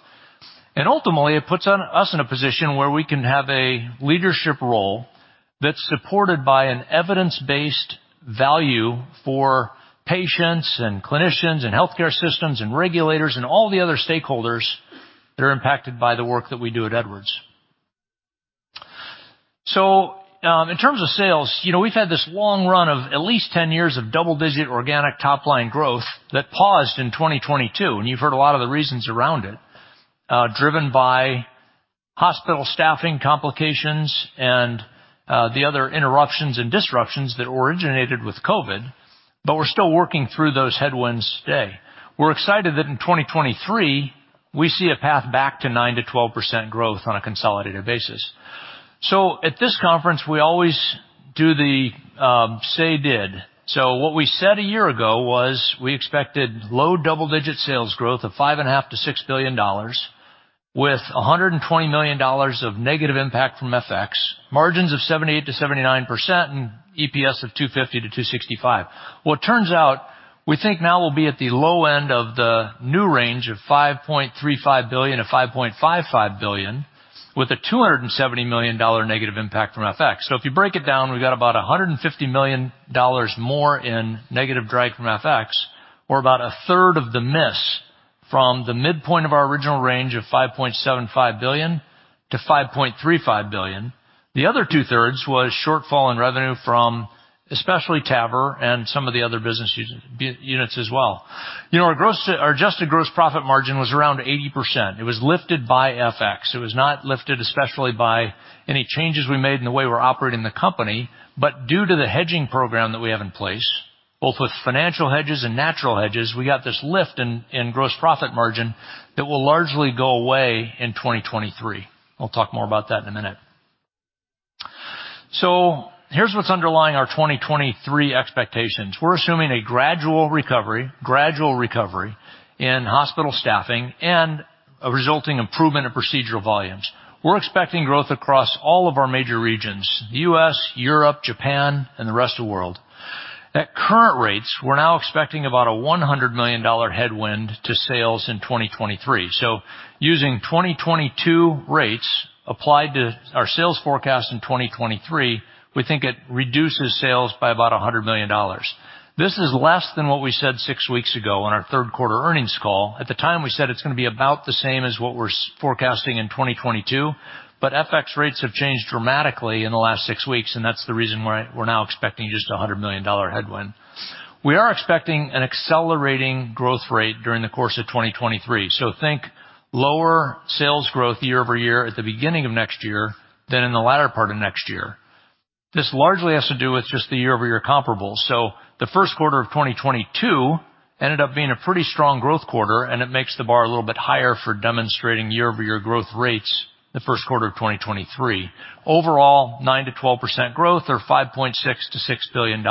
Ultimately, it puts on us in a position where we can have a leadership role that's supported by an evidence-based value for patients and clinicians and healthcare systems and regulators and all the other stakeholders that are impacted by the work that we do at Edwards. In terms of sales, you know, we've had this long run of at least 10 years of double-digit organic top-line growth that paused in 2022, and you've heard a lot of the reasons around it, driven by hospital staffing complications and the other interruptions and disruptions that originated with COVID, but we're still working through those headwinds today. We're excited that in 2023, we see a path back to 9% to 12% growth on a consolidated basis. At this conference, we always do the say did. What we said a year ago was we expected low double-digit sales growth of $5.5 billion-$6 billion with a $120 million of negative impact from FX, margins of 78%-79% and EPS of $2.50-$2.65. Well, it turns out, we think now we'll be at the low end of the new range of $5.35 billion-$5.5 billion with a $270 million negative impact from FX. If you break it down, we've got about $150 million more in negative drag from FX or about a third of the miss from the midpoint of our original range of $5.75 billion-$5.35 billion. The other two-thirds was shortfall in revenue from especially TAVR and some of the other business units as well. You know, our adjusted gross profit margin was around 80%. It was lifted by FX. It was not lifted, especially by any changes we made in the way we're operating the company. Due to the hedging program that we have in place, both with financial hedges and natural hedges, we got this lift in gross profit margin that will largely go away in 2023. I'll talk more about that in a minute. Here's what's underlying our 2023 expectations. We're assuming a gradual recovery in hospital staffing and a resulting improvement in procedural volumes. We're expecting growth across all of our major regions, the U.S., Europe, Japan, and the rest of the world. At current rates, we're now expecting about a $100 million headwind to sales in 2023. Using 2022 rates applied to our sales forecast in 2023, we think it reduces sales by about a $100 million. This is less than what we said six weeks ago on our third quarter earnings call. At the time, we said it's going to be about the same as what we're forecasting in 2022. FX rates have changed dramatically in the last six weeks, and that's the reason why we're now expecting just a $100 million headwind. We are expecting an accelerating growth rate during the course of 2023. Think lower sales growth year-over-year at the beginning of next year than in the latter part of next year. This largely has to do with just the year-over-year comparable. The first quarter of 2022 ended up being a pretty strong growth quarter, and it makes the bar a little bit higher for demonstrating year-over-year growth rates the first quarter of 2023. Overall, 9%-12% growth or $5.6 billion-$6 billion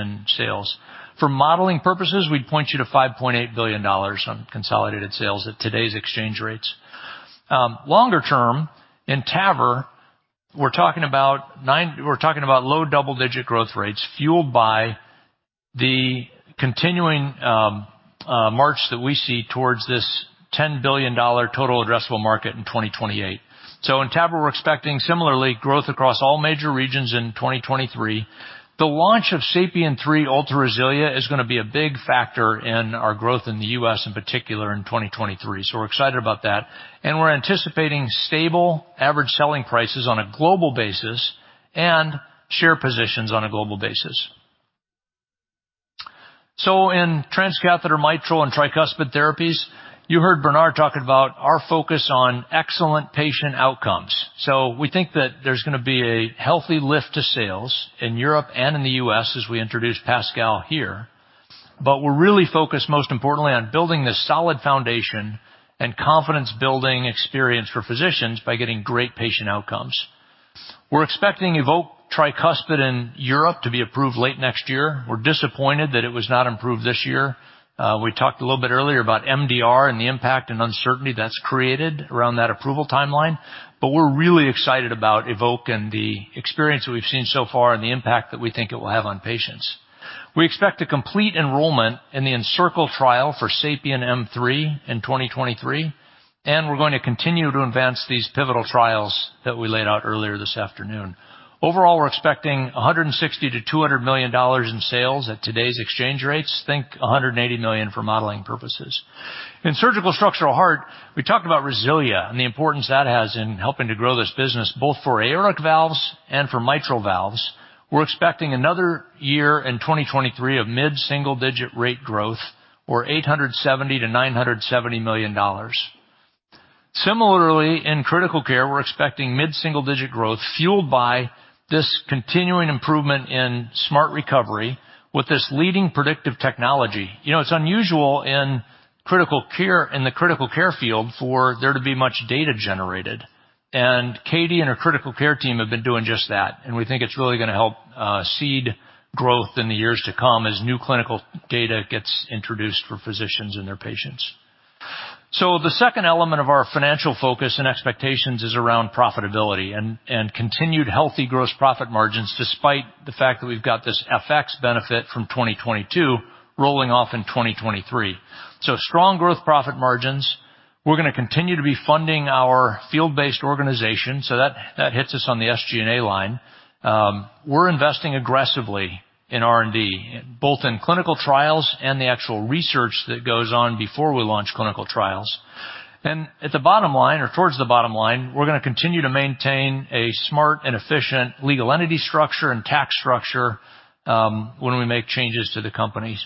in sales. For modeling purposes, we'd point you to $5.8 billion on consolidated sales at today's exchange rates. Longer-term, in TAVR, we're talking about low double-digit growth rates fueled by the continuing march that we see towards this $10 billion total addressable market in 2028. In TAVR, we're expecting similarly growth across all major regions in 2023. The launch of SAPIEN 3 Ultra RESILIA is gonna be a big factor in our growth in the U.S. in particular, in 2023, so we're excited about that. We're anticipating stable average selling prices on a global basis and share positions on a global basis. In transcatheter mitral and tricuspid therapies, you heard Bernard talk about our focus on excellent patient outcomes. We think that there's gonna be a healthy lift to sales in Europe and in the US as we introduce PASCAL here. We're really focused, most importantly, on building this solid foundation and confidence-building experience for physicians by getting great patient outcomes. We're expecting EVOQUE Tricuspid in Europe to be approved late next year. We're disappointed that it was not approved this year. We talked a little bit earlier about MDR and the impact and uncertainty that's created around that approval timeline, but we're really excited about EVOQUE and the experience that we've seen so far and the impact that we think it will have on patients. We expect to complete enrollment in the ENCIRCLE Trial for SAPIEN M3 in 2023, and we're going to continue to advance these pivotal trials that we laid out earlier this afternoon. Overall, we're expecting $160 million-$200 million in sales at today's exchange rates. Think $180 million for modeling purposes. In surgical structural heart, we talked about RESILIA and the importance that has in helping to grow this business, both for aortic valves and for mitral valves. We're expecting another year in 2023 of mid-single-digit rate growth or $870 million-$970 million. Similarly, in critical care, we're expecting mid-single-digit growth fueled by this continuing improvement in Smart Recovery with this leading predictive technology. You know, it's unusual in the critical care field for there to be much data generated, and Katie and her critical care team have been doing just that, and we think it's really gonna help seed growth in the years to come as new clinical data gets introduced for physicians and their patients. The second element of our financial focus and expectations is around profitability and continued healthy gross profit margins, despite the fact that we've got this FX benefit from 2022 rolling off in 2023. Strong gross profit margins. We're gonna continue to be funding our field-based organization, so that hits us on the SG&A line. We're investing aggressively in R&D, both in clinical trials and the actual research that goes on before we launch clinical trials. At the bottom line or towards the bottom line, we're gonna continue to maintain a smart and efficient legal entity structure and tax structure, when we make changes to the companies.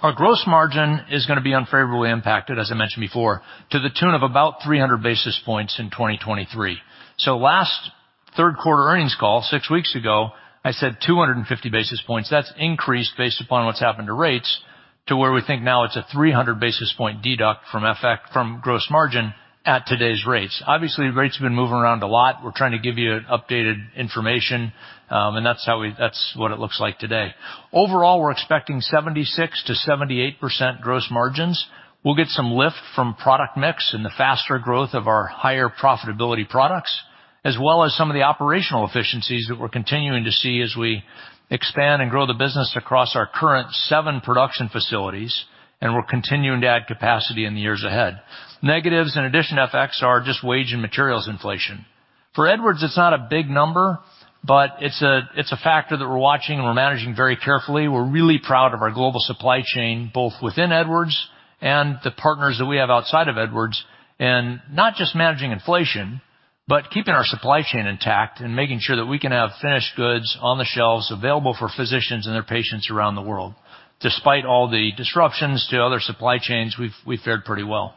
Our gross margin is gonna be unfavorably impacted, as I mentioned before, to the tune of about 300 basis points in 2023. Last third quarter earnings call, 6 weeks ago, I said 250 basis points. That's increased based upon what's happened to rates to where we think now it's a 300 basis point deduct from gross margin at today's rates. Obviously, rates have been moving around a lot. We're trying to give you updated information, and that's what it looks like today. Overall, we're expecting 76%-78% gross margins. We'll get some lift from product mix and the faster growth of our higher profitability products, as well as some of the operational efficiencies that we're continuing to see as we expand and grow the business across our current seven production facilities. We're continuing to add capacity in the years ahead. Negatives, in addition to FX, are just wage and materials inflation. For Edwards, it's not a big number, but it's a factor that we're watching and we're managing very carefully. We're really proud of our global supply chain, both within Edwards and the partners that we have outside of Edwards. Not just managing inflation, but keeping our supply chain intact and making sure that we can have finished goods on the shelves available for physicians and their patients around the world. Despite all the disruptions to other supply chains, we've fared pretty well.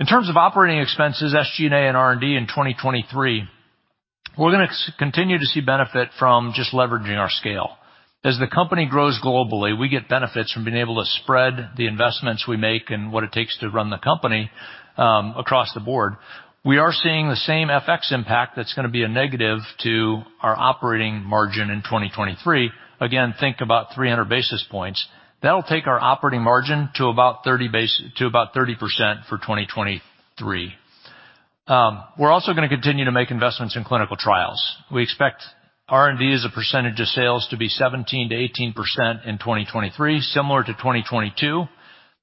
In terms of operating expenses, SG&A and R&D in 2023, we're gonna continue to see benefit from just leveraging our scale. As the company grows globally, we get benefits from being able to spread the investments we make and what it takes to run the company across the board. We are seeing the same FX impact that's gonna be a negative to our operating margin in 2023. Again, think about 300 basis points. That'll take our operating margin to about 30% for 2023. We're also gonna continue to make investments in clinical trials. We expect R&D as a percentage of sales to be 17%-18% in 2023, similar to 2022.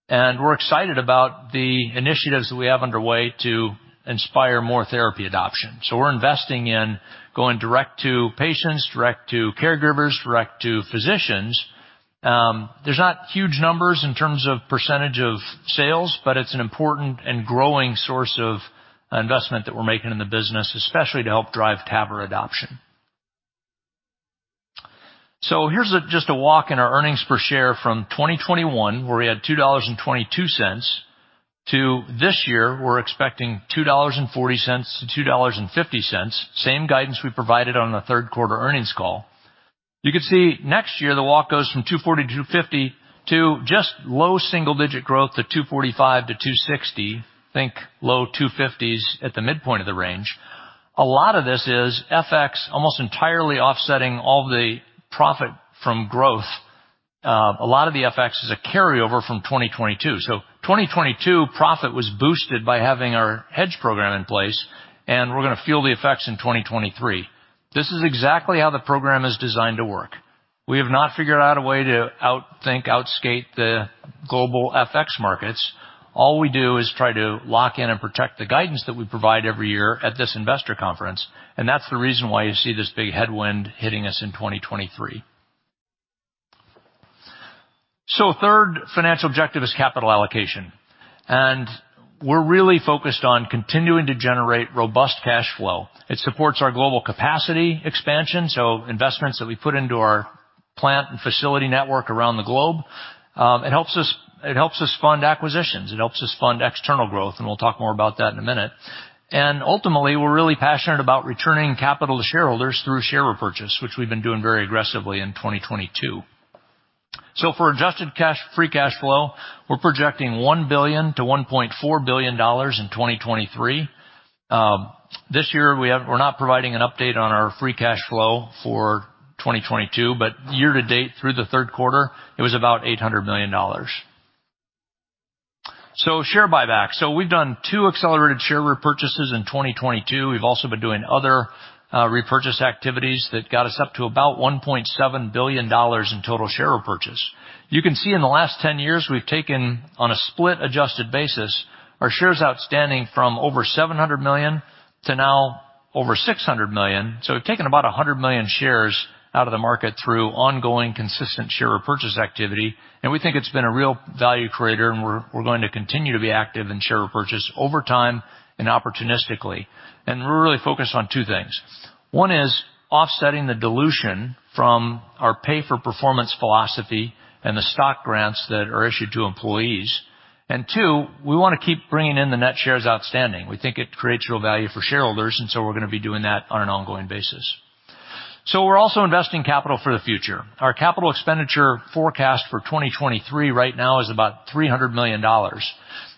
We're excited about the initiatives that we have underway to inspire more therapy adoption. We're investing in going direct to patients, direct to caregivers, direct to physicians. There's not huge numbers in terms of percentage of sales, but it's an important and growing source of investment that we're making in the business, especially to help drive TAVR adoption. Here's a just a walk in our earnings per share from 2021, where we had $2.22. To this year, we're expecting $2.40 to $2.50. Same guidance we provided on the third quarter earnings call. You can see next year the walk goes from $2.40-$2.50 to just low single-digit growth to $2.45-$2.60. Think low $2.50s at the midpoint of the range. A lot of this is FX almost entirely offsetting all the profit from growth. A lot of the FX is a carryover from 2022. 2022 profit was boosted by having our hedge program in place, and we're gonna feel the effects in 2023. This is exactly how the program is designed to work. We have not figured out a way to outthink, outskate the global FX markets. All we do is try to lock in and protect the guidance that we provide every year at this investor conference, and that's the reason why you see this big headwind hitting us in 2023. 3rd financial objective is capital allocation. We're really focused on continuing to generate robust cash flow. It supports our global capacity expansion, so investments that we put into our plant and facility network around the globe. It helps us fund acquisitions. It helps us fund external growth, we'll talk more about that in a minute. Ultimately, we're really passionate about returning capital to shareholders through share repurchase, which we've been doing very aggressively in 2022. For free cash flow, we're projecting $1 billion-$1.4 billion in 2023. This year, we're not providing an update on our free cash flow for 2022, but year to date, through the third quarter, it was about $800 million. Share buyback. We've done 2 accelerated share repurchases in 2022. We've also been doing other repurchase activities that got us up to about $1.7 billion in total share repurchase. You can see in the last 10 years we've taken, on a split-adjusted basis, our shares outstanding from over $700 million to now over $600 million. We've taken about 100 million shares out of the market through ongoing consistent share repurchase activity, and we think it's been a real value creator, and we're going to continue to be active in share repurchase over time and opportunistically. We're really focused on two things. One is offsetting the dilution from our pay-for-performance philosophy and the stock grants that are issued to employees. Two, we wanna keep bringing in the net shares outstanding. We think it creates real value for shareholders, and so we're gonna be doing that on an ongoing basis. We're also investing capital for the future. Our capital expenditure forecast for 2023 right now is about $300 million.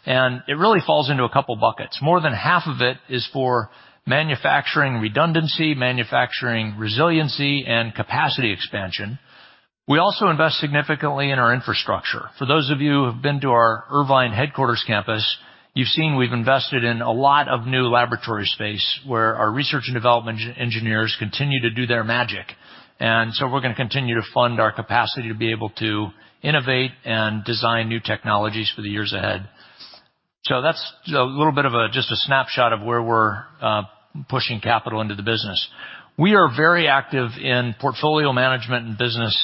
It really falls into a couple buckets. More than half of it is for manufacturing redundancy, manufacturing resiliency, and capacity expansion. We also invest significantly in our infrastructure. For those of you who have been to our Irvine headquarters campus, you've seen we've invested in a lot of new laboratory space where our Research and Development engineers continue to do their magic. We're gonna continue to fund our capacity to be able to innovate and design new technologies for the years ahead. That's a little bit of a just a snapshot of where we're pushing capital into the business. We are very active in portfolio management and business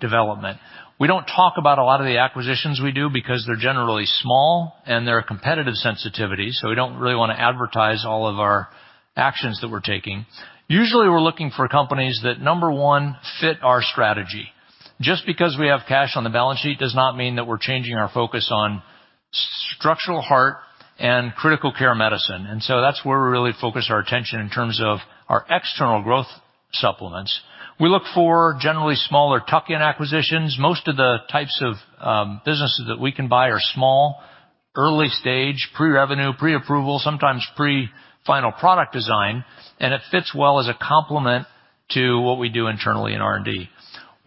development. We don't talk about a lot of the acquisitions we do because they're generally small, and there are competitive sensitivities, so we don't really wanna advertise all of our actions that we're taking. Usually, we're looking for companies that, number one, fit our strategy. Just because we have cash on the balance sheet does not mean that we're changing our focus on structural heart and critical care medicine. That's where we really focus our attention in terms of our external growth supplements. We look for generally smaller tuck-in acquisitions. Most of the types of businesses that we can buy are small, early stage, pre-revenue, pre-approval, sometimes pre-final product design, and it fits well as a complement to what we do internally in R&D.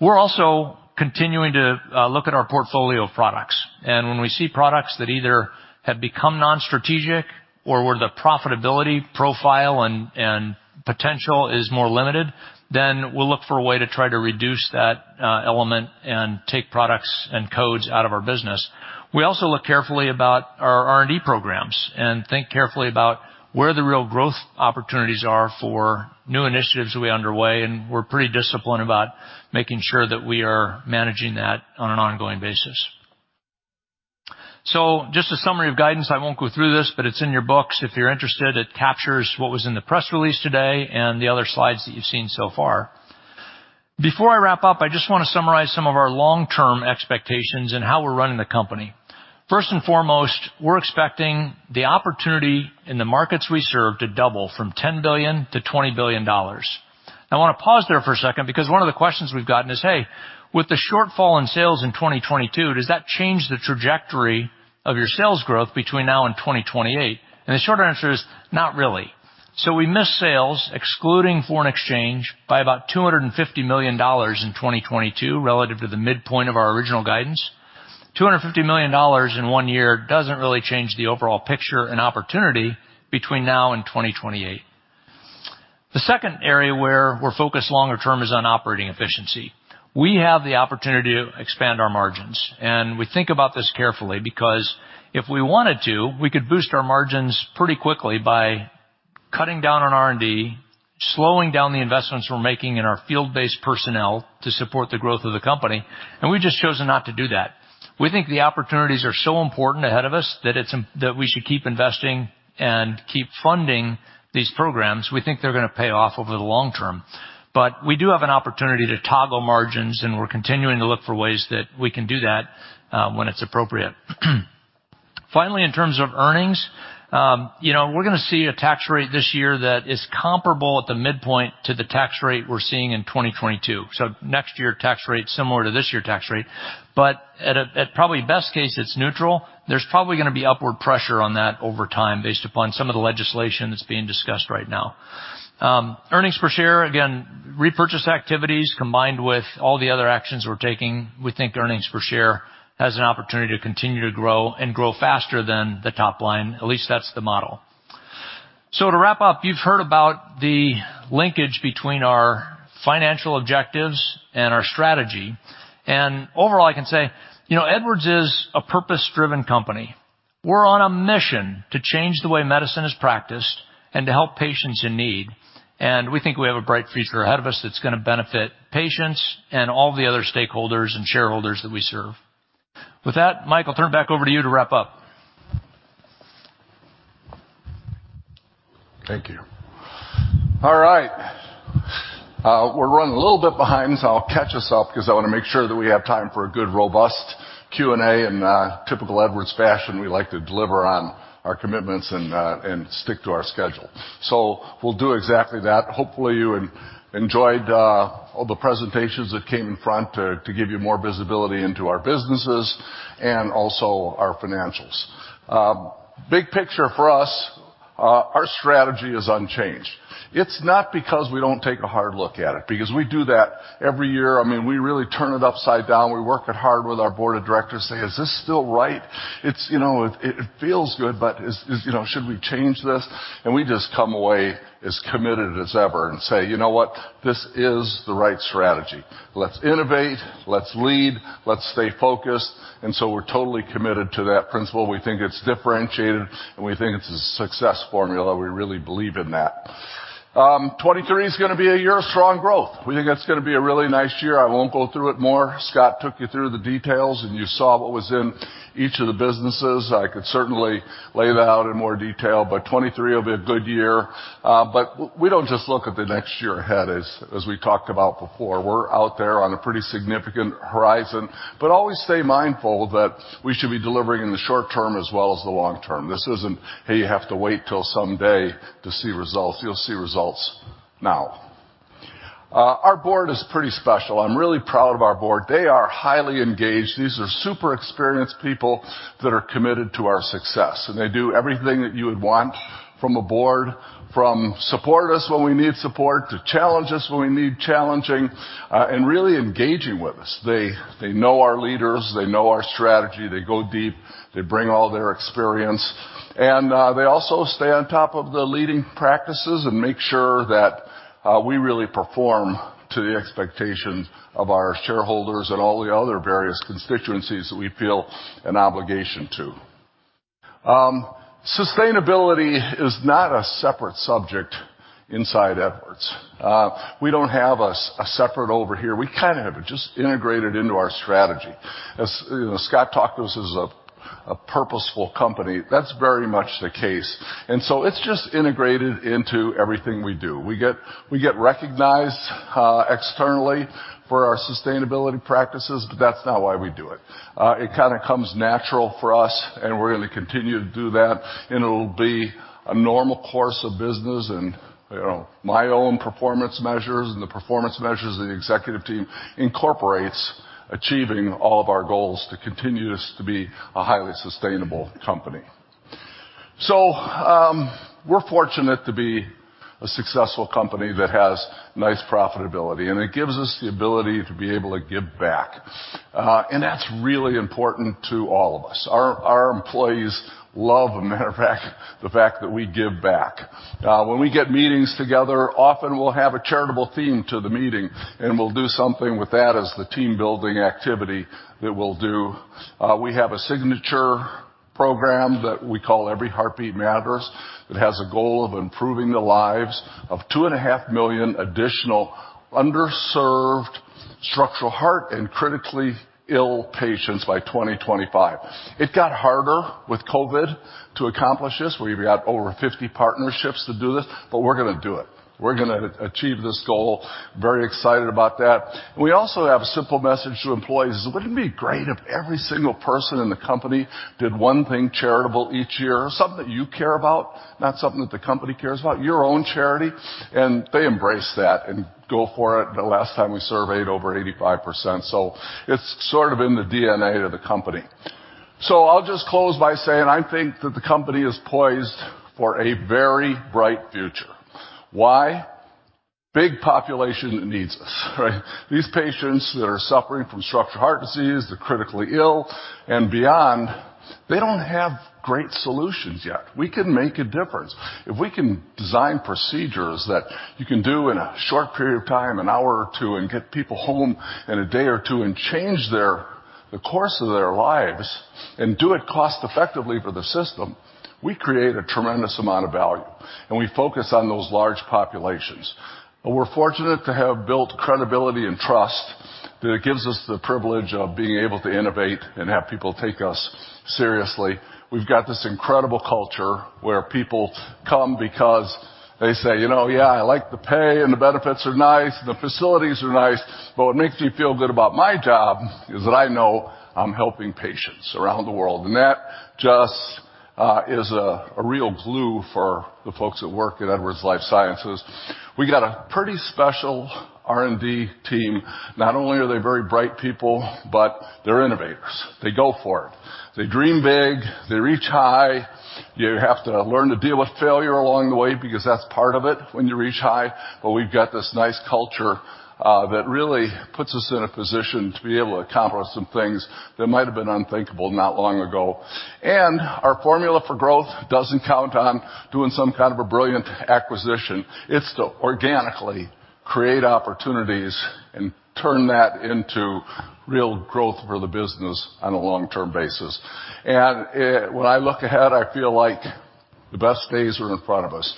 We're also continuing to look at our portfolio of products, and when we see products that either have become non-strategic or where the profitability profile and potential is more limited, then we'll look for a way to try to reduce that element and take products and codes out of our business. We also look carefully about our R&D programs and think carefully about where the real growth opportunities are for new initiatives that we underway, and we're pretty disciplined about making sure that we are managing that on an ongoing basis. Just a summary of guidance. I won't go through this, but it's in your books. If you're interested, it captures what was in the press release today and the other slides that you've seen so far. Before I wrap up, I just wanna summarize some of our long-term expectations and how we're running the company. First and foremost, we're expecting the opportunity in the markets we serve to double from $10 billion to $20 billion. I wanna pause there for a second because one of the questions we've gotten is, "Hey, with the shortfall in sales in 2022, does that change the trajectory of your sales growth between now and 2028?" The short answer is not really. We missed sales, excluding foreign exchange, by about $250 million in 2022 relative to the midpoint of our original guidance. $250 million in one year doesn't really change the overall picture and opportunity between now and 2028. The second area where we're focused longer term is on operating efficiency. We have the opportunity to expand our margins. We think about this carefully because if we wanted to, we could boost our margins pretty quickly by cutting down on R&D, slowing down the investments we're making in our field-based personnel to support the growth of the company. We've just chosen not to do that. We think the opportunities are so important ahead of us that we should keep investing and keep funding these programs. We think they're gonna pay off over the long term. We do have an opportunity to toggle margins, and we're continuing to look for ways that we can do that when it's appropriate. Finally, in terms of earnings, you know, we're gonna see a tax rate this year that is comparable at the midpoint to the tax rate we're seeing in 2022. Next year tax rate similar to this year tax rate. At probably best case, it's neutral. There's probably gonna be upward pressure on that over time based upon some of the legislation that's being discussed right now. Earnings per share, again, repurchase activities combined with all the other actions we're taking, we think earnings per share has an opportunity to continue to grow and grow faster than the top line. At least that's the model. To wrap up, you've heard about the linkage between our financial objectives and our strategy. Overall I can say, you know, Edwards is a purpose-driven company. We're on a mission to change the way medicine is practiced and to help patients in need, and we think we have a bright future ahead of us that's gonna benefit patients and all the other stakeholders and shareholders that we serve. With that, Mike, I'll turn it back over to you to wrap up. Thank you. All right. We're running a little bit behind, so I'll catch us up 'cause I wanna make sure that we have time for a good, robust Q&A. In typical Edwards fashion, we like to deliver on our commitments and stick to our schedule. We'll do exactly that. Hopefully, you enjoyed all the presentations that came in front to give you more visibility into our businesses and also our financials. Big picture for us, our strategy is unchanged. It's not because we don't take a hard look at it because we do that every year. I mean, we really turn it upside down. We work it hard with our board of directors, say, "Is this still right? It's, you know, it feels good, but is, you know, should we change this? We just come away as committed as ever and say, "You know what? This is the right strategy. Let's innovate. Let's lead. Let's stay focused." We're totally committed to that principle. We think it's differentiated, and we think it's a success formula, we really believe in that. 23 is gonna be a year of strong growth. We think it's gonna be a really nice year. I won't go through it more. Scott took you through the details, and you saw what was in each of the businesses. I could certainly lay that out in more detail, but 23 will be a good year. We don't just look at the next year ahead, as we talked about before. We're out there on a pretty significant horizon, always stay mindful that we should be delivering in the short term as well as the long term. This isn't, "Hey, you have to wait till someday to see results." You'll see results now. Our board is pretty special. I'm really proud of our board. They are highly engaged. These are super experienced people that are committed to our success, they do everything that you would want from a board, from support us when we need support to challenge us when we need challenging, and really engaging with us. They know our leaders. They know our strategy. They go deep. They bring all their experience, and they also stay on top of the leading practices and make sure that we really perform to the expectations of our shareholders and all the other various constituencies that we feel an obligation to. Sustainability is not a separate subject inside Edwards. We don't have a separate over here. We kinda have it just integrated into our strategy. As, you know, Scott talked to us as a purposeful company. That's very much the case. It's just integrated into everything we do. We get recognized externally for our sustainability practices, but that's not why we do it. It kinda comes natural for us, and we're gonna continue to do that, and it'll be a normal course of business. You know, my own performance measures and the performance measures of the executive team incorporates achieving all of our goals to continue this to be a highly sustainable company. We're fortunate to be a successful company that has nice profitability, and it gives us the ability to be able to give back. That's really important to all of us. Our, our employees love, a matter of fact, the fact that we give back. When we get meetings together, often we'll have a charitable theme to the meeting, and we'll do something with that as the team-building activity that we'll do. We have a signature program that we call Every Heartbeat Matters that has a goal of improving the lives of $2.5 million additional underserved structural heart and critically ill patients by 2025. It got harder with COVID to accomplish this. We've got over 50 partnerships to do this, but we're gonna do it. We're gonna achieve this goal. Very excited about that. We also have a simple message to employees. Wouldn't it be great if every single person in the company did one thing charitable each year, something that you care about, not something that the company cares about, your own charity? They embrace that and go for it. The last time we surveyed, over 85%. It's sort of in the DNA of the company. I'll just close by saying I think that the company is poised for a very bright future. Why? Big population needs us, right? These patients that are suffering from structural heart disease, the critically ill and beyond, they don't have great solutions yet. We can make a difference. If we can design procedures that you can do in a short period of time, 1 or 2 hours, and get people home in 1 or 2 days and change the course of their lives and do it cost effectively for the system, we create a tremendous amount of value. We focus on those large populations. We're fortunate to have built credibility and trust that it gives us the privilege of being able to innovate and have people take us seriously. We've got this incredible culture where people come because they say, you know, "Yeah, I like the pay, and the benefits are nice, and the facilities are nice, but what makes me feel good about my job is that I know I'm helping patients around the world." That just is a real glue for the folks that work at Edwards Lifesciences Corporation. We got a pretty special R&D team. Not only are they very bright people, but they're innovators. They go for it. They dream big. They reach high. You have to learn to deal with failure along the way because that's part of it when you reach high. We've got this nice culture that really puts us in a position to be able to accomplish some things that might have been unthinkable not long ago. Our formula for growth doesn't count on doing some kind of a brilliant acquisition. It's to organically create opportunities and turn that into real growth for the business on a long-term basis. When I look ahead, I feel like the best days are in front of us.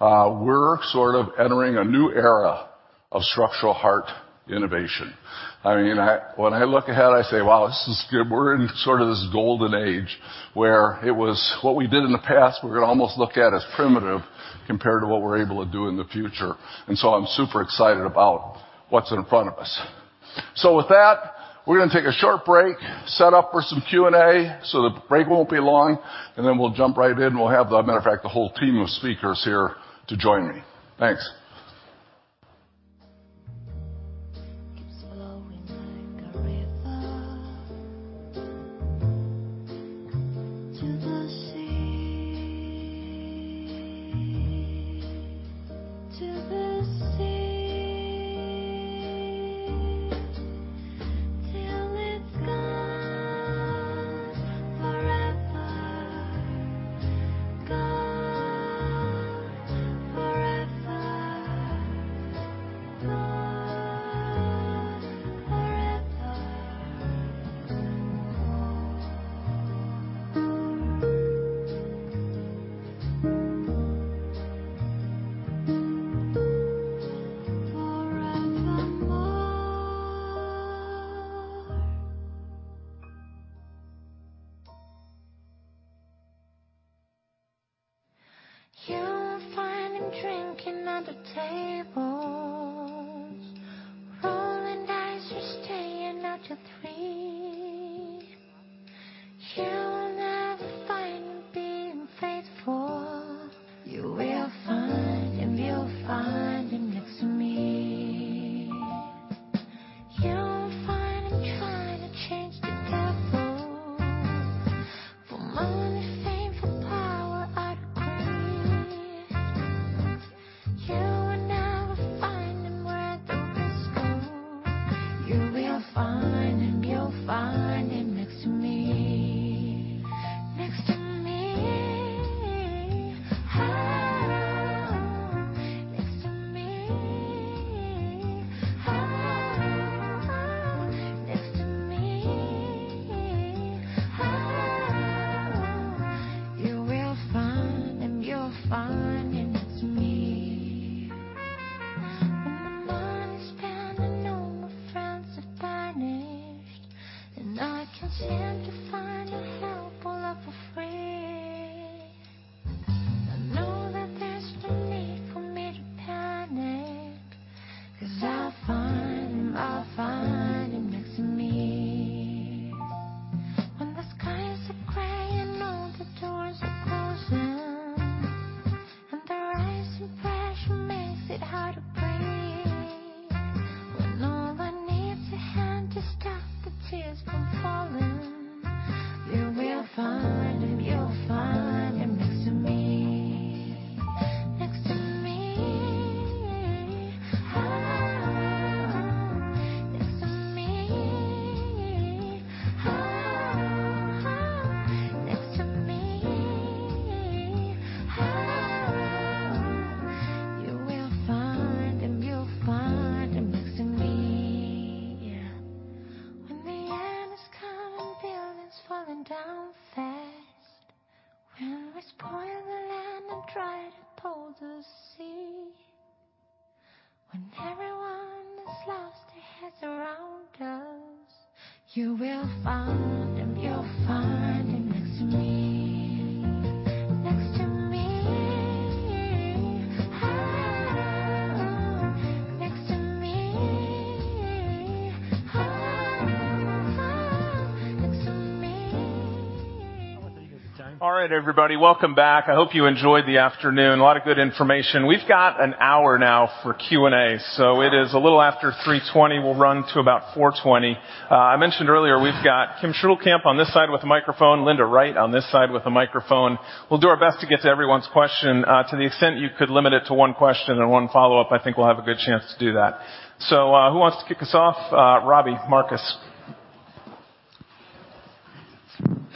We're sort of entering a new era of structural heart innovation. I mean, when I look ahead, I say, "Wow, this is good." We're in sort of this golden age where it was what we did in the past, we're gonna almost look at as primitive compared to what we're able to do in the future. I'm super excited about what's in front of us. With that, we're gonna take a short break, set up for some Q&A. The break won't be long, and then we'll jump right in, and we'll have the, matter of fact, the whole team of speakers here to join me. Thanks.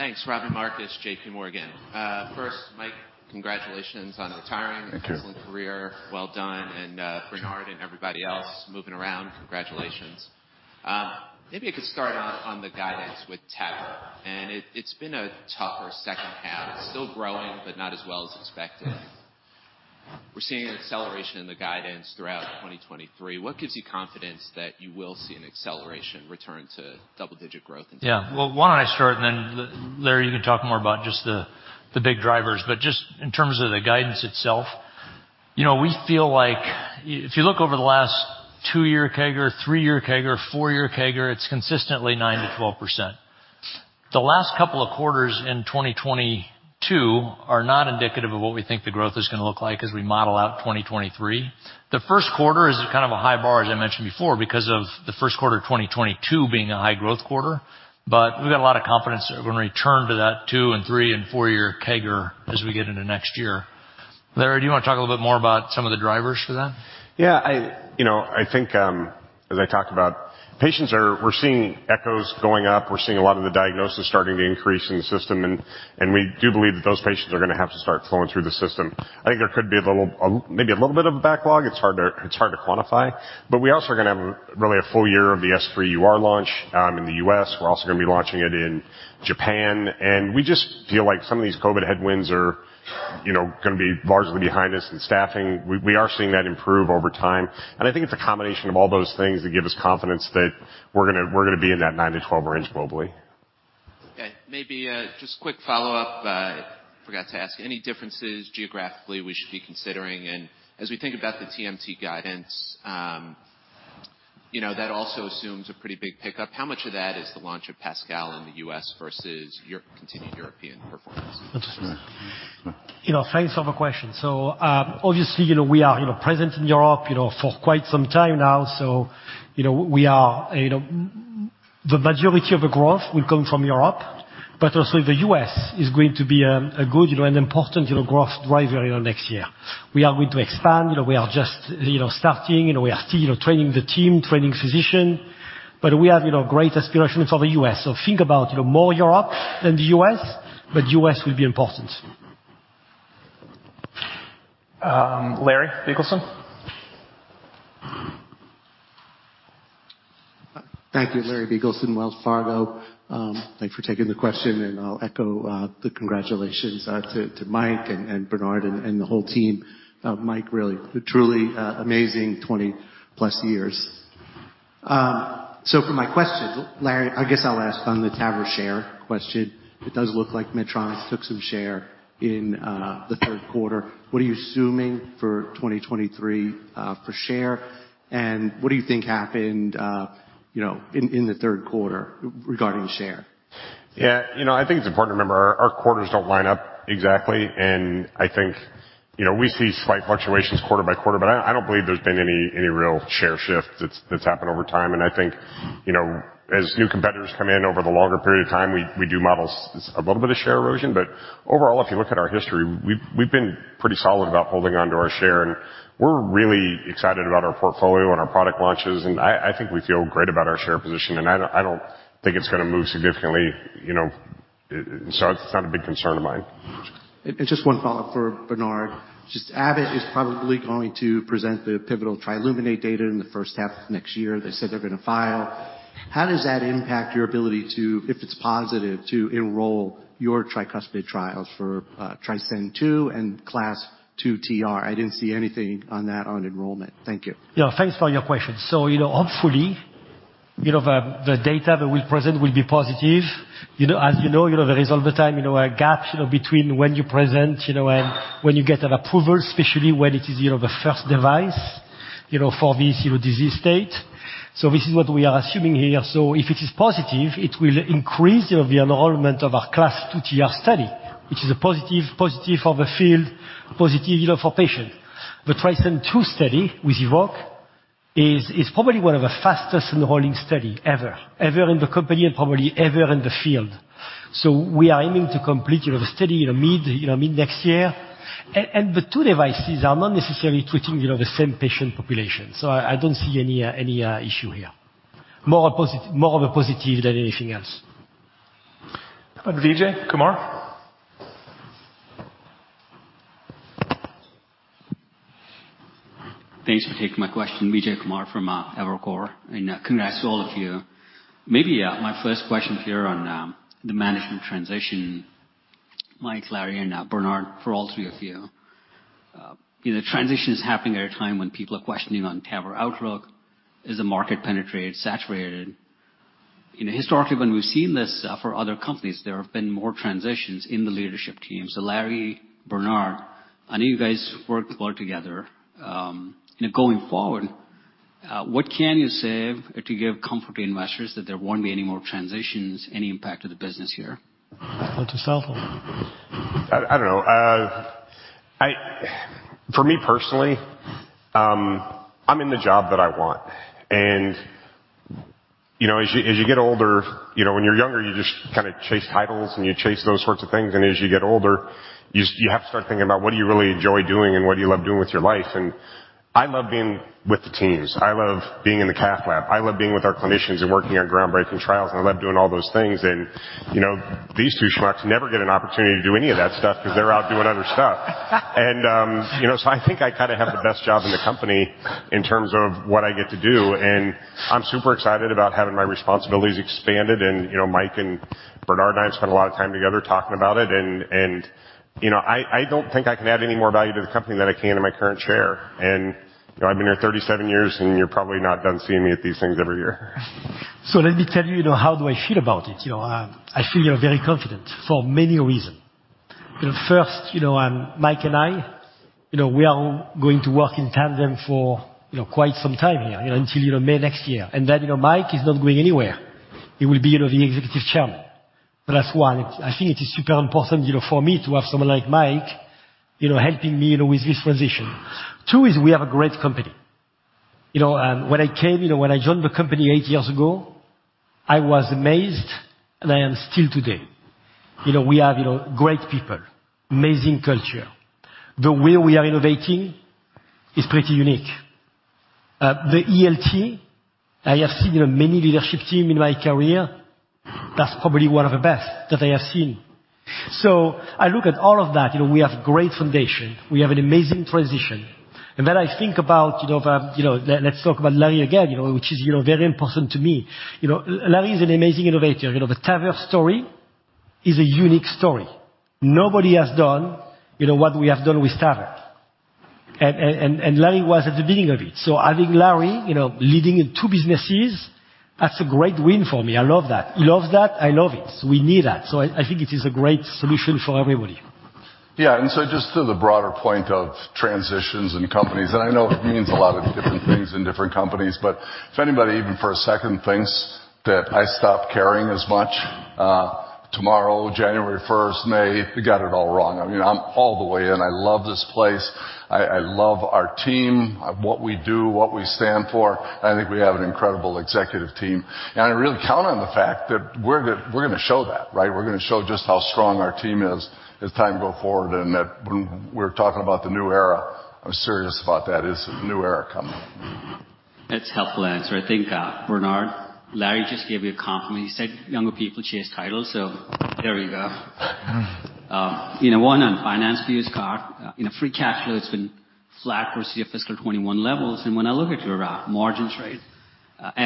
Thanks. Robbie Marcus, JPMorgan. First, Mike, congratulations on retiring. Thank you. Excellent career. Well done. Bernard and everybody else moving around, congratulations. Maybe I could start on the guidance with TAVR. It's been a tougher second half. It's still growing, but not as well as expected. Yes. We're seeing an acceleration in the guidance throughout 2023. What gives you confidence that you will see an acceleration return to double-digit growth in TAVR? Yeah. Well, why don't I start, Larry, you can talk more about just the big drivers. Just in terms of the guidance. You know, we feel like if you look over the last two-year CAGR, three-year CAGR, four-year CAGR, it's consistently 9%-12%. The last couple of quarters in 2022 are not indicative of what we think the growth is gonna look like as we model out 2023. The first quarter is kind of a high bar, as I mentioned before, because of the first quarter of 2022 being a high growth quarter. We've got a lot of confidence we're going to return to that two and three and four-year CAGR as we get into next year. Larry, do you want to talk a little bit more about some of the drivers for that? Yeah, I, you know, I think, as I talked about, we're seeing echoes going up. We're seeing a lot of the diagnosis starting to increase in the system, and we do believe that those patients are going to have to start flowing through the system. I think there could be a little bit of a backlog. It's hard to quantify. We also are going to have really a full year of the S3 UR launch in the U.S. We're also going to be launching it in Japan. We just feel like some of these COVID headwinds are, you know, gonna be largely behind us. Staffing, we are seeing that improve over time. I think it's a combination of all those things that give us confidence that we're gonna be in that 9-12 range globally. Okay. Maybe, just quick follow-up. Forgot to ask. Any differences geographically we should be considering? As we think about the TMT guidance, you know, that also assumes a pretty big pickup. How much of that is the launch of PASCAL in the U.S. versus continued European performance? That's right. You know, thanks for the question. Obviously, you know, we are, you know, present in Europe, you know, for quite some time now. The majority of the growth will come from Europe, but also the U.S. is going to be a good, you know, and important, you know, growth driver in the next year. We are going to expand. You know, we are just, you know, starting. You know, we are still, you know, training the team, training physician. We have, you know, great aspirations for the U.S. Think about, you know, more Europe than the U.S.., but U.S. will be important. Larry Biegelsen. Thank you. Larry Biegelsen, Wells Fargo. Thanks for taking the question, and I'll echo the congratulations to Mike and Bernard and the whole team. Mike, really, truly amazing 20-plus years. For my question, Larry, I guess I'll ask on the TAVR share question. It does look like Medtronic took some share in the third quarter. What are you assuming for 2023 for share, and what do you think happened, you know, in the third quarter regarding share? Yeah. You know, I think it's important to remember our quarters don't line up exactly. And I think, you know, we see slight fluctuations quarter by quarter, but I don't believe there's been any real share shift that's happened over time. And I think, you know, as new competitors come in over the longer period of time, we do model a little bit of share erosion. But overall, if you look at our history, we've been pretty solid about holding on to our share, and we're really excited about our portfolio and our product launches. And I think we feel great about our share position, and I don't think it's gonna move significantly. You know, it's not a big concern of mine. Just 1 follow-up for Bernard. Just Abbott is probably going to present the pivotal TRILUMINATE data in the 1st half of next year. They said they're gonna file. How does that impact your ability to, if it's positive, to enroll your tricuspid trials for TRISCEND II and CLASP II TR? I didn't see anything on that on enrollment. Thank you. Yeah, thanks for your question. You know, hopefully, you know, the data that we present will be positive. You know, as you know, you know, there is all the time, you know, a gap, you know, between when you present, you know, and when you get an approval, especially when it is, you know, the first device, you know, for this, you know, disease state. This is what we are assuming here. If it is positive, it will increase the enrollment of our CLASP II TR study, which is a positive for the field, a positive, you know, for patients. The TRISCEND II study with EVOQUE is probably one of the fastest enrolling study ever in the company and probably ever in the field. We are aiming to complete, you know, the study in mid-next year. The two devices are not necessarily treating, you know, the same patient population. I don't see any issue here. More of a positive than anything else. Vijay Kumar. Thanks for taking my question. Vijay Kumar from Evercore. Congrats to all of you. Maybe my first question here on the management transition. Mike, Larry, and Bernard, for all three of you. You know, transition is happening at a time when people are questioning on TAVR outlook. Is the market penetrated, saturated? You know, historically, when we've seen this, for other companies, there have been more transitions in the leadership team. Larry, Bernard, I know you guys work well together. Going forward, what can you say to give comfort to investors that there won't be any more transitions, any impact to the business here? Want to start off? I don't know. For me personally, I'm in the job that I want. You know, as you, as you get older, you know, when you're younger, you just kinda chase titles and you chase those sorts of things. As you get older, you have to start thinking about what do you really enjoy doing and what do you love doing with your life. I love being with the teams. I love being in the cath lab. I love being with our clinicians and working on groundbreaking trials, and I love doing all those things. You know, these two schmucks never get an opportunity to do any of that stuff 'cause they're out doing other stuff. You know, so I think I kinda have the best job in the company in terms of what I get to do, and I'm super excited about having my responsibilities expanded. You know, Mike and Bernard and I have spent a lot of time together talking about it. You know, I don't think I can add any more value to the company than I can in my current chair. You know, I've been here 37 years, and you're probably not done seeing me at these things every year. Let me tell you know, how do I feel about it, you know? I feel, you know, very confident for many reason. You know, first, you know, Mike and I, you know, we are all going to work in tandem for, you know, quite some time here, you know, until, you know, May next year. Mike is not going anywhere. He will be, you know, the executive chairman. That's one. I think it is super important, you know, for me to have someone like Mike, you know, helping me, you know, with this transition. Two is we have a great company. You know, when I came, you know, when I joined the company 8 years ago, I was amazed, and I am still today. You know, we have, you know, great people, amazing culture. The way we are innovating is pretty unique. The ELT, I have seen many leadership team in my career, that's probably one of the best that I have seen. I look at all of that. You know, we have great foundation. We have an amazing transition. I think about, you know, the, let's talk about Larry again, you know, which is, you know, very important to me. Larry is an amazing innovator. You know, the TAVR story is a unique story. Nobody has done, you know, what we have done with TAVR. Larry was at the beginning of it. Having Larry, you know, leading in two businesses, that's a great win for me. I love that. He loves that. I love it. We need that. I think it is a great solution for everybody. Yeah. Just to the broader point of transitions in companies, and I know it means a lot of different things in different companies, but if anybody, even for a second thinks that I stop caring as much tomorrow, January first, May, they got it all wrong. I mean, I'm all the way in. I love this place. I love our team, what we do, what we stand for. I think we have an incredible executive team. I really count on the fact that we're gonna show that, right? We're gonna show just how strong our team is as time go forward, and that when we're talking about the new era, I'm serious about that. It's a new era coming. That's a helpful answer. I think Bernard, Larry just gave you a compliment. He said younger people chase titles. There we go. You know, one on finance for you, Scott. You know, free cash flow, it's been flat versus your fiscal 21 levels. When I look at your margins, right,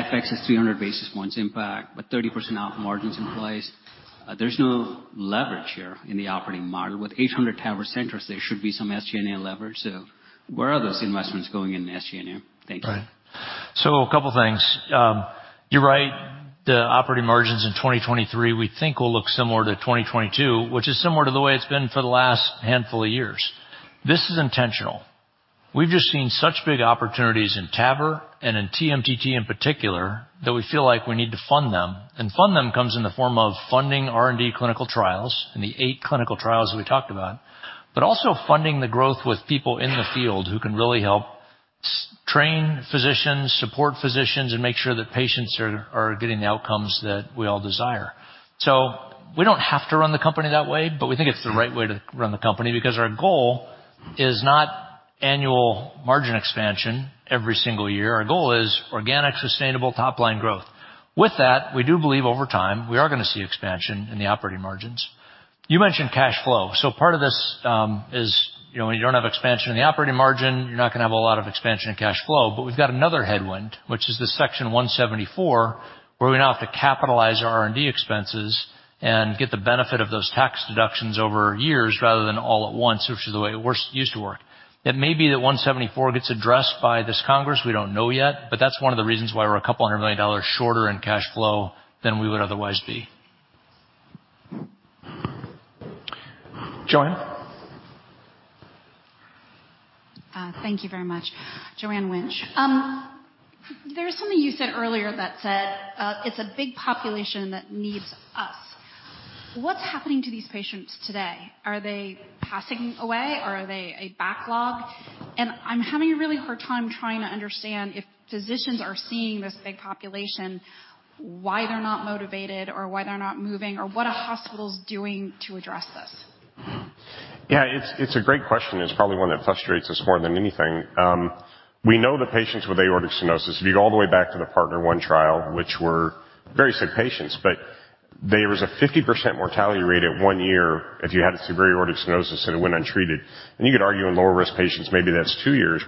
FX is 300 basis points impact, but 30% out margins in place. There's no leverage here in the operating model. With 800 TAVR centers, there should be some SG&A leverage. Where are those investments going in SG&A? Thank you. Right. A couple things. You're right, the operating margins in 2023, we think will look similar to 2022, which is similar to the way it's been for the last handful of years. This is intentional. We've just seen such big opportunities in TAVR and in TMTT in particular, that we feel like we need to fund them. Fund them comes in the form of funding R&D clinical trials and the 8 clinical trials we talked about. Also funding the growth with people in the field who can really help train physicians, support physicians, and make sure that patients are getting the outcomes that we all desire. We don't have to run the company that way, but we think it's the right way to run the company because our goal is not annual margin expansion every single year. Our goal is organic, sustainable top-line growth. With that, we do believe over time, we are gonna see expansion in the operating margins. You mentioned cash flow. Part of this is, you know, when you don't have expansion in the operating margin, you're not gonna have a lot of expansion in cash flow. We've got another headwind, which is the Section 174, where we now have to capitalize our R&D expenses and get the benefit of those tax deductions over years rather than all at once, which is the way it used to work. It may be that 174 gets addressed by this Congress. We don't know yet, but that's one of the reasons why we're a couple hundred million dollars shorter in cash flow than we would otherwise be. Joanne. Thank you very much. Joanne Wuensch. There's something you said earlier that said it's a big population that needs us. What's happening to these patients today? Are they passing away or are they a backlog? I'm having a really hard time trying to understand if physicians are seeing this big population, why they're not motivated or why they're not moving, or what a hospital's doing to address this. It's a great question. It's probably one that frustrates us more than anything. We know the patients with aortic stenosis. If you go all the way back to the PARTNER 1 trial, which were very sick patients, but there was a 50% mortality rate at one year if you had severe aortic stenosis and it went untreated. You could argue in lower-risk patients, maybe that's two years,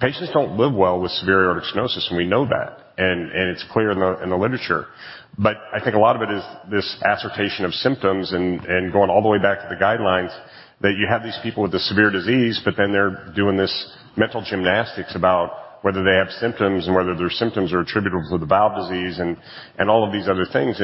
patients don't live well with severe aortic stenosis, and we know that. It's clear in the literature. I think a lot of it is this assertion of symptoms and going all the way back to the guidelines, that you have these people with the severe disease, but then they're doing this mental gymnastics about whether they have symptoms and whether their symptoms are attributable to the valve disease and all of these other things.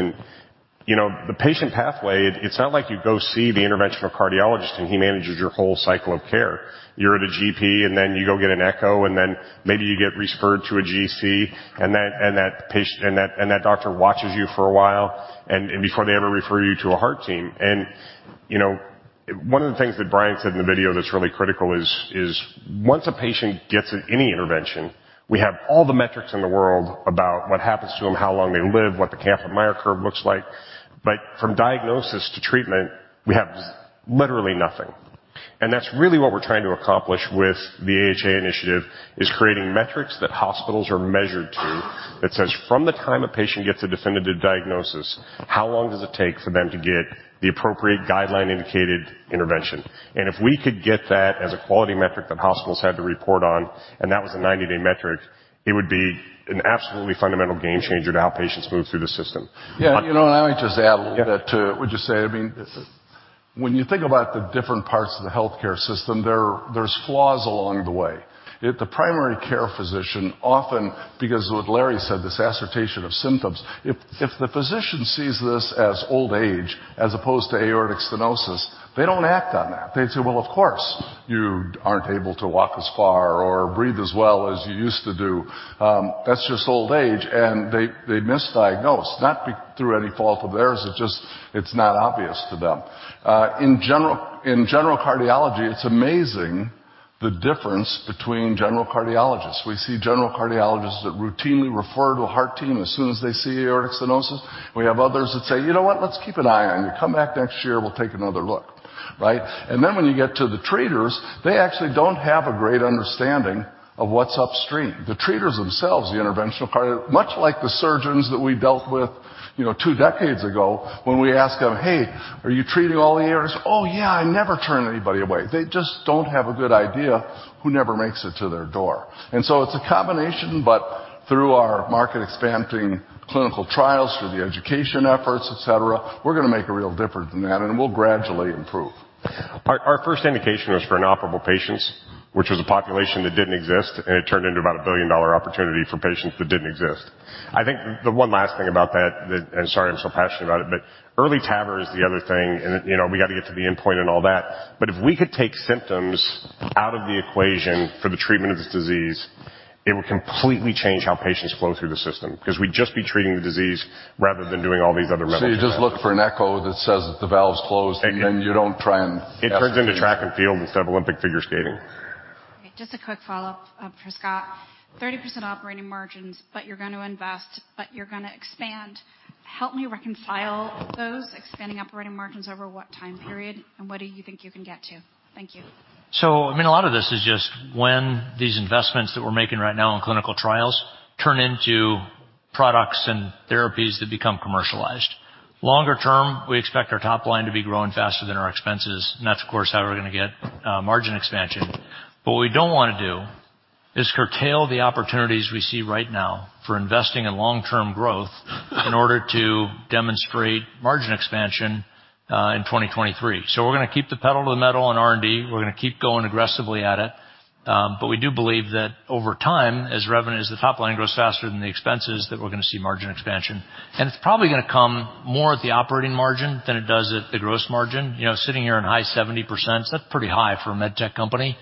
You know, the patient pathway, it's not like you go see the interventional cardiologist, and he manages your whole cycle of care. You're at a GP, and then you go get an echo, and then maybe you get referred to a GC. That doctor watches you for a while and before they ever refer you to a heart team. You know, one of the things that Brian said in the video that's really critical is once a patient gets any intervention, we have all the metrics in the world about what happens to them, how long they live, what the Kaplan-Meier curve looks like. From diagnosis to treatment, we have literally nothing. That's really what we're trying to accomplish with the AHA initiative, is creating metrics that hospitals are measured to that says from the time a patient gets a definitive diagnosis, how long does it take for them to get the appropriate guideline-indicated intervention? If we could get that as a quality metric that hospitals had to report on, and that was a 90-day metric, it would be an absolutely fundamental game changer to how patients move through the system. Yeah. You know, I would just add a little bit to what you said. I mean- When you think about the different parts of the healthcare system, there's flaws along the way. If the primary care physician, often because what Larry Wood said, this assertation of symptoms. If the physician sees this as old age as opposed to aortic stenosis, they don't act on that. They say, "Well, of course, you aren't able to walk as far or breathe as well as you used to do. That's just old age." And they misdiagnose, not through any fault of theirs, it's just, it's not obvious to them. In general cardiology, it's amazing the difference between general cardiologists. We see general cardiologists that routinely refer to a heart team as soon as they see aortic stenosis. We have others that say, "You know what? Let's keep an eye on you. Come back next year, we'll take another look." Right? When you get to the treaters, they actually don't have a great understanding of what's upstream. The treaters themselves, much like the surgeons that we dealt with, you know, two decades ago when we ask them, "Hey, are you treating all the AS?" "Oh, yeah, I never turn anybody away." They just don't have a good idea who never makes it to their door. It's a combination, but through our market expanding clinical trials, through the education efforts, et cetera, we're gonna make a real difference in that, and we'll gradually improve. Our first indication was for inoperable patients, which was a population that didn't exist. It turned into about a billion-dollar opportunity for patients that didn't exist. I think the one last thing about that. Sorry, I'm so passionate about it. Early TAVR is the other thing and, you know, we gotta get to the endpoint and all that. If we could take symptoms out of the equation for the treatment of this disease, it would completely change how patients flow through the system. 'Cause we'd just be treating the disease rather than doing all these other medical things. You just look for an echo that says that the valve's closed... Exactly. You don't try and estimate. It turns into track and field instead of Olympic figure skating. Just a quick follow-up for Scott. 30% operating margins, but you're gonna invest, but you're gonna expand. Help me reconcile those expanding operating margins over what time period and what do you think you can get to? Thank you. I mean, a lot of this is just when these investments that we're making right now in clinical trials turn into products and therapies that become commercialized. Longer term, we expect our top line to be growing faster than our expenses, and that's, of course, how we're gonna get margin expansion. But what we don't wanna do is curtail the opportunities we see right now for investing in long-term growth in order to demonstrate margin expansion in 2023. We're gonna keep the pedal to the metal in R&D. We're gonna keep going aggressively at it. But we do believe that over time, as revenues, the top line grows faster than the expenses, that we're gonna see margin expansion. It's probably gonna come more at the operating margin than it does at the gross margin. You know, sitting here in high 70%, that's pretty high for a med tech company.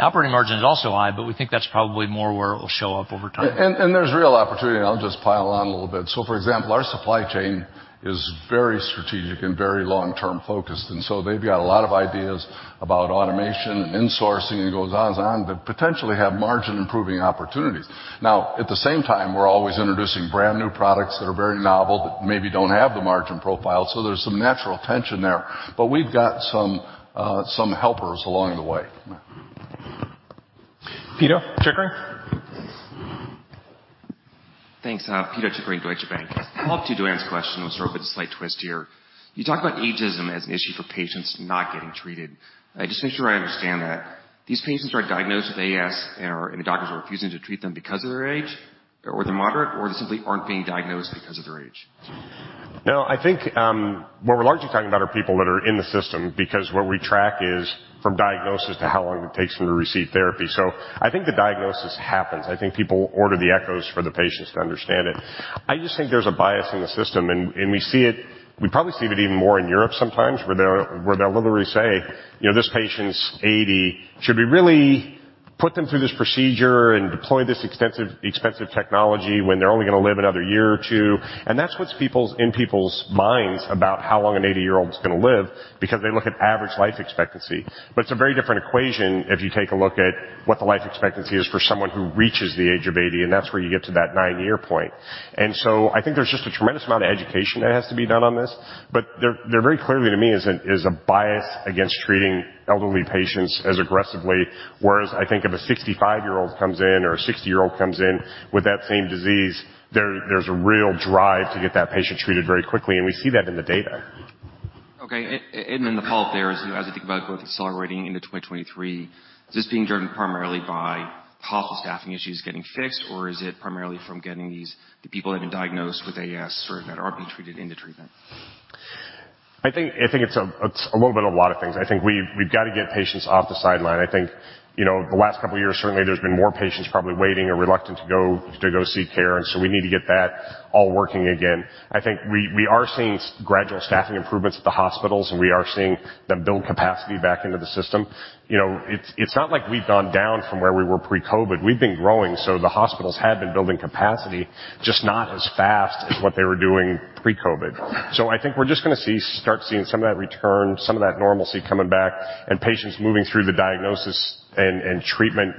Operating margin is also high, we think that's probably more where it will show up over time. There's real opportunity, and I'll just pile on a little bit. For example, our supply chain is very strategic and very long-term focused. They've got a lot of ideas about automation and insourcing. It goes on and on, but potentially have margin-improving opportunities. At the same time, we're always introducing brand-new products that are very novel that maybe don't have the margin profile. There's some natural tension there. We've got some helpers along the way. Pito Chickering. Thanks. Pito Chickering, Deutsche Bank. A follow-up to Joanne's question with sort of a slight twist here. You talk about ageism as an issue for patients not getting treated. Just to make sure I understand that, these patients are diagnosed with AS and the doctors are refusing to treat them because of their age or they're moderate, or they simply aren't being diagnosed because of their age? No, I think what we're largely talking about are people that are in the system because what we track is from diagnosis to how long it takes them to receive therapy. I think the diagnosis happens. I think people order the echoes for the patients to understand it. I just think there's a bias in the system, and we see it. We probably see it even more in Europe sometimes where they'll literally say, you know, "This patient's 80. Should we really put them through this procedure and deploy this extensive, expensive technology when they're only gonna live another year or 2?" That's what's in people's minds about how long an 80-year-old is gonna live because they look at average life expectancy. It's a very different equation if you take a look at what the life expectancy is for someone who reaches the age of 80, and that's where you get to that 9-year point. I think there's just a tremendous amount of education that has to be done on this. There very clearly to me is a bias against treating elderly patients as aggressively. Whereas I think if a 65-year-old comes in or a 60-year-old comes in with that same disease, there's a real drive to get that patient treated very quickly. We see that in the data. Okay. The follow-up there is as you think about growth accelerating into 2023, is this being driven primarily by hospital staffing issues getting fixed, or is it primarily from getting these, the people that have been diagnosed with AS or that aren't being treated into treatment? I think it's a, it's a little bit of a lot of things. I think we've got to get patients off the sideline. I think, you know, the last couple of years, certainly there's been more patients probably waiting or reluctant to go seek care. We need to get that all working again. I think we are seeing gradual staffing improvements at the hospitals, and we are seeing them build capacity back into the system. You know, it's not like we've gone down from where we were pre-COVID. We've been growing, so the hospitals had been building capacity just not as fast as what they were doing pre-COVID. I think we're just gonna start seeing some of that return, some of that normalcy coming back, and patients moving through the diagnosis and treatment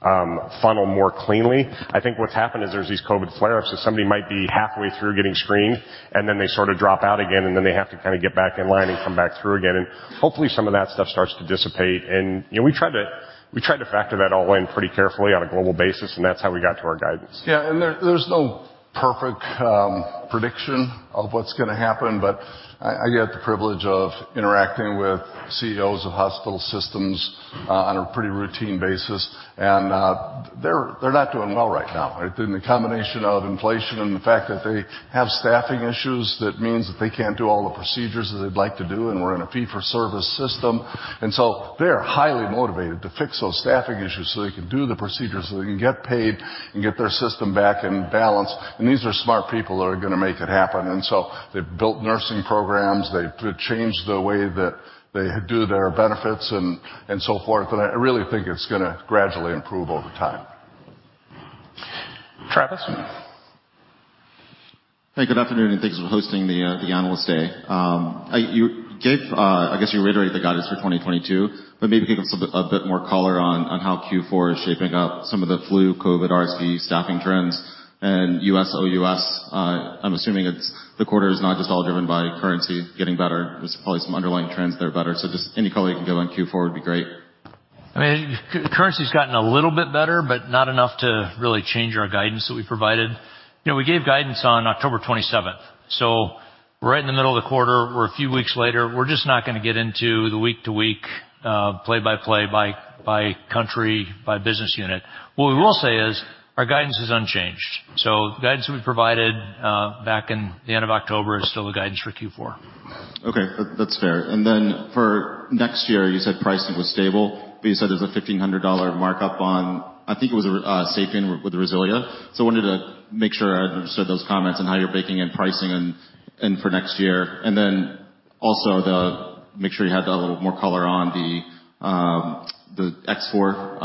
funnel more cleanly. I think what's happened is there's these COVID flare-ups, so somebody might be halfway through getting screened, and then they sort of drop out again, and then they have to kinda get back in line and come back through again. Hopefully, some of that stuff starts to dissipate. You know, we try to factor that all in pretty carefully on a global basis, and that's how we got to our guidance. Yeah. There's no perfect prediction of what's gonna happen. I get the privilege of interacting with CEOs of hospital systems on a pretty routine basis. They're not doing well right now between the combination of inflation and the fact that they have staffing issues that means that they can't do all the procedures that they'd like to do, and we're in a fee-for-service system. They're highly motivated to fix those staffing issues so they can do the procedures, so they can get paid and get their system back in balance. These are smart people that are gonna make it happen. They've built nursing programs, they've changed the way that they do their benefits and so forth. I really think it's gonna gradually improve over time. Travis. Hey, good afternoon, and thanks for hosting the Analyst Day. I guess you reiterated the guidance for 2022, but maybe give us a bit more color on how Q4 is shaping up some of the flu, COVID, RSV staffing trends and US, OUS. I'm assuming it's the quarter is not just all driven by currency getting better. There's probably some underlying trends that are better. Just any color you can give on Q4 would be great. I mean, currency's gotten a little bit better, but not enough to really change our guidance that we provided. You know, we gave guidance on October 27th, so right in the middle of the quarter or a few weeks later. We're just not gonna get into the week-to-week, play-by-play, by country, by business unit. What we will say is our guidance is unchanged. The guidance that we provided, back in the end of October is still the guidance for Q4. Okay. That's fair. For next year, you said pricing was stable, but you said there's a $1,500 markup on... I think it was SAPIEN with RESILIA. I wanted to make sure I understood those comments and how you're baking in pricing for next year. Also make sure you had a little more color on the X4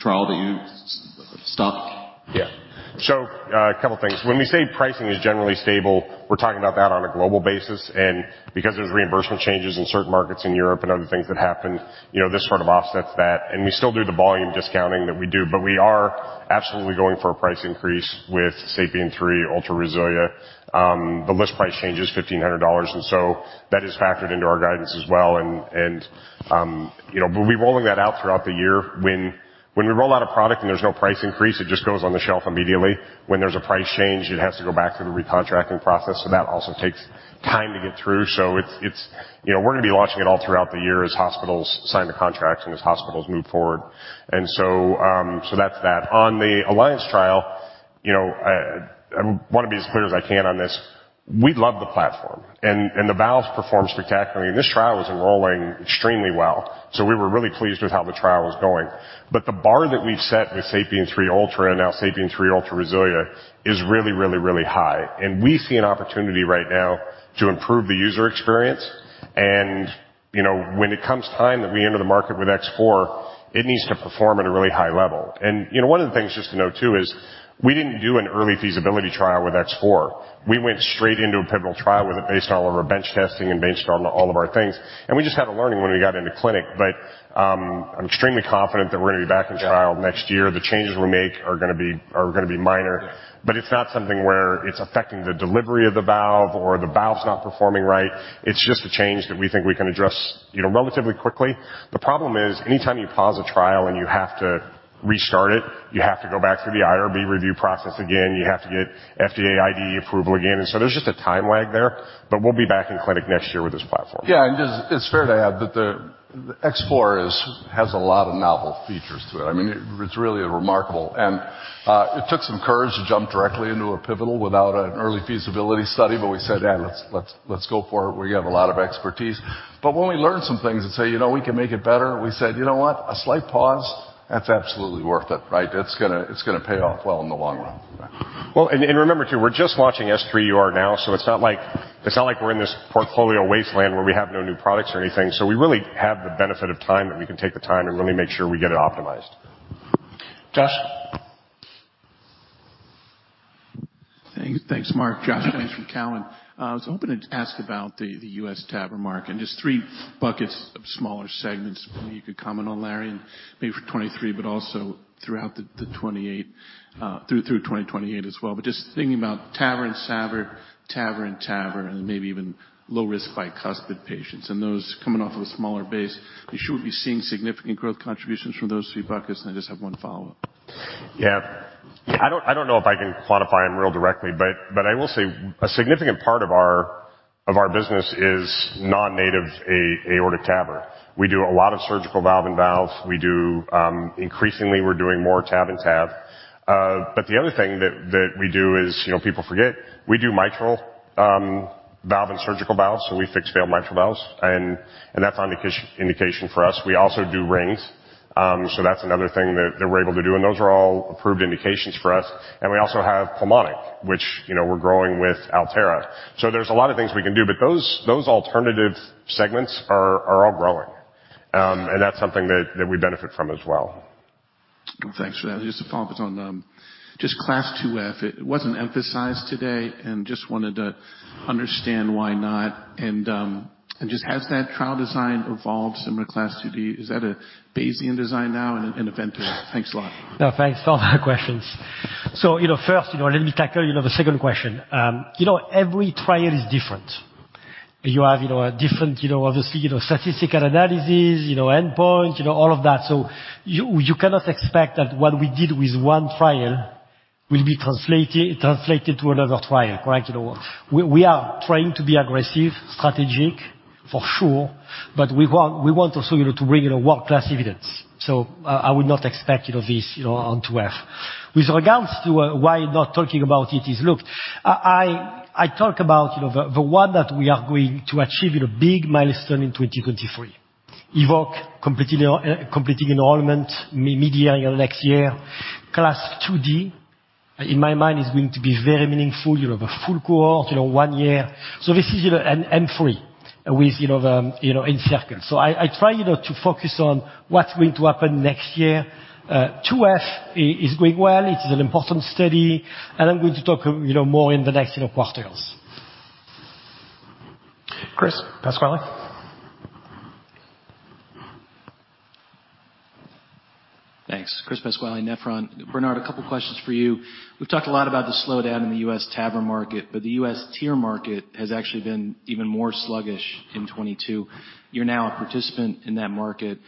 trial that you stopped. Yeah. So, a couple things. When we say pricing is generally stable, we're talking about that on a global basis. Because there's reimbursement changes in certain markets in Europe and other things that happen, you know, this sort of offsets that. We still do the volume discounting that we do, but we are absolutely going for a price increase with SAPIEN 3 Ultra RESILIA. The list price change is $1,500, that is factored into our guidance as well. You know, we're rolling that out throughout the year. When we roll out a product and there's no price increase, it just goes on the shelf immediately. When there's a price change, it has to go back through the recontracting process, that also takes time to get through. It's. You know, we're gonna be launching it all throughout the year as hospitals sign the contracts and as hospitals move forward. That's that. On the ALLIANCE trial, you know, I wanna be as clear as I can on this. We love the platform, and the valves perform spectacularly, and this trial was enrolling extremely well. We were really pleased with how the trial was going. The bar that we've set with SAPIEN 3 Ultra and now SAPIEN 3 Ultra RESILIA is really, really, really high. We see an opportunity right now to improve the user experience, and, you know, when it comes time that we enter the market with X4, it needs to perform at a really high level. You know, one of the things just to know too is we didn't do an early feasibility trial with X4. We went straight into a pivotal trial with it based on all of our bench testing and based on all of our things, and we just had a learning when we got into clinic. I'm extremely confident that we're gonna be back in trial next year. The changes we make are gonna be minor. Yeah. It's not something where it's affecting the delivery of the valve or the valve's not performing right. It's just a change that we think we can address, you know, relatively quickly. The problem is anytime you pause a trial and you have to restart it, you have to go back through the IRB review process again. You have to get FDA IDE approval again. So there's just a time lag there, but we'll be back in clinic next year with this platform. Yeah. Just it's fair to add that the X4 has a lot of novel features to it. I mean, it's really remarkable. It took some courage to jump directly into a pivotal without an early feasibility study, but we said, "Yeah. Let's go for it. We have a lot of expertise." When we learned some things and say, "You know, we can make it better," we said, "You know what? A slight pause, that's absolutely worth it, right? It's gonna pay off well in the long run. Well, remember too, we're just launching S3 UR now, so it's not like, it's not like we're in this portfolio wasteland where we have no new products or anything. We really have the benefit of time that we can take the time and really make sure we get it optimized. Josh. Thanks. Thanks, Mark. Joshua Jennings from TD Cowen. I was hoping to ask about the US TAVR market and just three buckets of smaller segments maybe you could comment on, Larry, and maybe for 23, but also throughout the 28, through 2028 as well. But just thinking about TAVR and SAVR, TAVR and TAVR, and maybe even low risk bicuspid patients. And those coming off of a smaller base, you should be seeing significant growth contributions from those three buckets. And I just have one follow-up. Yeah. I don't know if I can quantify them real directly, but I will say a significant part of our business is non-native aortic TAVR. We do a lot of surgical valve in valve. We do. Increasingly, we're doing more TAV in TAV. But the other thing that we do is, you know, people forget, we do mitral valve and surgical valve, so we fix failed mitral valves and that's indication for us. We also do rings, so that's another thing that we're able to do, and those are all approved indications for us. We also have pulmonic, which, you know, we're growing with Alterra. There's a lot of things we can do, but those alternative segments are all growing. And that's something that we benefit from as well. Thanks for that. Just a follow-up on, just CLASP IIF. It wasn't emphasized today and just wanted to understand why not. Has that trial design evolved similar to CLASP IID? Is that a Bayesian design now and an event drive? Thanks a lot. No, thanks for all the questions. First, you know, let me tackle, you know, the second question. You know, every trial is different. You have, you know, a different, you know, obviously, you know, statistical analysis, you know, endpoint, you know, all of that. You, you cannot expect that what we did with one trial will be translated to another trial, right? You know, we are trained to be aggressive, strategic, for sure. We want to also to bring, you know, world-class evidence. I would not expect, you know, this, you know, on 2F. With regards to why not talking about it is look, I talk about, you know, the one that we are going to achieve in a big milestone in 2023. EVOQUE completing enrollment midyear next year. CLASP IID, in my mind, is going to be very meaningful. You have a full cohort, you know, one year. This is, you know, an M3 with, you know, the, you know, ENCIRCLE. I try, you know, to focus on what's going to happen next year. 2F is going well. It is an important study, and I'm going to talk, you know, more in the next, you know, quarter, else. Chris Pasquale. Thanks. Chris Pasquale, Nephron. Bernard, a couple questions for you. We've talked a lot about the slowdown in the U.S. TAVR market. The U.S. TEER market has actually been even more sluggish in 2022. You're now a participant in that market.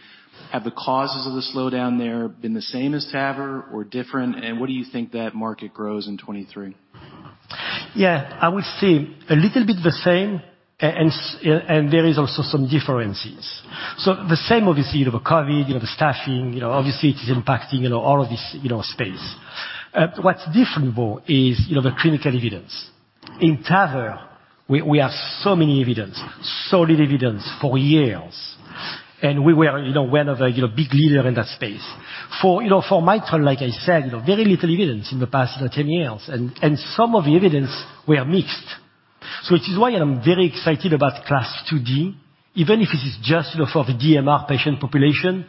Have the causes of the slowdown there been the same as TAVR or different? What do you think that market grows in 2023? Yeah, I would say a little bit the same. There is also some differences. The same, obviously, you know, the COVID, you know, the staffing. You know, obviously, it is impacting, you know, all of this, you know, space. What's different though is, you know, the clinical evidence. In TAVR, we have so many evidence, solid evidence for years. We were, you know, one of the, you know, big leader in that space. For, you know, for mitral, like I said, you know, very little evidence in the past 10 years. Some of the evidence were mixed. Which is why I'm very excited about CLASP IID, even if it is just, you know, for the DMR patient population.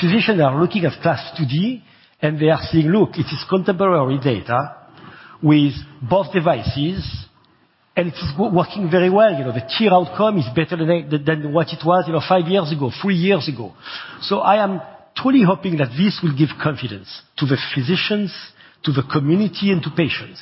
Physicians are looking at CLASP IID, and they are saying, "Look, it is contemporary data with both devices, and it is working very well. You know, the TEER outcome is better than what it was, you know, five years ago, three years ago." I am totally hoping that this will give confidence to the physicians, to the community, and to patients.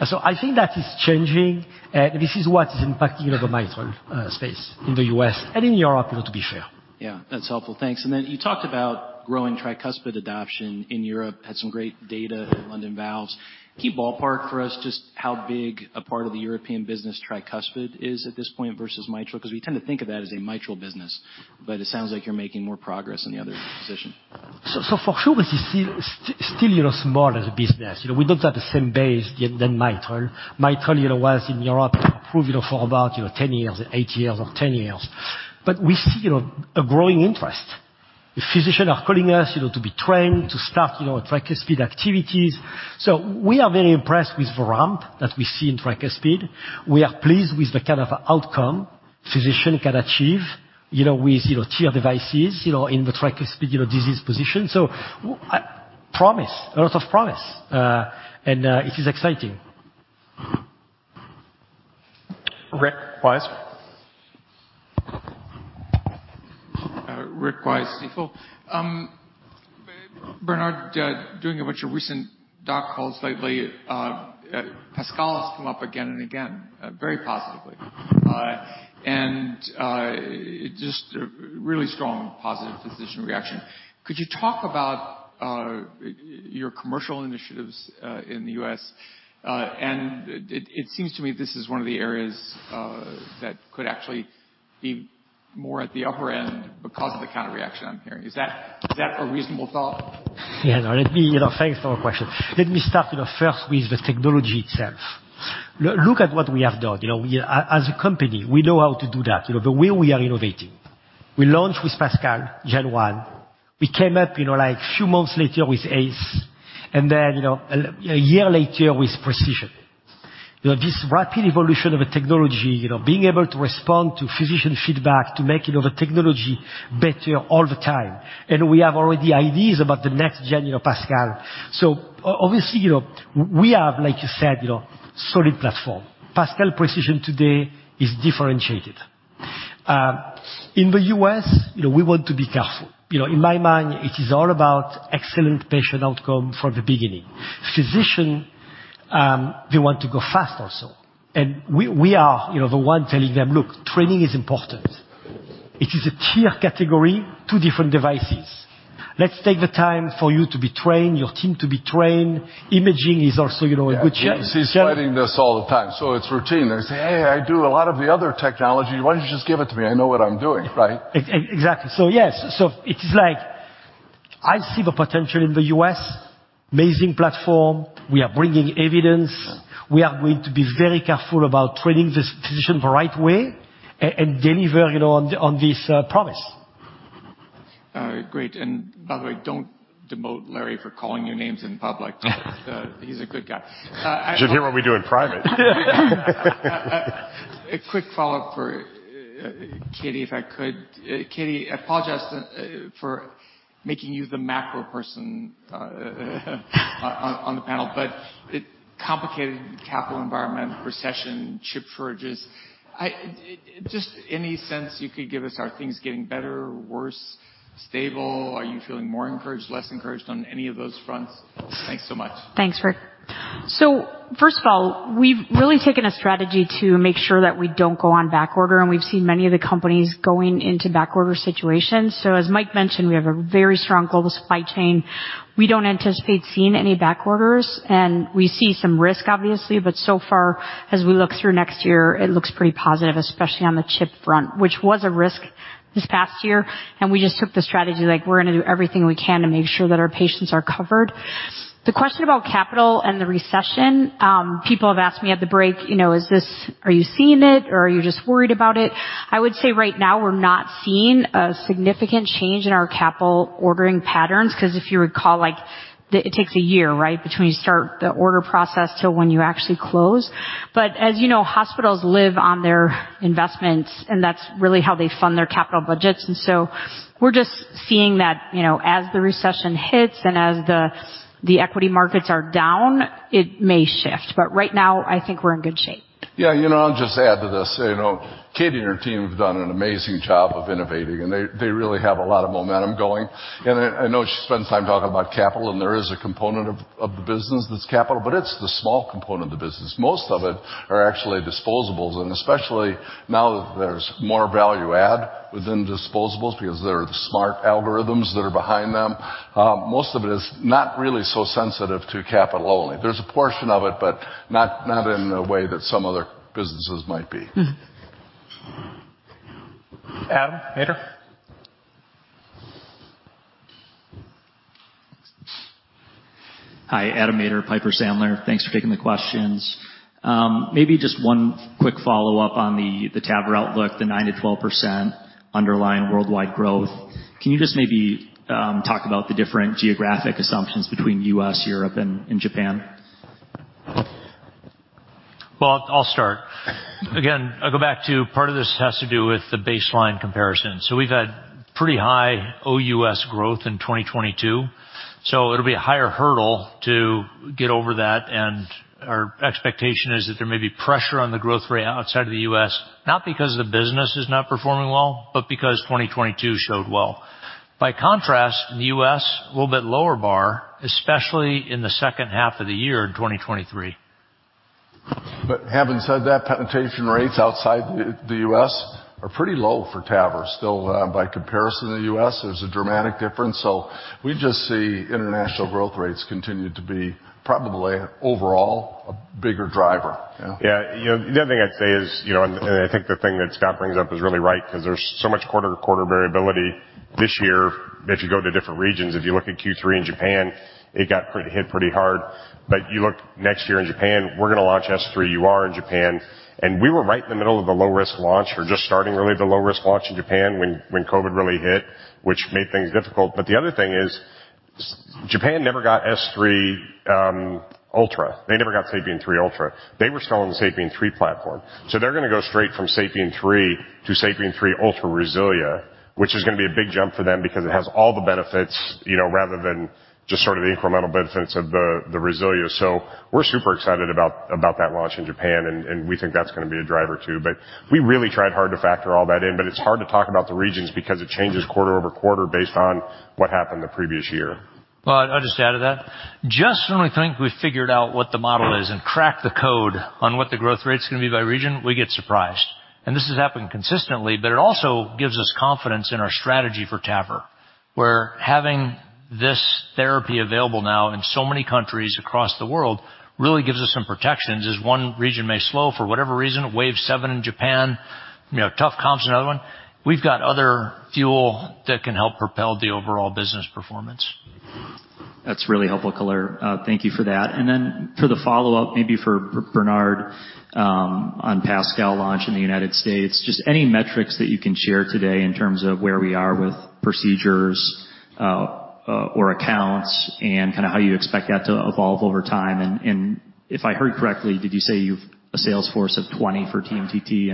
I think that is changing, and this is what is impacting, you know, the mitral space in the U.S. and in Europe, you know, to be fair. Yeah, that's helpful. Thanks. You talked about growing tricuspid adoption in Europe. Had some great data at London Valves. Can you ballpark for us just how big a part of the European business tricuspid is at this point versus mitral? We tend to think of that as a mitral business, but it sounds like you're making more progress in the other position. For sure, this is still, you know, small as a business. You know, we don't have the same base than mitral. Mitral, you know, was in Europe, you know, proved for about 10 years, 8 years or 10 years. We see, you know, a growing interest. Physicians are calling us, you know, to be trained, to start, you know, tricuspid activities. We are very impressed with the ramp that we see in tricuspid. We are pleased with the kind of outcome physician can achieve, you know, with, you know, TEER devices, you know, in the tricuspid, you know, disease position. Promise, a lot of promise. And it is exciting. Rick Wise. Bernard, during a bunch of recent doc calls lately, PASCAL's come up again and again, very positively. It just really strong positive physician reaction. Could you talk about your commercial initiatives in the U.S.? It seems to me this is one of the areas that could actually be more at the upper end because of the kind of reaction I'm hearing. Is that a reasonable thought? Yeah, no, let me, you know. Thanks for the question. Let me start, you know, first with the technology itself. Look at what we have done, you know. As a company, we know how to do that. You know, the way we are innovating. We launched with PASCAL, gen one. We came up, you know, like few months later with PASCAL Ace, and then, you know, a year later with PASCAL Precision. You know, this rapid evolution of a technology, you know, being able to respond to physician feedback, to make, you know, the technology better all the time. We have already ideas about the next gen, you know, PASCAL. Obviously, you know, we have, like you said, you know, solid platform. PASCAL Precision today is differentiated. In the U.S., you know, we want to be careful. You know, in my mind, it is all about excellent patient outcome from the beginning. Physician, they want to go fast also. We are, you know, the one telling them, "Look, training is important. It is a TEER category, 2 different devices. Let's take the time for you to be trained, your team to be trained. Imaging is also, you know, a good thing. Yeah. He's fighting this all the time, so it's routine. They say, "Hey, I do a lot of the other technology. Why don't you just give it to me? I know what I'm doing." Right? Exactly. Yes. It is like I see the potential in the US. Amazing platform. We are bringing evidence. We are going to be very careful about training this physician the right way and deliver, you know, on this promise. Great. By the way, don't demote Larry for calling you names in public. He's a good guy. You should hear what we do in private. A quick follow-up for Katie, if I could. Katie, I apologize for making you the macro person on the panel. Complicated capital environment, recession, chip shortages. Just any sense you could give us, are things getting better or worse? Stable? Are you feeling more encouraged, less encouraged on any of those fronts? Thanks so much. Thanks, Rick. First of all, we've really taken a strategy to make sure that we don't go on back order, and we've seen many of the companies going into back order situations. As Mike mentioned, we have a very strong global supply chain. We don't anticipate seeing any back orders, and we see some risk obviously. So far, as we look through next year, it looks pretty positive, especially on the chip front, which was a risk this past year. We just took the strategy, like, we're gonna do everything we can to make sure that our patients are covered. The question about capital and the recession, people have asked me at the break, you know, are you seeing it or are you just worried about it? I would say right now we're not seeing a significant change in our capital ordering patterns, 'cause if you recall, like, it takes a year, right? Between you start the order process till when you actually close. As you know, hospitals live on their investments, and that's really how they fund their capital budgets. We're just seeing that, you know, as the recession hits and as the equity markets are down, it may shift. Right now, I think we're in good shape. Yeah. You know, I'll just add to this. You know, Katie and her team have done an amazing job of innovating. They really have a lot of momentum going. I know she spends time talking about capital, and there is a component of the business that's capital, but it's the small component of the business. Most of it are actually disposables. Especially now that there's more value add within disposables because there are smart algorithms that are behind them, most of it is not really so sensitive to capital only. There's a portion of it, but not in a way that some other businesses might be. Mm-hmm. Adam Maeder. Hi. Adam Maeder, Piper Sandler. Thanks for taking the questions. Maybe just one quick follow-up on the TAVR outlook, the 9%-12% underlying worldwide growth. Can you just maybe talk about the different geographic assumptions between US, Europe, and Japan? Well, I'll start. Again, I'll go back to part of this has to do with the baseline comparison. We've had pretty high OUS growth in 2022, so it'll be a higher hurdle to get over that, and our expectation is that there may be pressure on the growth rate outside of the US, not because the business is not performing well, but because 2022 showed well. By contrast, in the US, a little bit lower bar, especially in the second half of the year in 2023. Having said that, penetration rates outside the U.S. are pretty low for TAVR. Still, by comparison to the U.S., there's a dramatic difference. We just see international growth rates continue to be probably overall a bigger driver. Yeah. You know, the other thing I'd say is, you know, I think the thing that Scott brings up is really right, 'cause there's so much quarter-to-quarter variability this year that if you go to different regions, if you look at Q3 in Japan, it got pretty hit pretty hard. You look next year in Japan, we're gonna launch S3 UR in Japan. We were right in the middle of the low-risk launch. We're just starting really the low-risk launch in Japan when Covid really hit, which made things difficult. The other thing is, Japan never got SAPIEN 3 Ultra. They never got SAPIEN 3 Ultra. They were still on the SAPIEN 3 platform. They're gonna go straight from SAPIEN 3 to SAPIEN 3 Ultra RESILIA, which is gonna be a big jump for them because it has all the benefits, you know, rather than just sort of the incremental benefits of the RESILIA. We're super excited about that launch in Japan and we think that's gonna be a driver too. We really tried hard to factor all that in, but it's hard to talk about the regions because it changes quarter-over-quarter based on what happened the previous year. Well, I'll just add to that. Just when we think we've figured out what the model is and cracked the code on what the growth rate's gonna be by region, we get surprised. This has happened consistently, but it also gives us confidence in our strategy for TAVR. Where having this therapy available now in so many countries across the world really gives us some protections, as one region may slow for whatever reason. Wave 7 in Japan, you know, tough comps, another one. We've got other fuel that can help propel the overall business performance. That's really helpful, Larry. Thank you for that. Then for the follow-up, maybe for Bernard, on PASCAL launch in the United States. Just any metrics that you can share today in terms of where we are with procedures or accounts and kinda how you expect that to evolve over time. If I heard correctly, did you say you've a sales force of 20 for TMTT,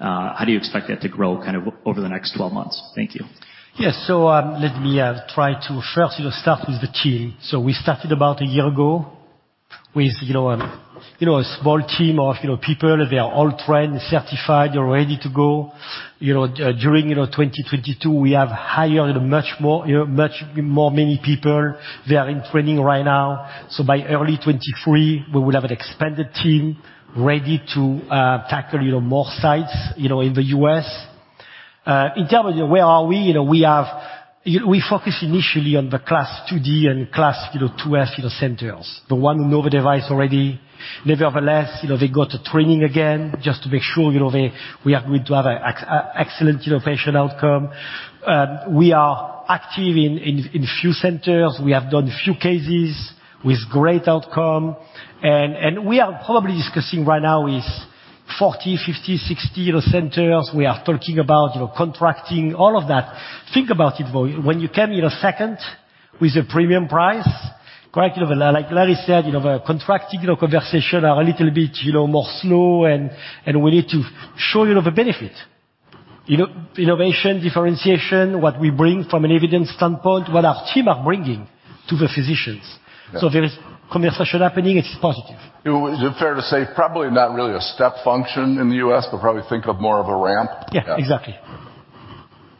how do you expect that to grow kind of over the next 12 months? Thank you. Yes. Let me try to first, you know, start with the team. We started about a year ago with, you know, a small team of, you know, people. They are all trained, certified. They're ready to go. During, you know, 2022, we have hired much more many people. They are in training right now. By early 2023, we will have an expanded team ready to tackle, you know, more sites, you know, in the U.S. In terms of where are we, you know, we focus initially on the CLASP IID and CLASP IIF, you know, centers. The one who know the device already. Nevertheless, you know, they go to training again just to make sure, you know, we are going to have an excellent, you know, patient outcome. We are active in few centers. We have done few cases with great outcome. We are probably discussing right now with 40, 50, 60, you know, centers. We are talking about, you know, contracting, all of that. Think about it, though. When you come in a second with a premium price, correctly, like Larry said, you know, the contracting, you know, conversation are a little bit, you know, more slow and we need to show you the benefit. You know, innovation, differentiation, what we bring from an evidence standpoint, what our team are bringing to the physicians. Yeah. There is conversation happening. It's positive. Is it fair to say probably not really a step function in the U.S., but probably think of more of a ramp? Yeah. Yeah. Exactly.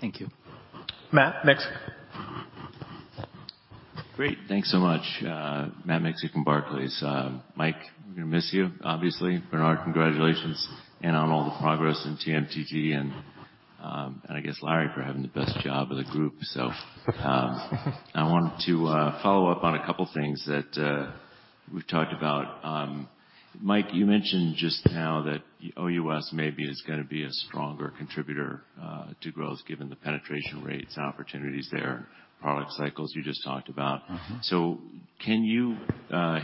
Thank you. Matt Miksic. Great. Thanks so much. Matt Miksic from Barclays. Mike, I'm gonna miss you, obviously. Bernard, congratulations. On all the progress in TMTT, and I guess, Larry, for having the best job of the group. I wanted to follow up on a couple things that we've talked about. Mike, you mentioned just now that OUS maybe is gonna be a stronger contributor to growth, given the penetration rates and opportunities there and product cycles you just talked about. Mm-hmm. Can you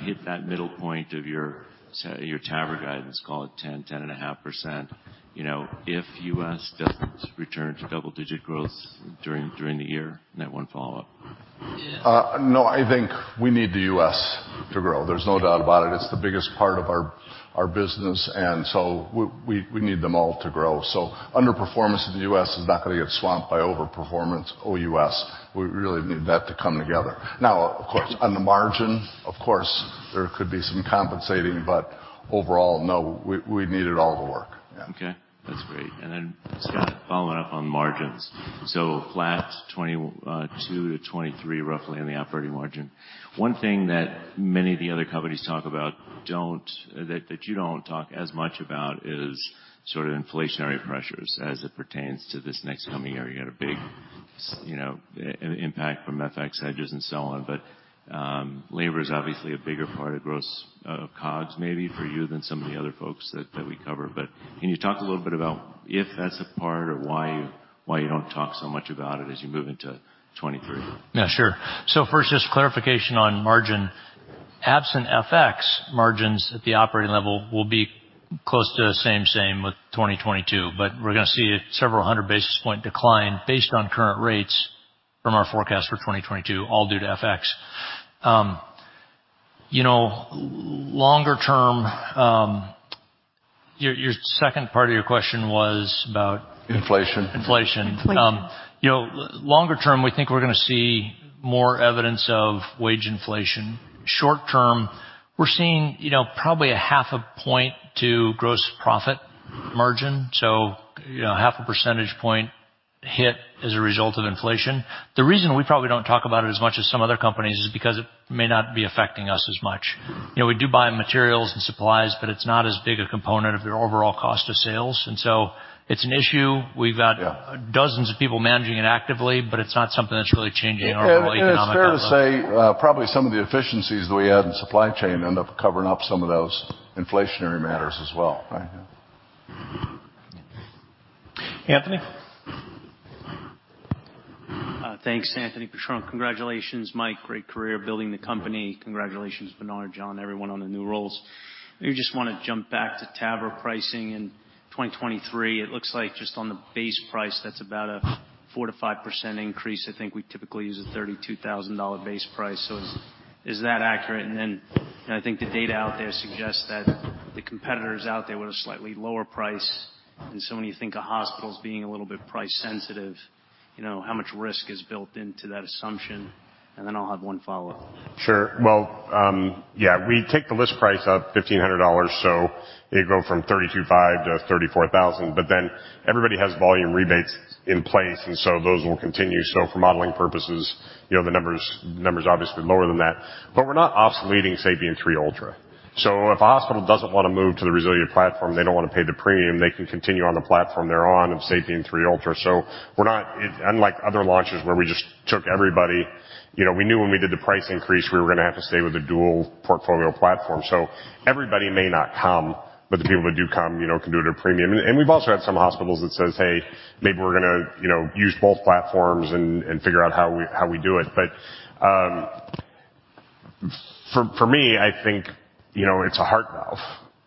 hit that middle point of your TAVR guidance, call it 10-10.5%, you know, if U.S. doesn't return to double-digit growth during the year? I have one follow-up. No, I think we need the U.S. to grow. There's no doubt about it. It's the biggest part of our business, we need them all to grow. Underperformance in the U.S. is not gonna get swamped by overperformance OUS. We really need that to come together. On the margin, of course, there could be some compensating, overall, no, we need it all to work. Yeah. Okay. That's great. Scott, following up on margins. Flat 22-23 roughly on the operating margin. One thing that many of the other companies talk about that you don't talk as much about is sort of inflationary pressures as it pertains to this next coming year. You had a big you know, impact from FX hedges and so on. Labor is obviously a bigger part of gross COGS maybe for you than some of the other folks that we cover. Can you talk a little bit about if that's a part or why you don't talk so much about it as you move into 2023? Yeah, sure. First, just clarification on margin. Absent FX, margins at the operating level will be close to the same with 2022, we're gonna see a several hundred basis point decline based on current rates from our forecast for 2022, all due to FX. you know, longer term, your second part of your question was about. Inflation. Inflation. Inflation. You know, longer term, we think we're gonna see more evidence of wage inflation. Short term, we're seeing, you know, probably a 0.5 point to gross profit margin, so, you know, a 0.5 percentage point hit as a result of inflation. The reason we probably don't talk about it as much as some other companies is because it may not be affecting us as much. You know, we do buy materials and supplies, but it's not as big a component of your overall cost of sales. It's an issue. Yeah. dozens of people managing it actively, but it's not something that's really changing our overall economic outlook. It's fair to say, probably some of the efficiencies that we had in supply chain end up covering up some of those inflationary matters as well. Right. Yeah. Anthony? Thanks, Anthony Petrone. Congratulations, Mike. Great career building the company. Congratulations, Bernard, John, everyone on the new roles. I just wanna jump back to TAVR pricing in 2023. It looks like just on the base price, that's about a 4%-5% increase. I think we typically use a $32,000 base price, so is that accurate? I think the data out there suggests that the competitors out there with a slightly lower price, and so when you think of hospitals being a little bit price sensitive, you know, how much risk is built into that assumption. I'll have one follow-up. We take the list price up $1,500, you go from $32,500 to $34,000. Everybody has volume rebates in place, those will continue. For modeling purposes, you know, the number's obviously lower than that. We're not obsoleting SAPIEN 3 Ultra. If a hospital doesn't wanna move to the RESILIA platform, they don't wanna pay the premium, they can continue on the platform they're on of SAPIEN 3 Ultra. We're not Unlike other launches where we just took everybody, you know, we knew when we did the price increase, we were gonna have to stay with a dual portfolio platform. Everybody may not come, the people that do come, you know, can do it at a premium. We've also had some hospitals that says, "Hey, maybe we're gonna, you know, use both platforms and figure out how we do it." For me, I think, you know, it's a heart valve,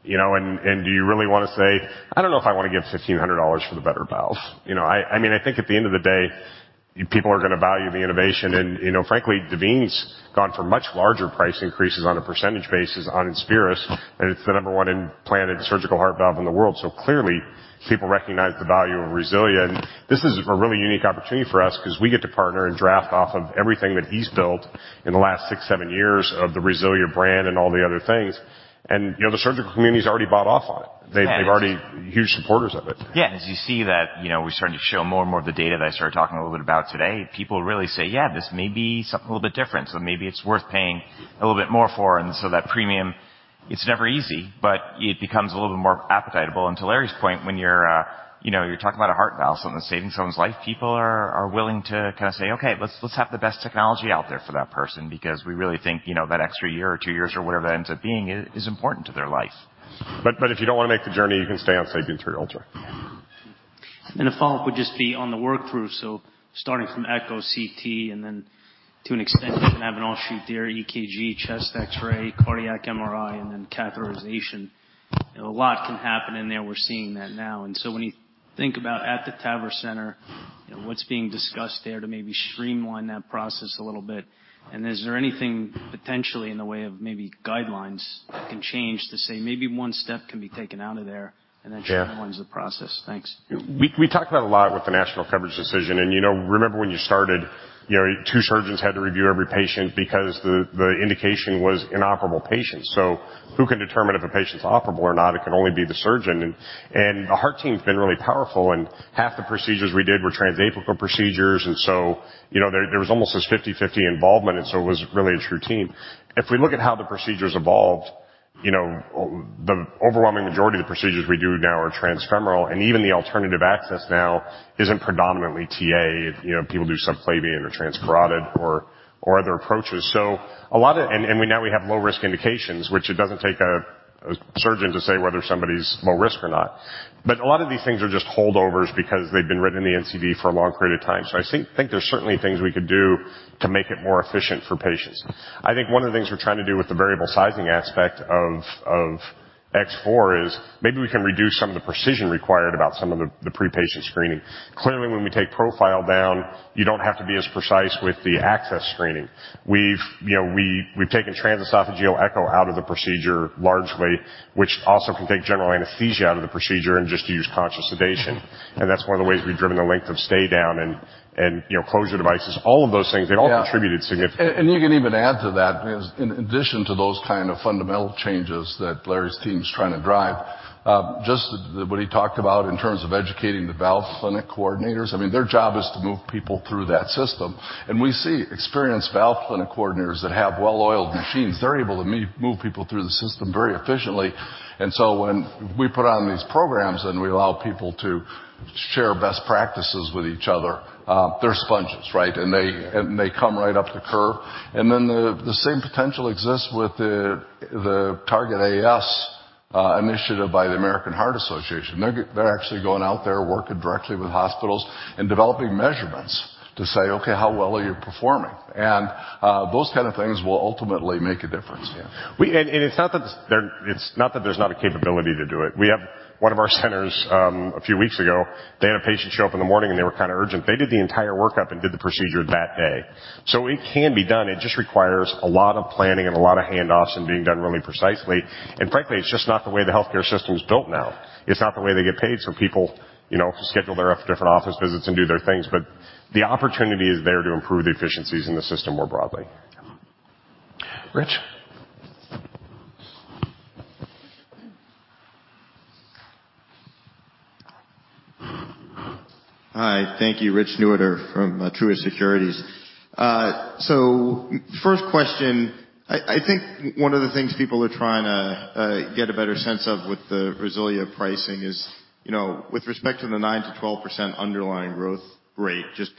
you know. Do you really wanna say, "I don't know if I wanna give $1,500 for the better valve," you know? I mean, I think at the end of the day, people are gonna value the innovation. You know, frankly, Daveen's gone for much larger price increases on a percentage basis on INSPIRIS, and it's the number one implanted surgical heart valve in the world. Clearly people recognize the value of RESILIA. This is a really unique opportunity for us 'cause we get to partner and draft off of everything that he's built in the last six, seven years of the RESILIA brand and all the other things. You know, the surgical community's already bought off on it. They've already huge supporters of it. Yeah. As you see that, you know, we're starting to show more and more of the data that I started talking a little bit about today, people really say, "Yeah, this may be something a little bit different, so maybe it's worth paying a little bit more for." That premium, it's never easy, but it becomes a little bit more appetitable. To Larry's point, when you're, you know, you're talking about a heart valve, something that's saving someone's life, people are willing to kinda say, "Okay, let's have the best technology out there for that person," because we really think, you know, that extra year or two years or whatever that ends up being is important to their life. If you don't wanna make the journey, you can stay on SAPIEN 3 Ultra. A follow-up would just be on the workthrough. Starting from echo CT, and then to an extent, you can have an offshoot there, EKG, chest X-ray, cardiac MRI, and then catheterization. You know, a lot can happen in there. We're seeing that now. When you think about at the TAVR center, you know, what's being discussed there to maybe streamline that process a little bit, and is there anything potentially in the way of maybe guidelines that can change to say maybe one step can be taken out of there? Yeah. Then streamlines the process? Thanks. We talked about it a lot with the national coverage decision. You know, remember when you started, you know, two surgeons had to review every patient because the indication was inoperable patients. Who can determine if a patient's operable or not? It can only be the surgeon. The heart team's been really powerful, and half the procedures we did were transapical procedures. You know, there was almost this 50/50 involvement, and so it was really a true team. If we look at how the procedures evolved. You know, overwhelming majority of the procedures we do now are transfemoral, and even the alternative access now isn't predominantly TA. You know, people do subclavian or transcarotid or other approaches. A lot of... We now have low risk indications, which it doesn't take a surgeon to say whether somebody's low risk or not. A lot of these things are just holdovers because they've been written in the NCD for a long period of time. I think there's certainly things we could do to make it more efficient for patients. I think one of the things we're trying to do with the variable sizing aspect of X4 is maybe we can reduce some of the precision required about some of the pre-patient screening. Clearly, when we take profile down, you don't have to be as precise with the access screening. We've, you know, we've taken transesophageal echo out of the procedure largely, which also can take general anesthesia out of the procedure and just use conscious sedation. That's one of the ways we've driven the length of stay down and, you know, closure devices, all of those things, they all contributed significantly. Yeah. You can even add to that is in addition to those kind of fundamental changes that Larry's team is trying to drive, just what he talked about in terms of educating the valve clinic coordinators. I mean, their job is to move people through that system. We see experienced valve clinic coordinators that have well-oiled machines. They're able to move people through the system very efficiently. When we put on these programs, and we allow people to share best practices with each other, they're sponges, right? They come right up the curve. The same potential exists with the Target AS initiative by the American Heart Association. They're actually going out there, working directly with hospitals and developing measurements to say, "Okay, how well are you performing?" Those kind of things will ultimately make a difference. It's not that there's not a capability to do it. We have one of our centers, a few weeks ago, they had a patient show up in the morning, they were kind of urgent. They did the entire workup and did the procedure that day. It can be done. It just requires a lot of planning and a lot of handoffs and being done really precisely. Frankly, it's just not the way the healthcare system is built now. It's not the way they get paid, people, you know, schedule their different office visits and do their things, the opportunity is there to improve the efficiencies in the system more broadly. Rich. Hi. Thank you. Richard Newitter from Truist Securities. First question, I think one of the things people are trying to get a better sense of with the RESILIA pricing is, you know, with respect to the 9% to 12% underlying growth rate, just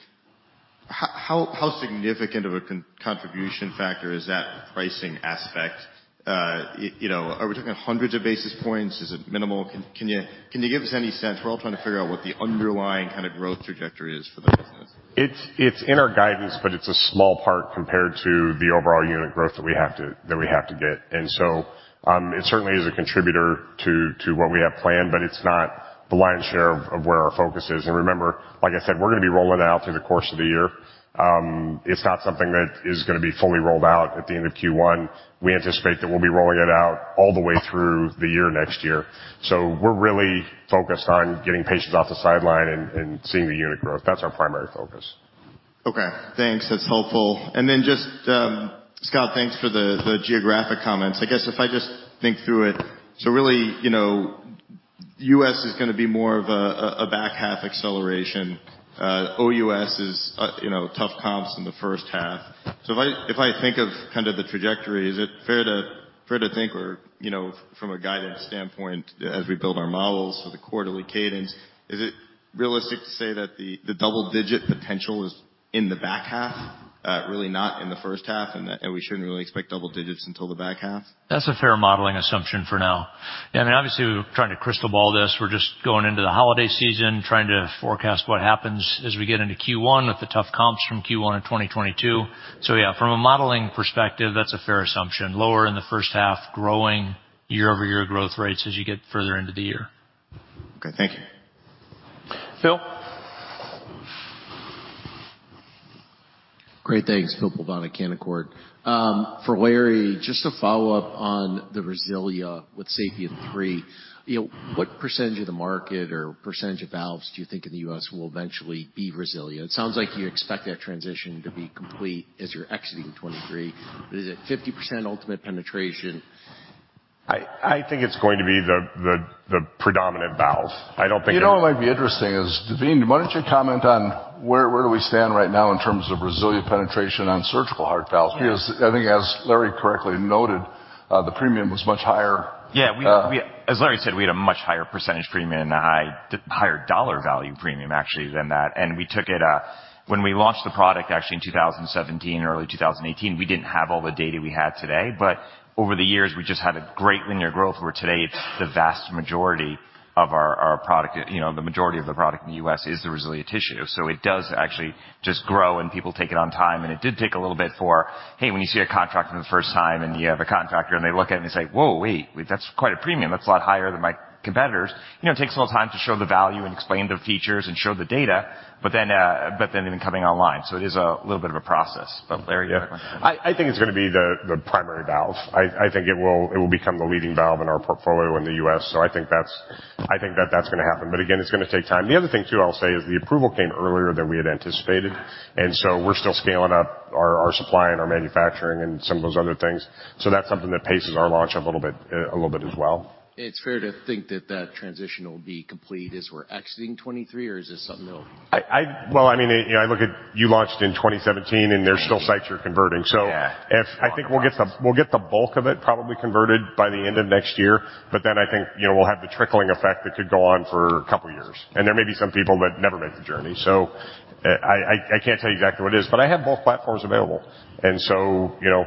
how significant of a contribution factor is that pricing aspect? You know, are we talking hundreds of basis points? Is it minimal? Can you give us any sense? We're all trying to figure out what the underlying kind of growth trajectory is for the business. It's in our guidance, but it's a small part compared to the overall unit growth that we have to get. It certainly is a contributor to what we have planned, but it's not the lion's share of where our focus is. Remember, like I said, we're gonna be rolling out through the course of the year. It's not something that is gonna be fully rolled out at the end of Q1. We anticipate that we'll be rolling it out all the way through the year next year. We're really focused on getting patients off the sideline and seeing the unit growth. That's our primary focus. Okay. Thanks. That's helpful. Then just, Scott, thanks for the geographic comments. I guess if I just think through it, really, you know, US is gonna be more of a back half acceleration. OUS is, you know, tough comps in the first half. If I, if I think of kind of the trajectory, is it fair to, fair to think or, you know, from a guidance standpoint as we build our models for the quarterly cadence, is it realistic to say that the double-digit potential is in the back half, really not in the first half, and we shouldn't really expect double-digits until the back half? That's a fair modeling assumption for now. I mean, obviously, we're trying to crystal ball this. We're just going into the holiday season, trying to forecast what happens as we get into Q1 with the tough comps from Q1 in 2022. Yeah, from a modeling perspective, that's a fair assumption. Lower in the first half, growing year-over-year growth rates as you get further into the year. Okay. Thank you. Bill Great. Thanks. Bill Plovanic, Canaccord. For Larry, just to follow up on the RESILIA with SAPIEN 3, you know, what percentage of the market or percentage of valves do you think in the U.S. will eventually be RESILIA? It sounds like you expect that transition to be complete as you're exiting 23. Is it 50% ultimate penetration? I think it's going to be the predominant valve. You know what might be interesting is, Daveen, why don't you comment on where do we stand right now in terms of RESILIA penetration on surgical heart valves? Yeah. I think as Larry correctly noted, the premium was much higher. Yeah. Uh- As Larry said, we had a much higher percentage premium and a higher dollar value premium, actually than that. When we launched the product actually in 2017, early 2018, we didn't have all the data we have today. Over the years, we just had a great linear growth, where today it's the vast majority of our product. You know, the majority of the product in the U.S. is the RESILIA tissue. It does actually just grow, and people take it on time. It did take a little bit for, hey, when you see a contract for the first time, and you have a contractor, and they look at it and say, "Whoa, wait. That's quite a premium. That's a lot higher than my competitors." You know, it takes a little time to show the value and explain the features and show the data, they've been coming online. It is a little bit of a process. Larry, do you wanna comment? Yeah. I think it's going to be the primary valve. I think it will become the leading valve in our portfolio in the U.S. I think that's... I think that's going to happen. Again, it's going to take time. The other thing, too, I'll say, is the approval came earlier than we had anticipated, we're still scaling up our supply and our manufacturing and some of those other things. That's something that paces our launch a little bit as well. It's fair to think that that transition will be complete as we're exiting 2023, or is this something? I Well, I mean, you know, I look at you launched in 2017, and there's still sites you're converting. Yeah. I think we'll get the bulk of it probably converted by the end of next year. I think, you know, we'll have the trickling effect that could go on for a couple of years. There may be some people that never make the journey. I can't tell you exactly what it is, but I have both platforms available. You know,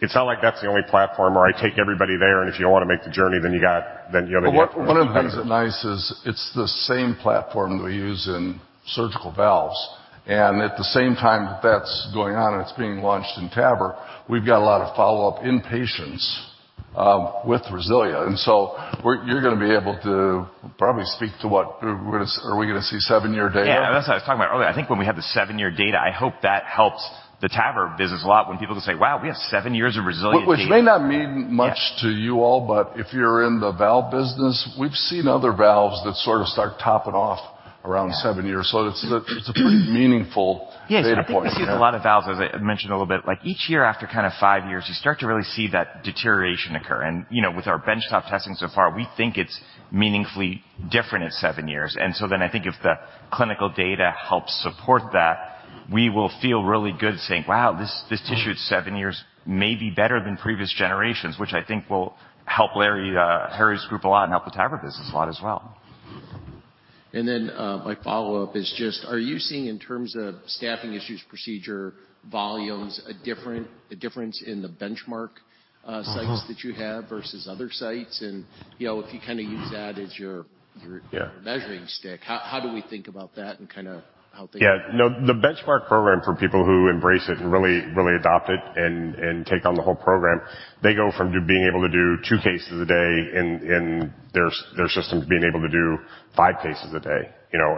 it's not like that's the only platform where I take everybody there, and if you don't want to make the journey, then you have. Well, one of the things that nice is it's the same platform that we use in surgical valves. At the same time that that's going on, it's being launched in TAVR. We've got a lot of follow-up in patients with RESILIA. You're gonna be able to probably speak to what? Are we gonna see seven-year data? That's what I was talking about earlier. I think when we have the seven-year data, I hope that helps the TAVR business a lot when people can say, "Wow, we have 7 years of RESILIA data. Which may not mean much to you all, but if you're in the valve business, we've seen other valves that sort of start topping off around seven years. Yeah. It's a pretty meaningful data point. Yes. I think we see a lot of valves, as I mentioned a little bit. Like, each year after kind of five years, you start to really see that deterioration occur. You know, with our Benchmark testing so far, we think it's meaningfully different at seven years. I think if the clinical data helps support that, we will feel really good saying, "Wow, this tissue at seven years may be better than previous generations," which I think will help Larry Wood's group a lot and help the TAVR business a lot as well. My follow-up is just, are you seeing in terms of staffing issues, procedure volumes, a difference in the Benchmark sites that you have versus other sites? You know, if you kinda use that as your. Yeah. -measuring stick, how do we think about that and kinda how things- Yeah. No. The Benchmark program for people who embrace it and really adopt it and take on the whole program, they go from being able to do 2 cases a day in their system to being able to do 5 cases a day, you know.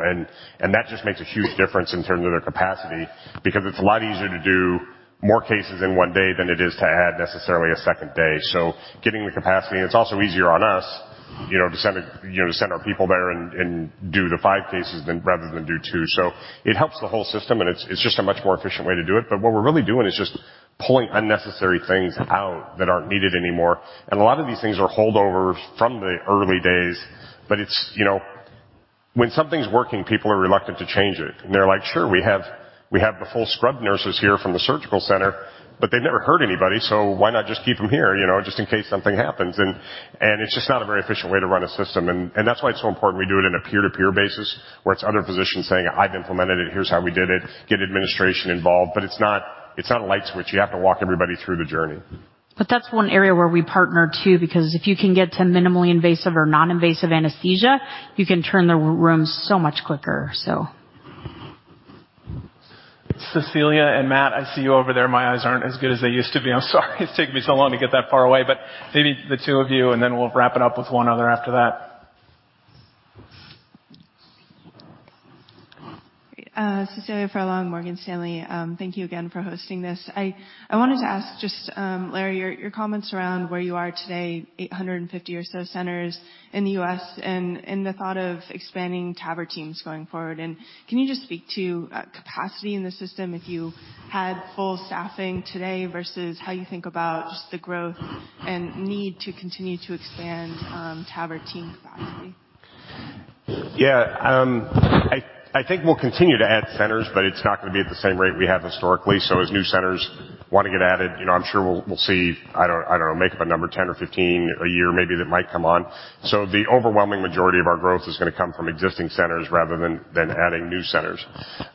That just makes a huge difference in terms of their capacity because it's a lot easier to do more cases in one day than it is to add necessarily a second day. Getting the capacity, and it's also easier on us, you know, to send, you know, to send our people there and do the 5 cases than rather than do 2. It helps the whole system, and it's just a much more efficient way to do it. What we're really doing is just pulling unnecessary things out that aren't needed anymore. A lot of these things are holdovers from the early days. You know, when something's working, people are reluctant to change it. They're like, "Sure, we have the full scrub nurses here from the surgical center, but they've never heard anybody, so why not just keep them here, you know, just in case something happens." It's just not a very efficient way to run a system. That's why it's so important we do it in a peer-to-peer basis, where it's other physicians saying, "I've implemented it. Here's how we did it." Get administration involved. It's not, it's not a light switch. You have to walk everybody through the journey. That's one area where we partner too because if you can get to minimally invasive or non-invasive anesthesia, you can turn the room so much quicker, so. Cecilia and Matt, I see you over there. My eyes aren't as good as they used to be. I'm sorry it's taking me so long to get that far away, maybe the two of you, and then we'll wrap it up with one other after that. Great. Cecilia Furlong, Morgan Stanley. Thank you again for hosting this. I wanted to ask just Larry, your comments around where you are today, 850 or so centers in the U.S. and the thought of expanding TAVR teams going forward. Can you just speak to capacity in the system if you had full staffing today versus how you think about just the growth and need to continue to expand TAVR team capacity? I think we'll continue to add centers, but it's not gonna be at the same rate we have historically. As new centers wanna get added, you know, I'm sure we'll see, I don't know, make up a number, 10 or 15 a year maybe that might come on. The overwhelming majority of our growth is gonna come from existing centers rather than adding new centers.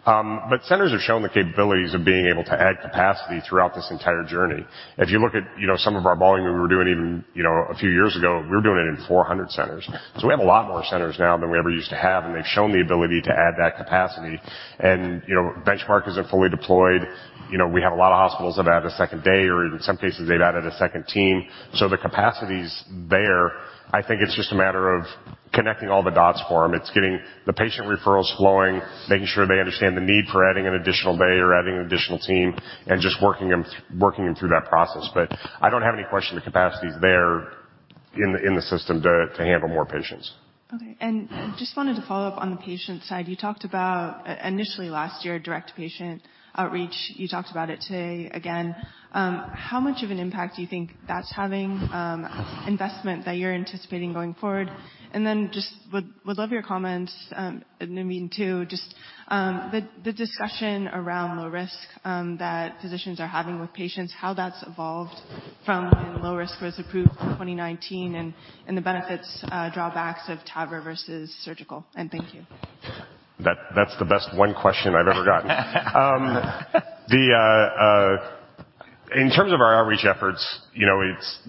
But centers have shown the capabilities of being able to add capacity throughout this entire journey. If you look at, you know, some of our volume we were doing even, you know, a few years ago, we were doing it in 400 centers. We have a lot more centers now than we ever used to have, and they've shown the ability to add that capacity. Benchmark isn't fully deployed. You know, we have a lot of hospitals that add a second day, or in some cases, they've added a second team. The capacity is there. I think it's just a matter of connecting all the dots for them. It's getting the patient referrals flowing, making sure they understand the need for adding an additional day or adding an additional team, and just working them through that process. I don't have any question the capacity is there in the system to handle more patients. Okay. Just wanted to follow up on the patient side. You talked about initially last year, direct patient outreach. You talked about it today again. How much of an impact do you think that's having, investment that you're anticipating going forward? Then just would love your comments, and Amin too, just, the discussion around low risk, that physicians are having with patients, how that's evolved from when low risk was approved in 2019 and the benefits, drawbacks of TAVR versus surgical. Thank you. That's the best one question I've ever gotten. In terms of our outreach efforts, you know,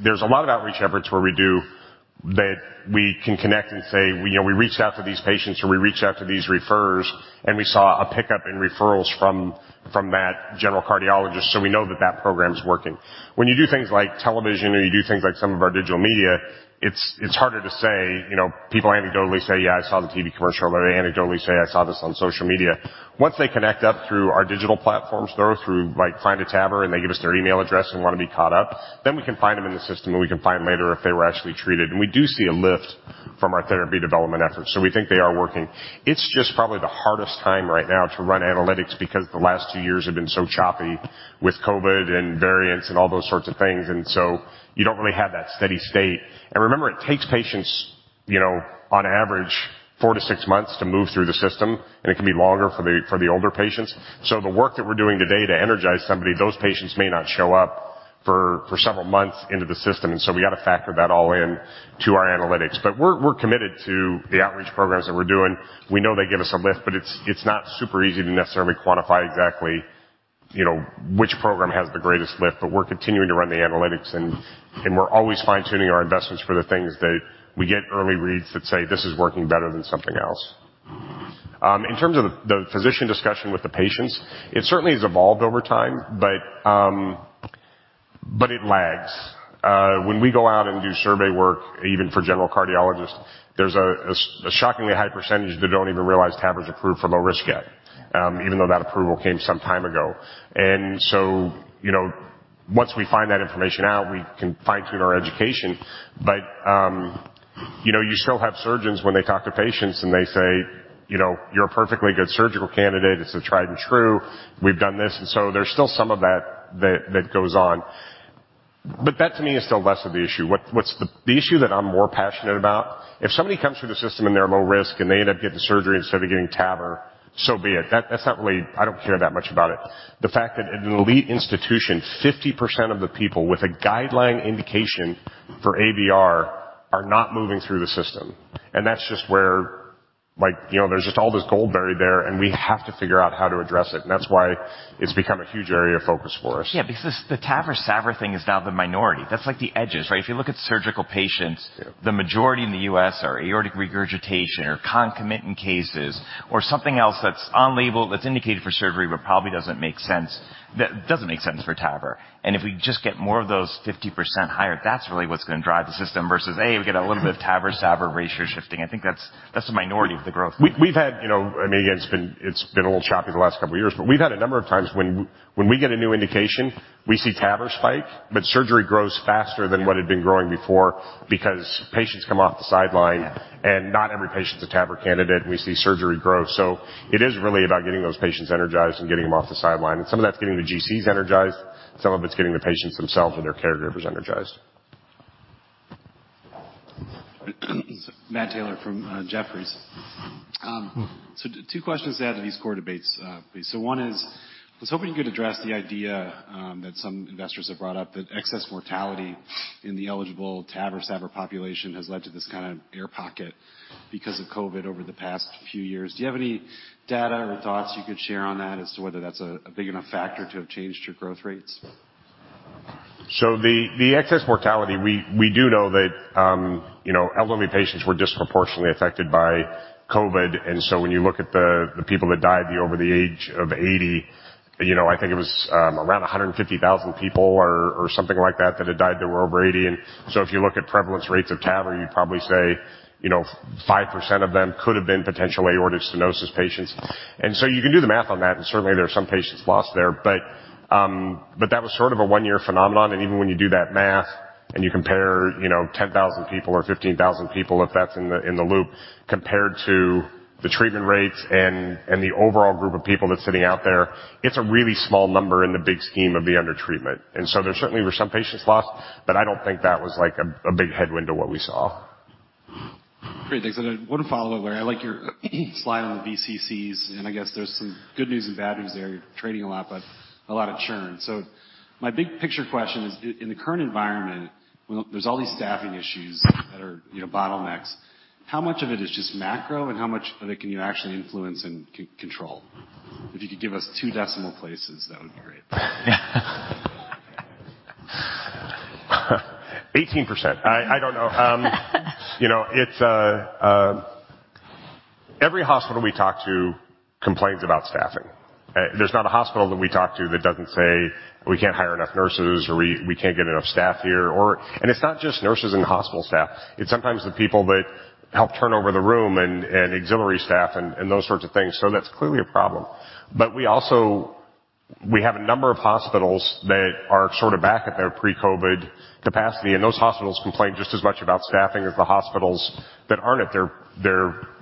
there's a lot of outreach efforts where we do that we can connect and say, you know, we reached out to these patients or we reached out to these referrers. We saw a pickup in referrals from that general cardiologist. We know that that program is working. When you do things like television or you do things like some of our digital media, it's harder to say, you know. People anecdotally say, "Yeah, I saw the TV commercial," or they anecdotally say, "I saw this on social media." Once they connect up through our digital platforms, though, through, like, Find a TAVR, and they give us their email address and wanna be caught up, then we can find them in the system, and we can find later if they were actually treated. We do see a lift from our therapy development efforts. We think they are working. It's just probably the hardest time right now to run analytics because the last two years have been so choppy with COVID and variants and all those sorts of things. You don't really have that steady state. Remember, it takes patients, you know, on average 4 to 6 months to move through the system, and it can be longer for the, for the older patients. The work that we're doing today to energize somebody, those patients may not show up for several months into the system. We got to factor that all in to our analytics. We're committed to the outreach programs that we're doing. We know they give us a lift, but it's not super easy to necessarily quantify exactly. You know, which program has the greatest lift, but we're continuing to run the analytics and we're always fine-tuning our investments for the things that we get early reads that say, this is working better than something else. In terms of the physician discussion with the patients, it certainly has evolved over time, but it lags. When we go out and do survey work, even for General Cardiologists, there's a shockingly high percentage that don't even realize TAVR is approved for low risk yet, even though that approval came some time ago. You know, once we find that information out, we can fine-tune our education. You know, you still have surgeons when they talk to patients and they say, you know, "You're a perfectly good surgical candidate, it's a tried and true. We've done this." There's still some of that that goes on. That to me is still less of the issue. The issue that I'm more passionate about, if somebody comes through the system and they're low risk and they end up getting surgery instead of getting TAVR, so be it. That's not really... I don't care that much about it. The fact that in an elite institution, 50% of the people with a guideline indication for AVR are not moving through the system. That's just where like, you know, there's just all this gold buried there, and we have to figure out how to address it. That's why it's become a huge area of focus for us. Yeah, because the TAVR-SAVR thing is now the minority. That's like the edges, right? If you look at surgical patients. Yeah. The majority in the U.S. are aortic regurgitation or concomitant cases or something else that's on label that's indicated for surgery, but probably doesn't make sense. That doesn't make sense for TAVR. If we just get more of those 50% higher, that's really what's going to drive the system versus we get a little bit of TAVR-SAVR ratio shifting. I think that's the minority of the growth. We've had, you know, I mean, again, it's been a little choppy the last couple of years, but we've had a number of times when we get a new indication, we see TAVR spike, but surgery grows faster than what had been growing before because patients come off the sideline. Yeah. Not every patient is a TAVR candidate. We see surgery grow. It is really about getting those patients energized and getting them off the sideline. Some of that's getting the GCs energized, some of it's getting the patients themselves and their caregivers energized. Matt Taylor from Jefferies. Two questions to add to these core debates, please. One is, I was hoping you could address the idea that some investors have brought up that excess mortality in the eligible TAVR, SAVR population has led to this kinda air pocket because of COVID over the past few years. Do you have any data or thoughts you could share on that as to whether that's a big enough factor to have changed your growth rates? The excess mortality, we do know that, you know, elderly patients were disproportionately affected by COVID. When you look at the people that died over the age of 80, you know, I think it was, around 150,000 people or something like that that had died that were over 80. If you look at prevalence rates of TAVR, you'd probably say, you know, 5% of them could have been potential aortic stenosis patients. You can do the math on that, and certainly, there are some patients lost there. That was sort of a one-year phenomenon. Even when you do that math and you compare, you know, 10,000 people or 15,000 people, if that's in the, in the loop, compared to the treatment rates and the overall group of people that's sitting out there, it's a really small number in the big scheme of the under treatment. There certainly were some patients lost, but I don't think that was, like, a big headwind to what we saw. Great. Thanks. One follow-up, Larry. I like your slide on the BCCs, I guess there's some good news and bad news there. You're trading a lot, a lot of churn. My big picture question is, in the current environment, there's all these staffing issues that are, you know, bottlenecks. How much of it is just macro, and how much of it can you actually influence and control? If you could give us 2 decimal places, that would be great. 18%. I don't know. you know, it's Every hospital we talk to complains about staffing. There's not a hospital that we talk to that doesn't say, "We can't hire enough nurses," or, "We can't get enough staff here," or. It's not just nurses and hospital staff. It's sometimes the people that help turn over the room and auxiliary staff and those sorts of things. That's clearly a problem. We also. We have a number of hospitals that are sort of back at their pre-COVID capacity, and those hospitals complain just as much about staffing as the hospitals that aren't at their,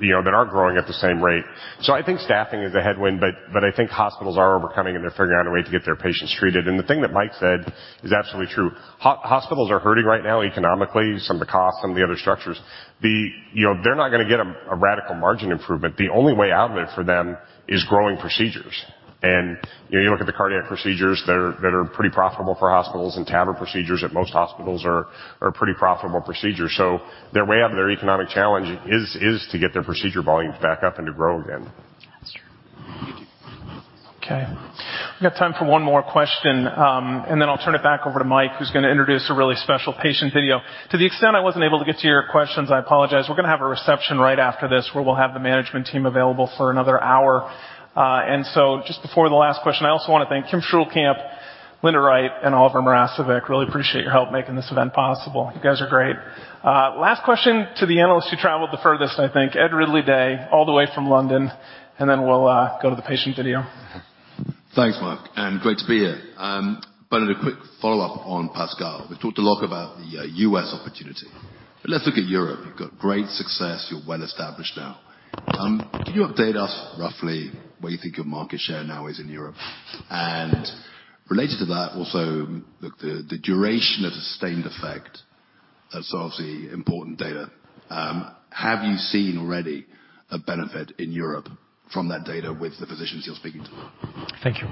you know, that aren't growing at the same rate. I think staffing is a headwind, but I think hospitals are overcoming, and they're figuring out a way to get their patients treated. The thing that Mike said is absolutely true. Hospitals are hurting right now economically, some of the costs, some of the other structures. You know, they're not gonna get a radical margin improvement. The only way out of it for them is growing procedures. You know, you look at the cardiac procedures that are pretty profitable for hospitals, and TAVR procedures at most hospitals are pretty profitable procedures. Their way out of their economic challenge is to get their procedure volumes back up and to grow again. That's true. Thank you. We've got time for 1 more question. I'll turn it back over to Mike, who's gonna introduce a really special patient video. To the extent I wasn't able to get to your questions, I apologize. We're gonna have a reception right after this, where we'll have the management team available for another hour. Just before the last question, I also wanna thank Kim Schulcamp, Linda Wright, and Oliver Morozewicz. Really appreciate your help making this event possible. You guys are great. Last question to the analyst who traveled the furthest, I think, Ed Ridley-Day, all the way from London. We'll go to the patient video. Okay. Thanks, Mark, great to be here. A quick follow-up on PASCAL. We've talked a lot about the U.S. opportunity, let's look at Europe. You've got great success. You're well-established now. Can you update us roughly where you think your market share now is in Europe? Related to that also, the duration of sustained effect. That's obviously important data. Have you seen already a benefit in Europe from that data with the physicians you're speaking to? Thank you.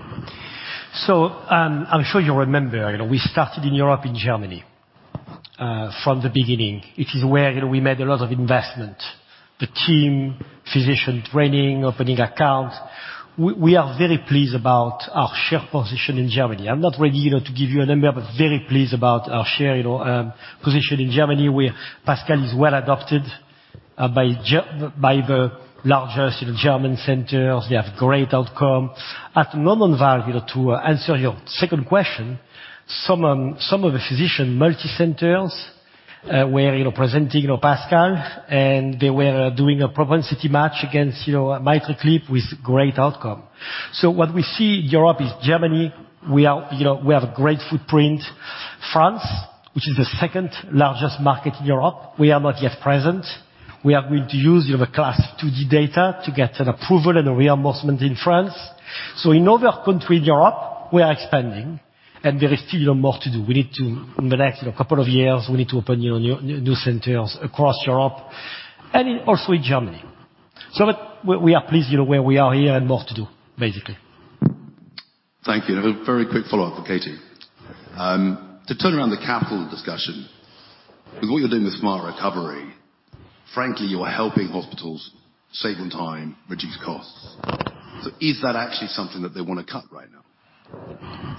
I'm sure you remember, you know, we started in Europe in Germany. From the beginning. It is where, you know, we made a lot of investment. The team, physician training, opening account. We are very pleased about our share position in Germany. I'm not ready, you know, to give you a number, but very pleased about our share, you know, position in Germany, where PASCAL is well adopted by the largest German centers. They have great outcome. At London Valves, you know, to answer your second question, some of the physician multicenters were, you know, presenting, you know, PASCAL, and they were doing a propensity match against, you know, a MitraClip with great outcome. What we see Europe is Germany. We are. You know, we have a great footprint. France, which is the second-largest market in Europe, we are not yet present. We are going to use, you know, the CLASP IID data to get an approval and a reimbursement in France. In other country in Europe, we are expanding, and there is still, you know, more to do. We need to, in the next, you know, couple of years, we need to open, you know, new centers across Europe and in also in Germany. We are pleased, you know, where we are here and more to do, basically. Thank you. A very quick follow-up for Katie. To turn around the capital discussion, with what you're doing with Smart Recovery, frankly, you are helping hospitals save on time, reduce costs. Is that actually something that they wanna cut right now?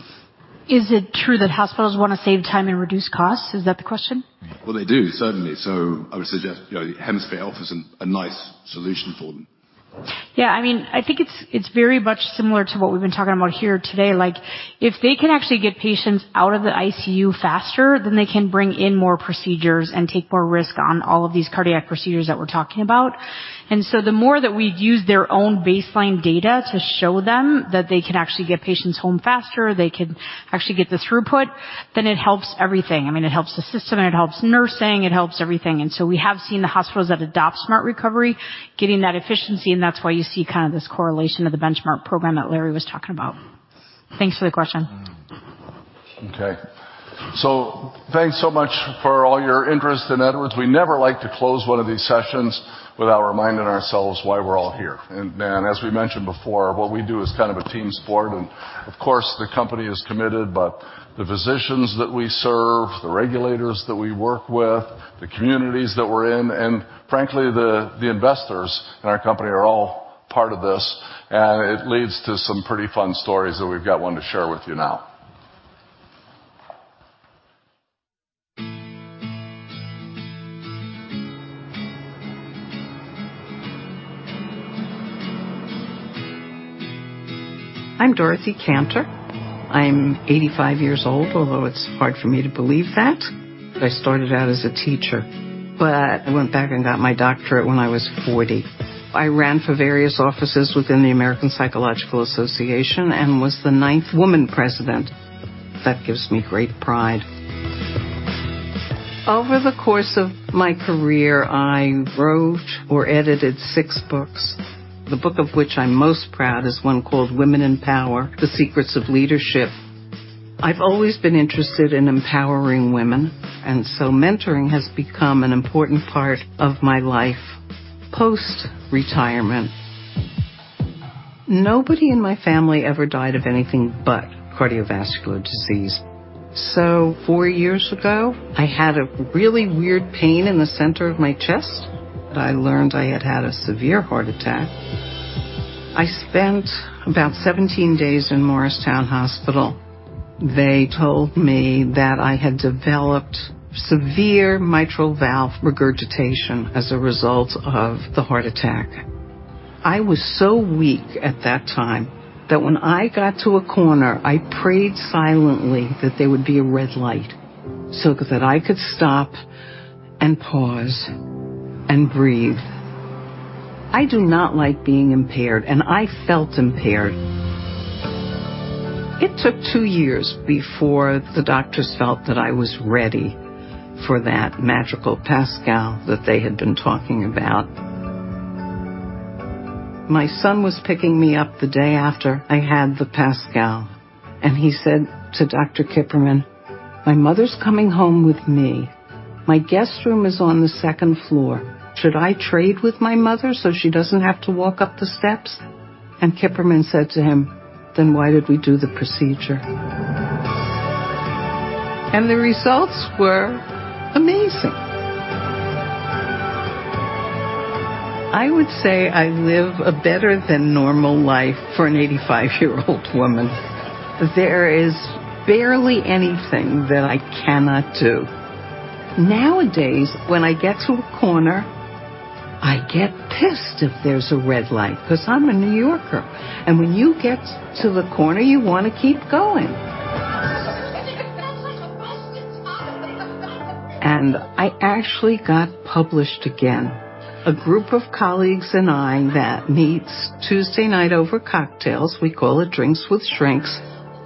Is it true that hospitals wanna save time and reduce costs? Is that the question? Well, they do, certainly. I would suggest, you know, HemoSphere Alpha's a nice solution for them. Yeah, I mean, I think it's very much similar to what we've been talking about here today. Like, if they can actually get patients out of the ICU faster, then they can bring in more procedures and take more risk on all of these cardiac procedures that we're talking about. The more that we use their own baseline data to show them that they can actually get patients home faster, they can actually get the throughput, then it helps everything. I mean, it helps the system, it helps nursing, it helps everything. We have seen the hospitals that adopt Smart Recovery getting that efficiency, and that's why you see kind of this correlation of the Benchmark program that Larry was talking about. Thanks for the question. Thanks so much for all your interest in Edwards. We never like to close one of these sessions without reminding ourselves why we're all here. As we mentioned before, what we do is kind of a team sport. Of course, the company is committed, but the physicians that we serve, the regulators that we work with, the communities that we're in, and frankly, the investors in our company are all part of this. It leads to some pretty fun stories, and we've got one to share with you now. I'm Dorothy Cantor. I'm 85 years old, although it's hard for me to believe that. I started out as a teacher, I went back and got my doctorate when I was 40. I ran for various offices within the American Psychological Association and was the 9th woman President. That gives me great pride. Over the course of my career, I wrote or edited 6 books. The book of which I'm most proud is one called Women in Power: The Secrets of Leadership. I've always been interested in empowering women, mentoring has become an important part of my life post-retirement. Nobody in my family ever died of anything but cardiovascular disease. 4 years ago, I had a really weird pain in the center of my chest, and I learned I had had a severe heart attack. I spent about 17 days in Morristown Medical Center. They told me that I had developed severe mitral valve regurgitation as a result of the heart attack. I was so weak at that time that when I got to a corner, I prayed silently that there would be a red light so that I could stop, and pause, and breathe. I do not like being impaired, and I felt impaired. It took two years before the doctors felt that I was ready for that magical PASCAL that they had been talking about. My son was picking me up the day after I had the PASCAL, and he said to Dr. Kipperman, "My mother's coming home with me. My guest room is on the second floor. Should I trade with my mother so she doesn't have to walk up the steps?" Kipperman said to him, "Then why did we do the procedure?" The results were amazing. I would say I live a better than normal life for an 85-year-old woman. There is barely anything that I cannot do. Nowadays, when I get to a corner, I get pissed if there's a red light, 'cause I'm a New Yorker, and when you get to the corner, you wanna keep going. That's like a busted tire. I actually got published again. A group of colleagues and I that meets Tuesday night over cocktails, we call it Drinks with Shrinks.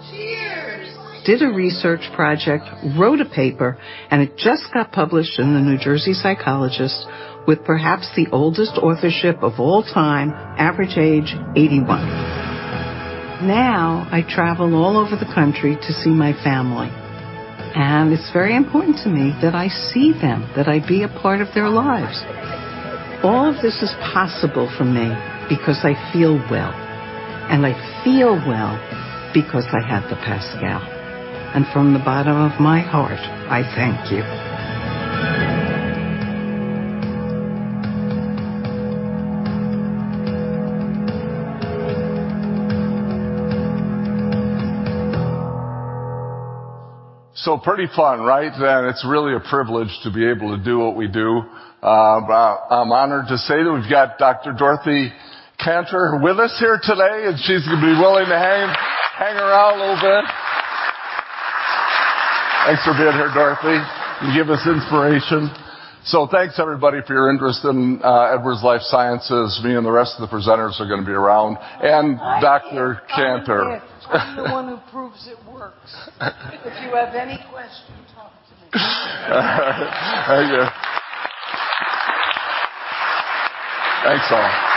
Cheers. did a research project, wrote a paper, and it just got published in The New Jersey Psychologist with perhaps the oldest authorship of all time, average age 81. Now, I travel all over the country to see my family. It's very important to me that I see them, that I be a part of their lives. All of this is possible for me because I feel well, and I feel well because I have the PASCAL. From the bottom of my heart, I thank you. Pretty fun, right? It's really a privilege to be able to do what we do. I'm honored to say that we've got Dr. Dorothy Cantor with us here today, she's gonna be willing to hang around a little bit. Thanks for being here, Dorothy. You give us inspiration. Thanks, everybody, for your interest in Edwards Lifesciences. Me and the rest of the presenters are gonna be around. Dr. Cantor. I am. I'm the one who proves it works. If you have any questions, talk to me. Thank you. Thanks, all.